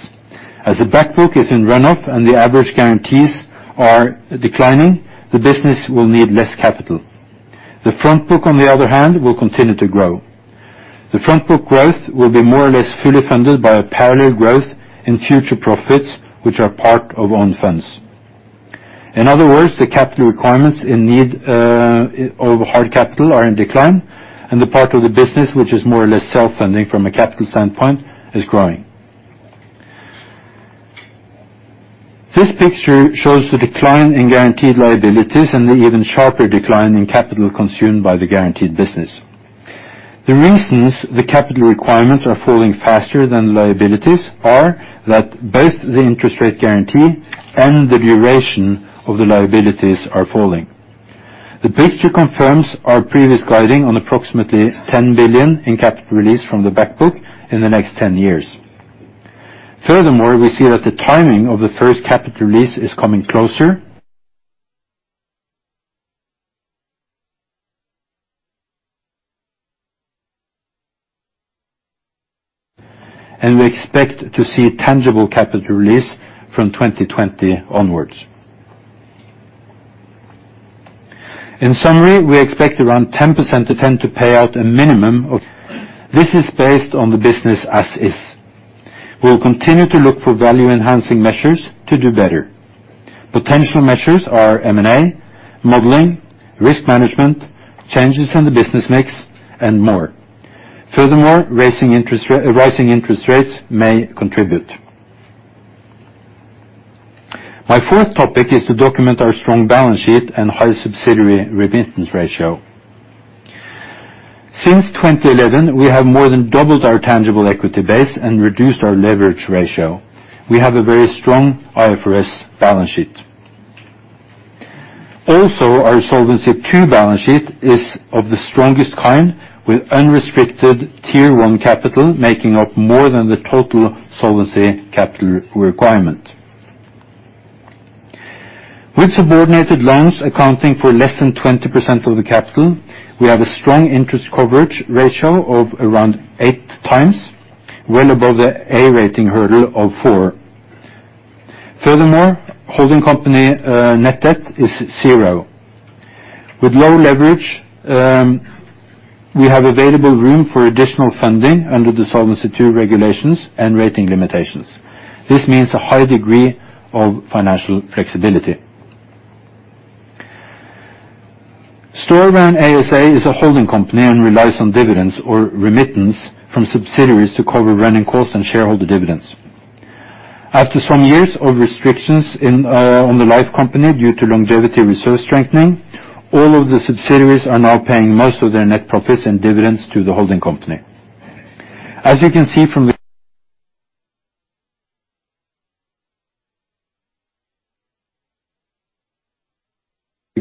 As the back book is in run-off and the average guarantees are declining, the business will need less capital. The front book, on the other hand, will continue to grow. The front book growth will be more or less fully funded by a parallel growth in future profits, which are part of own funds. In other words, the capital requirements in need of hard capital are in decline, and the part of the business, which is more or less self-funding from a capital standpoint, is growing. This picture shows the decline in guaranteed liabilities and the even sharper decline in capital consumed by the guaranteed business. The reasons the capital requirements are falling faster than liabilities are that both the interest rate guarantee and the duration of the liabilities are falling. The picture confirms our previous guiding on approximately 10 billion in capital release from the back book in the next 10 years. Furthermore, we see that the timing of the first capital release is coming closer. We expect to see tangible capital release from 2020 onwards. In summary, we expect around 10% to tend to pay out a minimum of. This is based on the business as is. We will continue to look for value-enhancing measures to do better. Potential measures are M&A, modeling, risk management, changes in the business mix, and more. Furthermore, raising interest rate, rising interest rates may contribute. My fourth topic is to document our strong balance sheet and high subsidiary remittance ratio. Since 2011, we have more than doubled our tangible equity base and reduced our leverage ratio. We have a very strong IFRS balance sheet. Also, our Solvency II balance sheet is of the strongest kind, with unrestricted Tier 1 capital, making up more than the total solvency capital requirement. With subordinated loans accounting for less than 20% of the capital, we have a strong interest coverage ratio of around 8x, well above the A rating hurdle of 4x. Furthermore, holding company net debt is zero. With low leverage, we have available room for additional funding under the Solvency II regulations and rating limitations. This means a high degree of financial flexibility. Storebrand ASA is a holding company and relies on dividends or remittance from subsidiaries to cover running costs and shareholder dividends. After some years of restrictions on the life company due to longevity reserve strengthening, all of the subsidiaries are now paying most of their net profits and dividends to the holding company. As you can see from the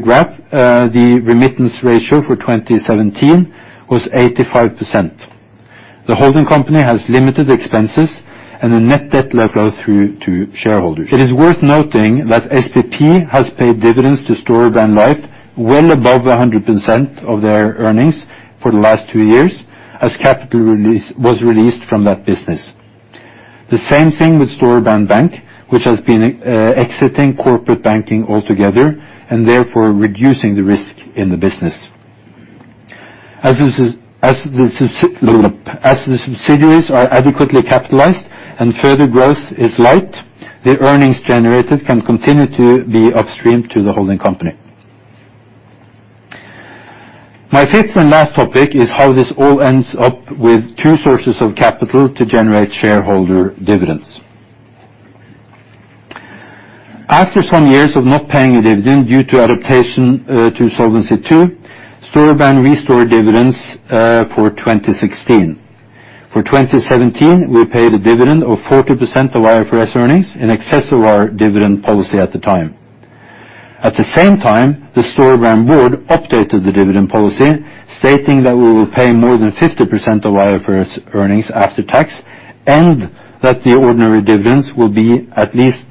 graph, the remittance ratio for 2017 was 85%. The holding company has limited expenses and the net debt level through to shareholders. It is worth noting that SPP has paid dividends to Storebrand Life well above 100% of their earnings for the last two years, as capital was released from that business. The same thing with Storebrand Bank, which has been exiting corporate banking altogether and therefore reducing the risk in the business. As the subsidiaries are adequately capitalized and further growth is light, the earnings generated can continue to be upstreamed to the holding company. My fifth and last topic is how this all ends up with two sources of capital to generate shareholder dividends. After some years of not paying a dividend due to adaptation to Solvency II, Storebrand restored dividends for 2016. For 2017, we paid a dividend of 40% of IFRS earnings in excess of our dividend policy at the time. At the same time, the Storebrand board updated the dividend policy, stating that we will pay more than 50% of IFRS earnings after tax, and that the ordinary dividends will be at least,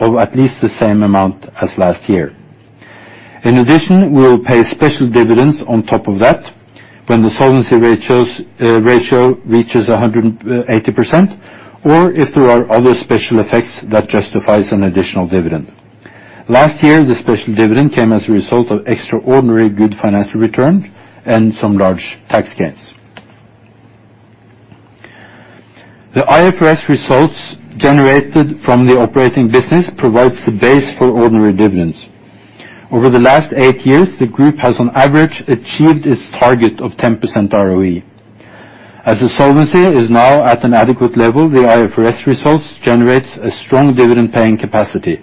of at least the same amount as last year. In addition, we will pay special dividends on top of that when the solvency ratios, ratio reaches 180%, or if there are other special effects that justifies an additional dividend. Last year, the special dividend came as a result of extraordinary good financial return and some large tax gains. The IFRS results generated from the operating business provides the base for ordinary dividends. Over the last eight years, the group has, on average, achieved its target of 10% ROE. As the solvency is now at an adequate level, the IFRS results generates a strong dividend-paying capacity.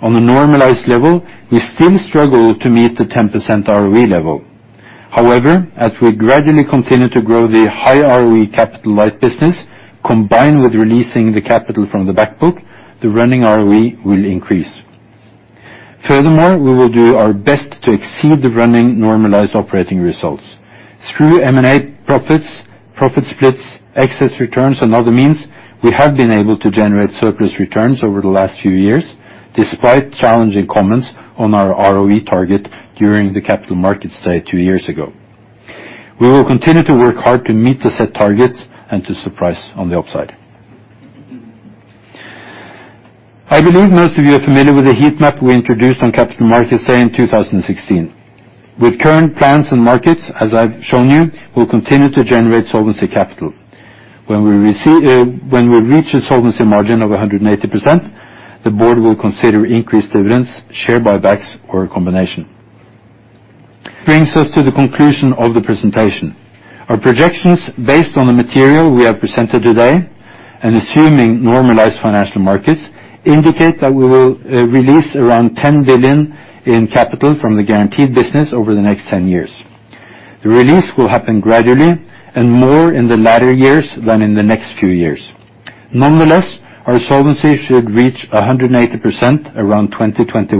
On a normalized level, we still struggle to meet the 10% ROE level. However, as we gradually continue to grow the high ROE capital-light business, combined with releasing the capital from the back book, the running ROE will increase. Furthermore, we will do our best to exceed the running normalized operating results. Through M&A profits, profit splits, excess returns and other means, we have been able to generate surplus returns over the last few years, despite challenging comments on our ROE target during the Capital Markets Day two years ago. We will continue to work hard to meet the set targets and to surprise on the upside. I believe most of you are familiar with the heat map we introduced on Capital Markets Day in 2016. With current plans and markets, as I've shown you, we'll continue to generate solvency capital. When we receive, when we reach a solvency margin of 180%, the board will consider increased dividends, share buybacks, or a combination. Brings us to the conclusion of the presentation. Our projections, based on the material we have presented today and assuming normalized financial markets, indicate that we will release around 10 billion in capital from the guaranteed business over the next 10 years. The release will happen gradually and more in the latter years than in the next few years. Nonetheless, our solvency should reach 100% around 2021,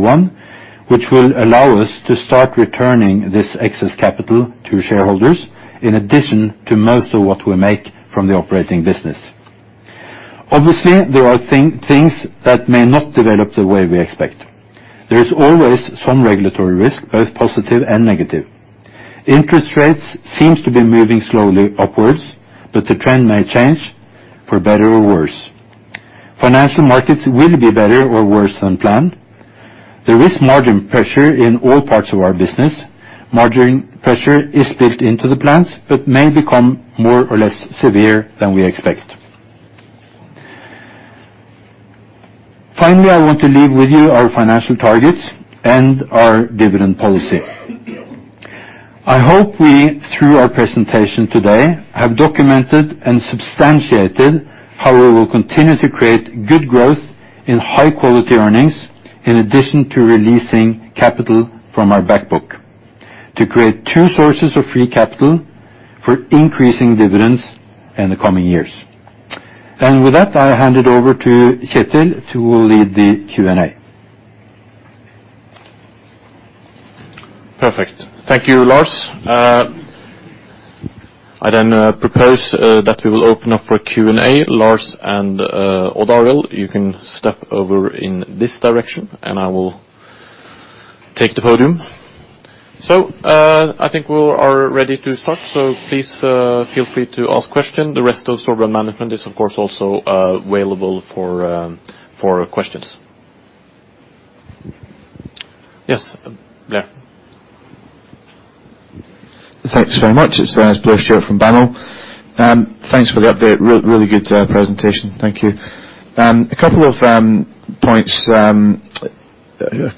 which will allow us to start returning this excess capital to shareholders, in addition to most of what we make from the operating business. Obviously, there are things that may not develop the way we expect. There is always some regulatory risk, both positive and negative. Interest rates seems to be moving slowly upwards, but the trend may change, for better or worse. Financial markets will be better or worse than planned. There is margin pressure in all parts of our business. Margin pressure is built into the plans, but may become more or less severe than we expect. Finally, I want to leave with you our financial targets and our dividend policy. I hope we, through our presentation today, have documented and substantiated how we will continue to create good growth in high quality earnings, in addition to releasing capital from our back book, to create two sources of free capital for increasing dividends in the coming years. With that, I hand it over to Kjetil, who will lead the Q&A. Perfect. Thank you, Lars. I then propose that we will open up for Q&A. Lars and Odd Arild, you can step over in this direction, and I will take the podium. So, I think we are ready to start, so please, feel free to ask questions. The rest of Storebrand management is, of course, also available for questions. Yes, Blair? Thanks very much. It's Blair Stewart from Bank of America. Thanks for the update. Really good presentation. Thank you. A couple of points,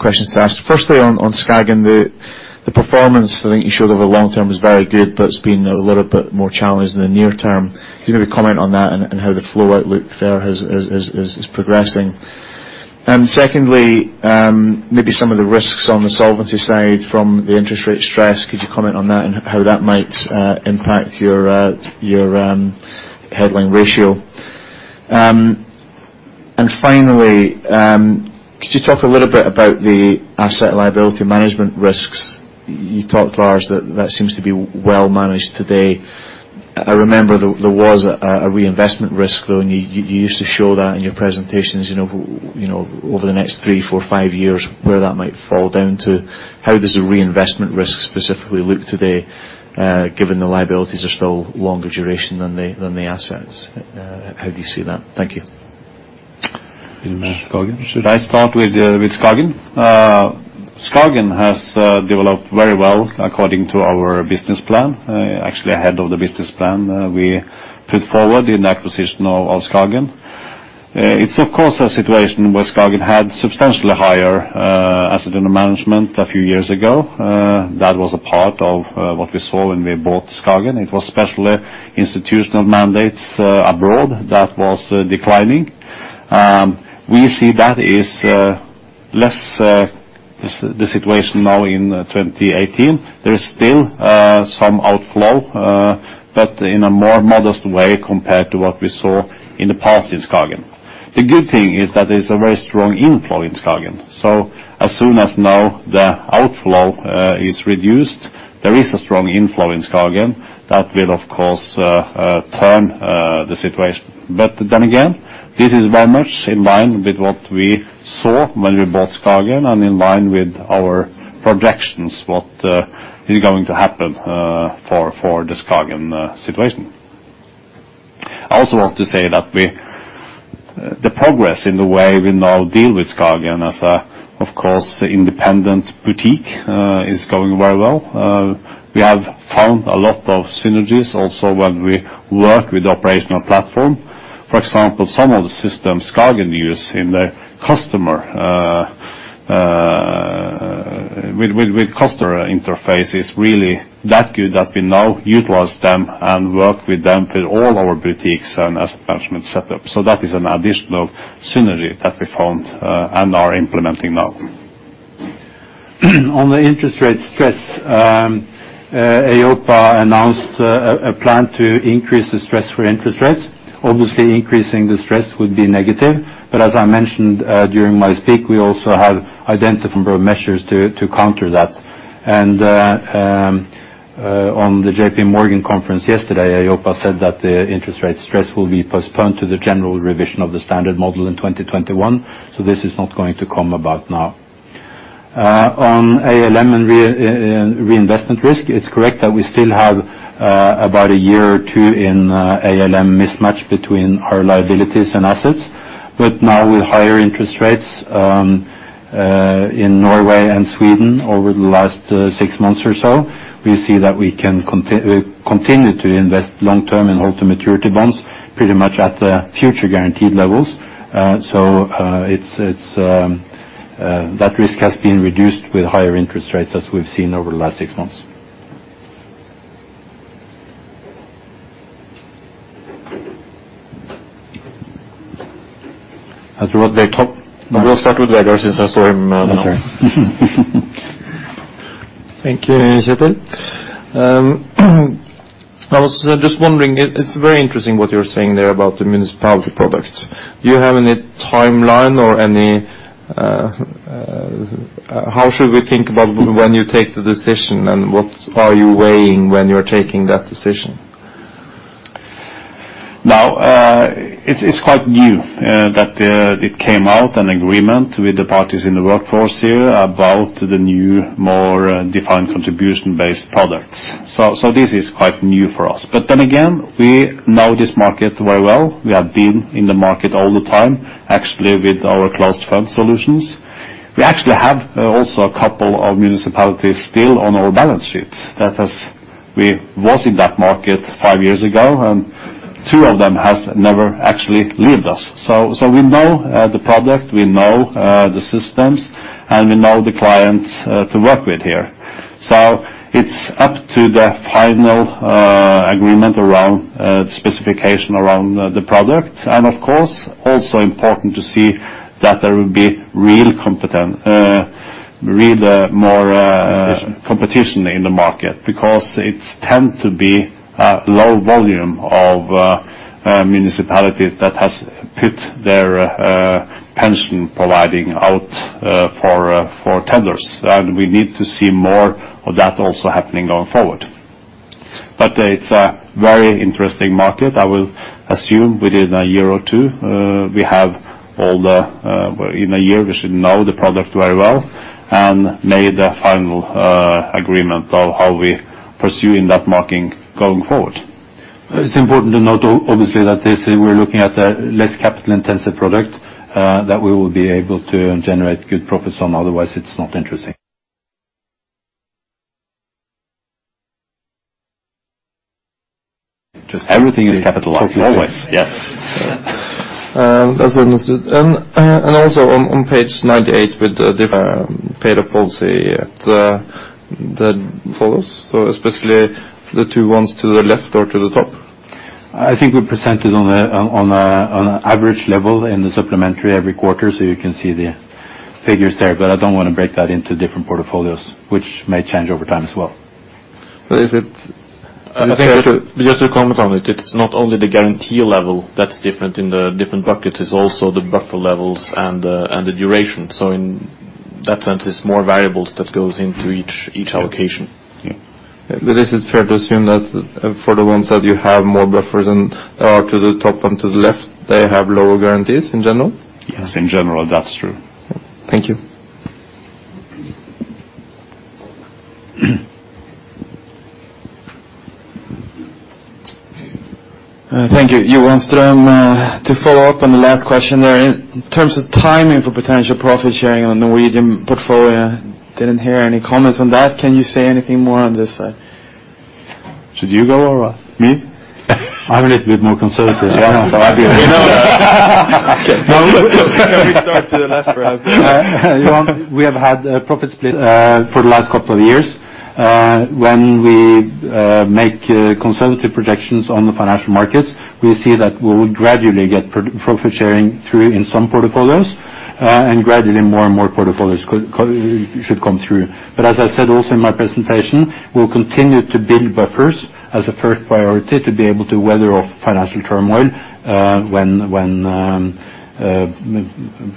questions to ask. Firstly, on SKAGEN, the performance, I think you showed over the long term is very good, but it's been a little bit more challenged in the near term. Can you maybe comment on that and how the flow outlook there is progressing? And secondly, maybe some of the risks on the solvency side from the interest rate stress. Could you comment on that and how that might impact your headline ratio? And finally, could you talk a little bit about the asset liability management risks? You talked, Lars, that that seems to be well managed today. I remember there was a reinvestment risk, though, and you used to show that in your presentations, you know, you know, over the next three, four, five years, where that might fall down to. How does the reinvestment risk specifically look today, given the liabilities are still longer duration than the assets? How do you see that? Thank you. Should I start with SKAGEN? SKAGEN has developed very well according to our business plan. Actually ahead of the business plan, we put forward in the acquisition of SKAGEN. It's of course a situation where SKAGEN had substantially higher asset under management a few years ago. That was a part of what we saw when we bought SKAGEN. It was especially institutional mandates abroad that was declining. We see that is less the situation now in 2018. There is still some outflow, but in a more modest way compared to what we saw in the past in SKAGEN. The good thing is that there's a very strong inflow in SKAGEN. So as soon as now the outflow is reduced, there is a strong inflow in SKAGEN. That will, of course, turn the situation. But then again, this is very much in line with what we saw when we bought SKAGEN and in line with our projections, what is going to happen for the SKAGEN situation. I also want to say that we... The progress in the way we now deal with SKAGEN as a, of course, independent boutique is going very well. We have found a lot of synergies also when we work with the operational platform. For example, some of the systems SKAGEN use in the customer with customer interface is really that good that we now utilize them and work with them with all our boutiques and asset management setup. So that is an additional synergy that we found and are implementing now. On the interest rate stress, EIOPA announced a plan to increase the stress for interest rates. Obviously, increasing the stress would be negative, but as I mentioned during my speech, we also have identifiable measures to counter that. On the J.P. Morgan conference yesterday, EIOPA said that the interest rate stress will be postponed to the general revision of the standard model in 2021, so this is not going to come about now. On ALM and reinvestment risk, it's correct that we still have about a year or two in ALM mismatch between our liabilities and assets. But now with higher interest rates in Norway and Sweden over the last six months or so, we see that we can continue to invest long-term and hold to maturity bonds pretty much at the future guaranteed levels. So, it's that risk has been reduced with higher interest rates as we've seen over the last six months. Have you got the top? We'll start with Vegard, since I saw him. Thank you, Kjetil. I was just wondering, it's very interesting what you're saying there about the municipality product. Do you have any timeline or how should we think about when you take the decision, and what are you weighing when you're taking that decision? Now, it's quite new that it came out an agreement with the parties in the workforce here about the new, more defined contribution-based products. So, this is quite new for us. But then again, we know this market very well. We have been in the market all the time, actually, with our closed fund solutions. We actually have also a couple of municipalities still on our balance sheets, that has—we was in that market five years ago, and two of them has never actually left us. So, so we know the product, we know the systems, and we know the clients to work with here. So it's up to the final agreement around specification around the product, and of course, also important to see that there will be real competent, real, more competition in the market, because it's tend to be a low volume of municipalities that has put their pension providing out for tenders. And we need to see more of that also happening going forward. But it's a very interesting market. I will assume within a year or two we have all the well, in a year, we should know the product very well, and made a final agreement of how we pursue in that market going forward. It's important to note, obviously, that this, we're looking at a less capital-intensive product that we will be able to generate good profits on, otherwise, it's not interesting. Everything is capitalized, always. Yes. That's understood. And also on page 98, with the different paid-up policy, so especially the two ones to the left or to the top. I think we presented on an average level in the supplementary every quarter, so you can see the figures there, but I don't want to break that into different portfolios, which may change over time as well. But is it- I think just to comment on it, it's not only the guarantee level that's different in the different buckets, it's also the buffer levels and the duration. So in that sense, it's more variables that goes into each allocation. Yes. But is it fair to assume that for the ones that you have more buffers and, to the top and to the left, they have lower guarantees in general? Yes, in general, that's true. Thank you. Thank you. Johan Strøm, to follow up on the last question there, in terms of timing for potential profit sharing on the Norwegian portfolio, didn't hear any comments on that. Can you say anything more on this side? Should you go or me? I'm a little bit more conservative. Yeah, so Can we start to the left perhaps? Johan, we have had profit sharing for the last couple of years. When we make conservative projections on the financial markets, we see that we will gradually get profit sharing through in some portfolios, and gradually, more and more portfolios should come through. But as I said, also in my presentation, we'll continue to build buffers as a first priority, to be able to weather financial turmoil when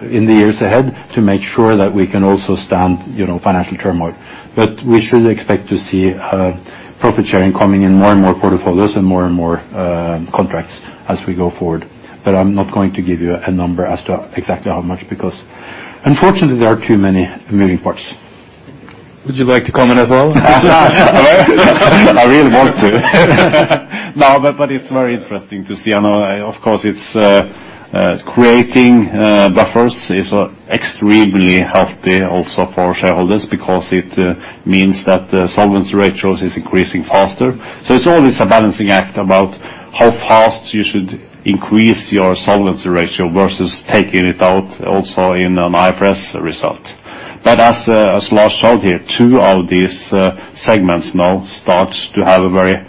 in the years ahead, to make sure that we can also stand, you know, financial turmoil. But we should expect to see profit sharing coming in more and more portfolios and more and more contracts as we go forward. But I'm not going to give you a number as to exactly how much, because unfortunately, there are too many moving parts. Would you like to comment as well? I really want to. No, but it's very interesting to see. I know, of course, it's creating buffers is extremely healthy also for shareholders because it means that the solvency ratios is increasing faster. So it's always a balancing act about how fast you should increase your solvency ratio versus taking it out also in an IFRS result. But as Lars said here, two of these segments now start to have a very,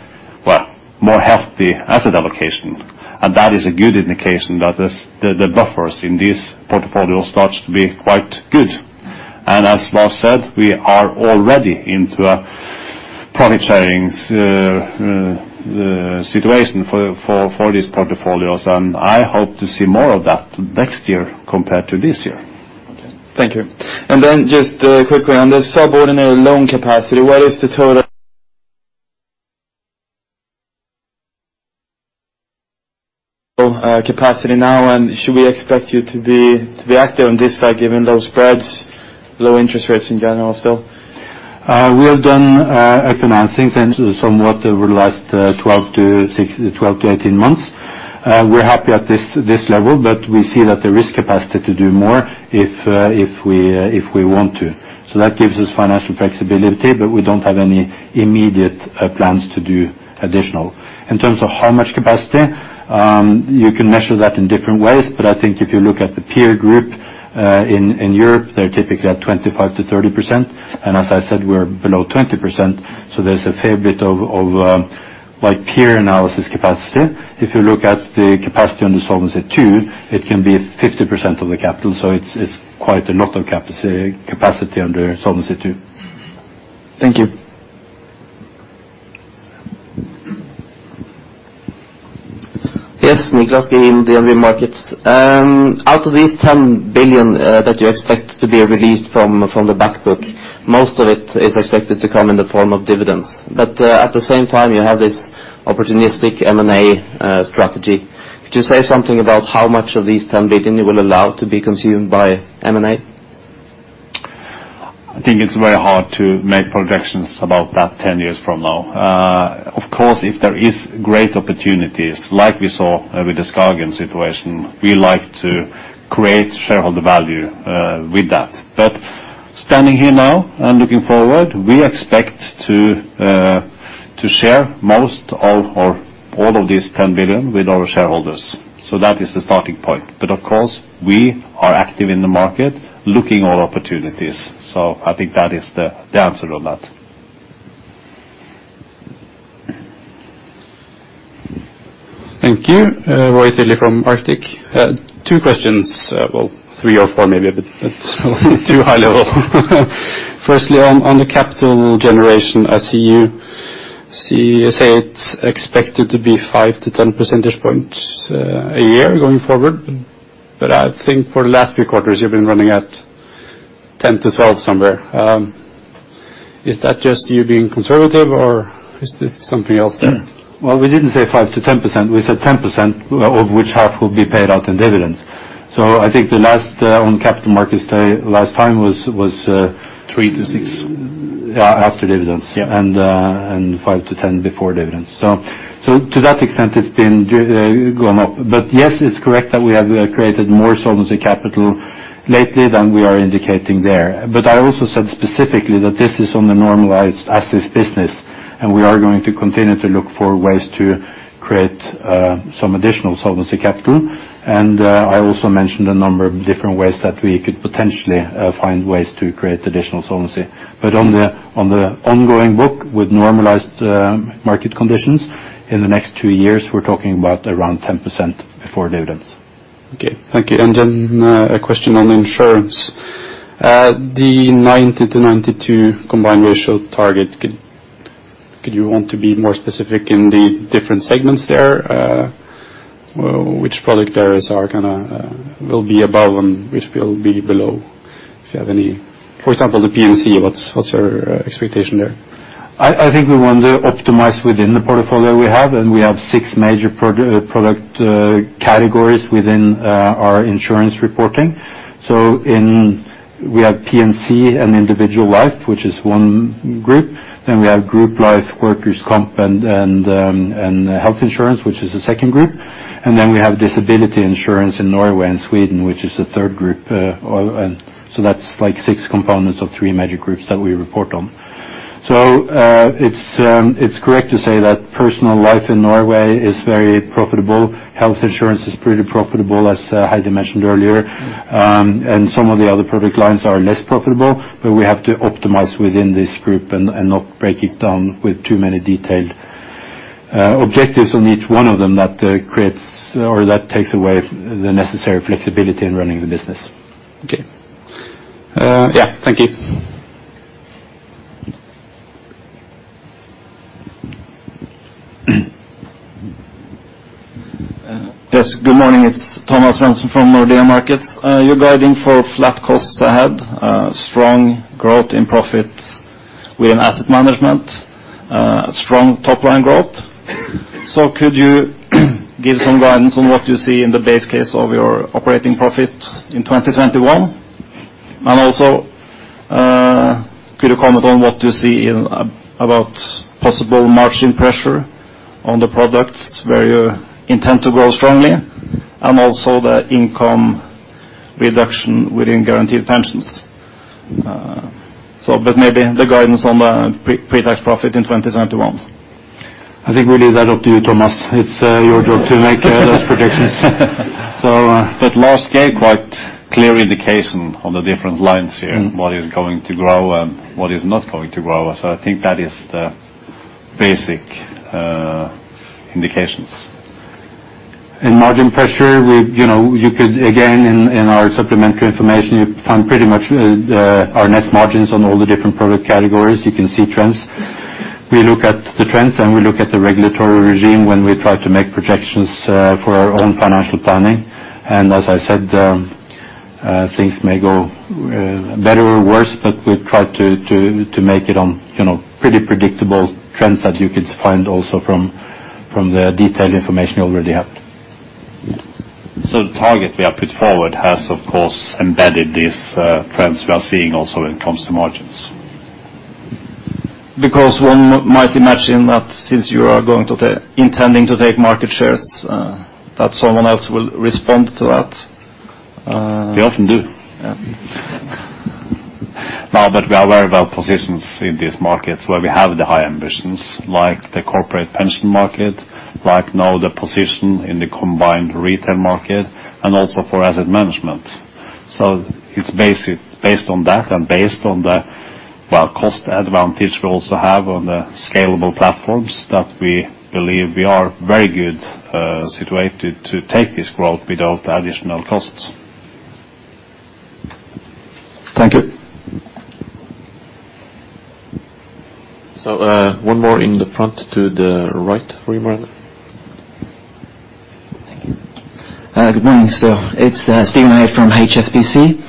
well, more healthy asset allocation, and that is a good indication that the buffers in this portfolio starts to be quite good. And as Lars said, we are already into a profit sharing situation for these portfolios, and I hope to see more of that next year compared to this year. Okay. Thank you. And then just quickly on the subordinate loan capacity, what is the total capacity now, and should we expect you to be active on this side, given low spreads, low interest rates in general so? We have done financings and somewhat over the last 12 to 16, 12 to 18 months. We're happy at this, this level, but we see that the risk capacity to do more if, if we, if we want to. So that gives us financial flexibility, but we don't have any immediate plans to do additional. In terms of how much capacity, you can measure that in different ways, but I think if you look at the peer group, in, in Europe, they're typically at 25%-30%. And as I said, we're below 20%, so there's a fair bit of, like, peer analysis capacity. If you look at the capacity on the Solvency II, it can be 50% of the capital, so it's, it's quite a lot of capacity under Solvency II. Thank you. Yes, Niklas in the DNB Markets. Out of these 10 billion that you expect to be released from the back book, most of it is expected to come in the form of dividends. But at the same time, you have this opportunistic M&A strategy. Could you say something about how much of these 10 billion you will allow to be consumed by M&A? I think it's very hard to make projections about that 10 years from now. Of course, if there is great opportunities, like we saw with the SKAGEN situation, we like to create shareholder value, with that. But standing here now and looking forward, we expect to, to share most all or all of this 10 billion with our shareholders. So that is the starting point. But of course, we are active in the market, looking all opportunities. So I think that is the answer on that. Thank you. Roy Tilley from Arctic. Two questions, well, three or four maybe, but too high level. Firstly, on the capital generation, I see you say it's expected to be 5-10 percentage points a year going forward. But I think for the last few quarters, you've been running at 10-12 somewhere. Is that just you being conservative, or is there something else there? Well, we didn't say 5%-10%. We said 10%, of which half will be paid out in dividends. So I think the last on capital markets, the last time was 3%-6%. Yeah, after dividends. Yeah. And, and 5%-10% before dividends. So, so to that extent, it's been going up. But yes, it's correct that we have created more solvency capital lately than we are indicating there. But I also said specifically that this is on the normalized assets business, and we are going to continue to look for ways to create some additional solvency capital. And I also mentioned a number of different ways that we could potentially find ways to create additional solvency. But on the ongoing book, with normalized market conditions, in the next two years, we're talking about around 10% before dividends. Okay, thank you. And then a question on insurance. The 90%-92% combined ratio target, could you want to be more specific in the different segments there? Which product areas are will be above and which will be below? If you have any... For example, the P&C, what's your expectation there? I think we want to optimize within the portfolio we have, and we have six major product categories within our insurance reporting. So we have P&C and individual life, which is one group. Then we have group life, workers' comp, and health insurance, which is the second group. And then we have disability insurance in Norway and Sweden, which is the third group. And so that's like six components of three major groups that we report on. So it's correct to say that personal life in Norway is very profitable. Health insurance is pretty profitable, as Heidi mentioned earlier. Some of the other product lines are less profitable, but we have to optimize within this group and not break it down with too many detailed objectives on each one of them that creates or that takes away the necessary flexibility in running the business. Okay. Yeah, thank you. Yes, good morning, it's Thomas Svendsen from Nordea Markets. You're guiding for flat costs ahead, strong growth in profits within asset management, strong top line growth. So could you give some guidance on what you see in the base case of your operating profits in 2021? And also, could you comment on what you see about possible margin pressure on the products where you intend to grow strongly, and also the income reduction within guaranteed pensions? So but maybe the guidance on the pre-tax profit in 2021. I think we leave that up to you, Thomas. It's your job to make those predictions. So, uh- But Lars gave quite clear indication on the different lines here. Mm-hmm. What is going to grow and what is not going to grow. So I think that is the basic indications. In margin pressure, we, you know, you could, again, in, in our supplementary information, you find pretty much our net margins on all the different product categories. You can see trends. We look at the trends, and we look at the regulatory regime when we try to make projections for our own financial planning. And as I said, things may go better or worse, but we try to make it on, you know, pretty predictable trends that you could find also from the detailed information you already have. So the target we have put forward has, of course, embedded these trends we are seeing also when it comes to margins. Because one might imagine that since you are intending to take market shares, that someone else will respond to that. They often do. Yeah. No, but we are very well positioned in these markets where we have the high ambitions, like the corporate pension market, like now the position in the combined retail market, and also for asset management. So it's basic, based on that and based on the, well, cost advantage we also have on the scalable platforms, that we believe we are very good, situated to take this growth without additional costs. Thank you. So, one more in the front to the right for you, Mariana. Thank you. Good morning, sir. It's Steven Hayne from HSBC.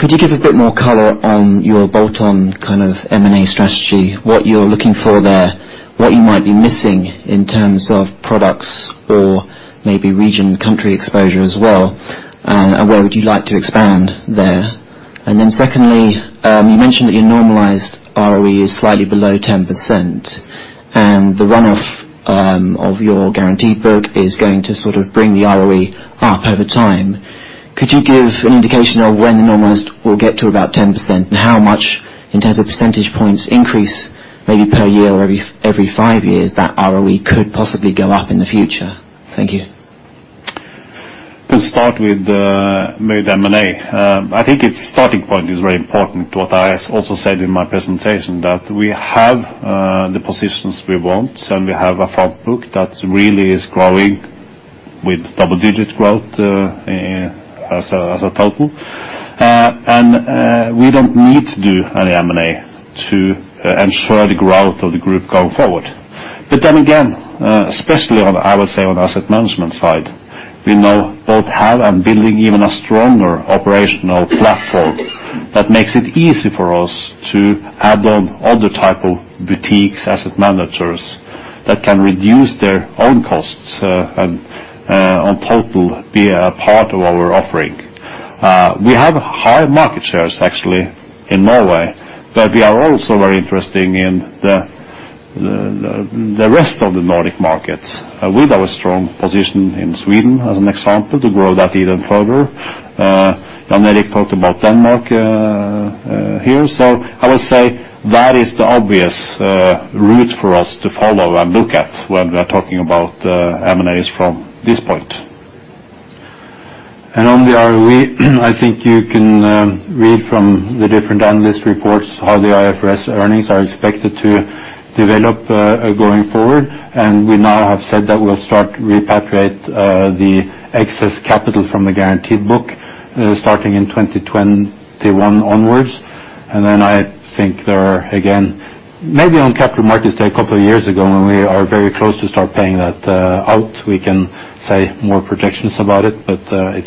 Could you give a bit more color on your bolt-on kind of M&A strategy, what you're looking for there, what you might be missing in terms of products or maybe region, country exposure as well? And where would you like to expand there? And then secondly, you mentioned that your normalized ROE is slightly below 10%, and the run-off of your guaranteed book is going to sort of bring the ROE up over time. Could you give an indication of when the normalized will get to about 10%, and how much, in terms of percentage points increase, maybe per year or every, every five years, that ROE could possibly go up in the future? Thank you. Let's start with the mid M&A. I think it's starting point is very important, what I also said in my presentation, that we have the positions we want, and we have a front book that really is growing with double-digit growth, as a total. We don't need to do any M&A to ensure the growth of the group going forward. But then again, especially on, I would say, on the asset management side, we now both have and building even a stronger operational platform that makes it easy for us to add on other type of boutiques, asset managers, that can reduce their own costs, and on total, be a part of our offering. We have high market shares, actually, in Norway, but we are also very interesting in the rest of the Nordic market, with our strong position in Sweden, as an example, to grow that even further. Jan Erik talked about Denmark here. So I would say that is the obvious route for us to follow and look at when we are talking about M&As from this point. And on the ROE, I think you can read from the different analyst reports how the IFRS earnings are expected to develop going forward. And we now have said that we'll start repatriate the excess capital from the guaranteed book starting in 2021 onwards. I think there are, again, maybe on Capital Markets Day a couple of years ago, when we are very close to start paying that out, we can say more projections about it, but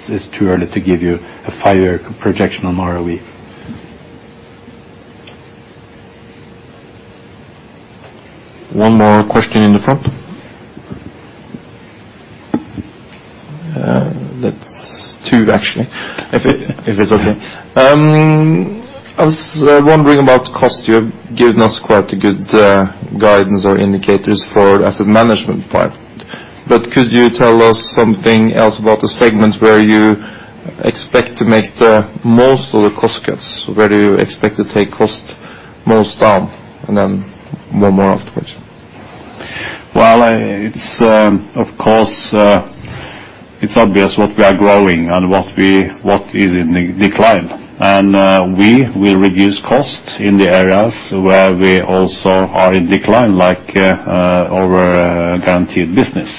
it's too early to give you a five-year projection on ROE. One more question in the front. That's two, actually, if it, if it's okay. I was wondering about cost. You have given us quite a good, guidance or indicators for asset management part. But could you tell us something else about the segments where you expect to make the most of the cost cuts? Where do you expect to take cost most down, and then one more afterwards. Well, it's of course obvious what we are growing and what is in decline. And we will reduce costs in the areas where we also are in decline, like our guaranteed business.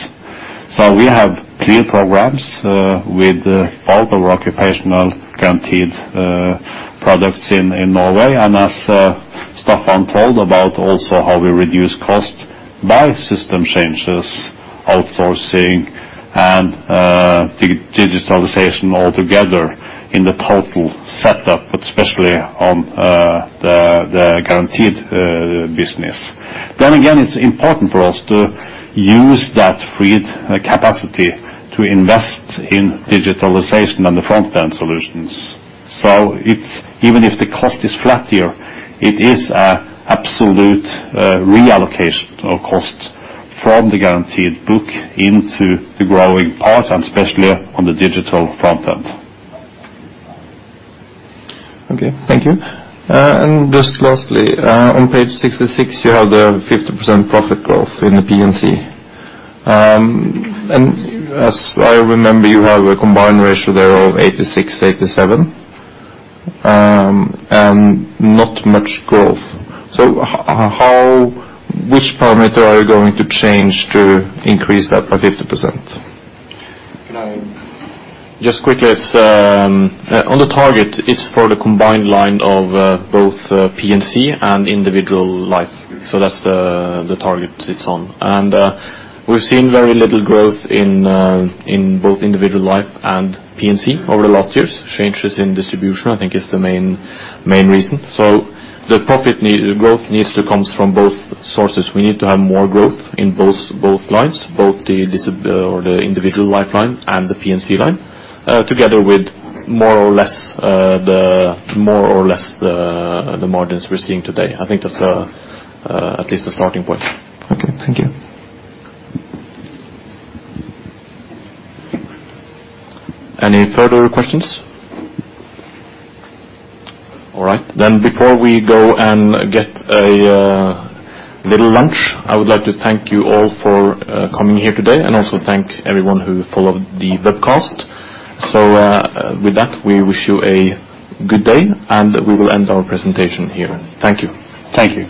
So we have clear programs with all the occupational guaranteed products in Norway. And as Staffan told about also how we reduce cost by system changes, outsourcing, and digitalization altogether in the total setup, but especially on the guaranteed business. Then again, it's important for us to use that freed capacity to invest in digitalization and the front-end solutions. So it's even if the cost is flat year, it is an absolute reallocation of cost from the guaranteed book into the growing part, and especially on the digital front end. Okay, thank you. And just lastly, on page 66, you have the 50% profit growth in the P&C. And as I remember, you have a combined ratio there of 86, 87, and not much growth. So how, which parameter are you going to change to increase that by 50%? Just quickly, it's on the target, it's for the combined line of both P&C and individual life. So that's the target sits on. And we've seen very little growth in both individual life and P&C over the last years. Changes in distribution, I think, is the main reason. So the profit need, growth needs to comes from both sources. We need to have more growth in both lines, the individual life line and the P&C line, together with more or less the margins we're seeing today. I think that's at least the starting point. Okay, thank you. Any further questions? All right. Then, before we go and get a little lunch, I would like to thank you all for coming here today, and also thank everyone who followed the webcast. So, with that, we wish you a good day, and we will end our presentation here. Thank you. Thank you.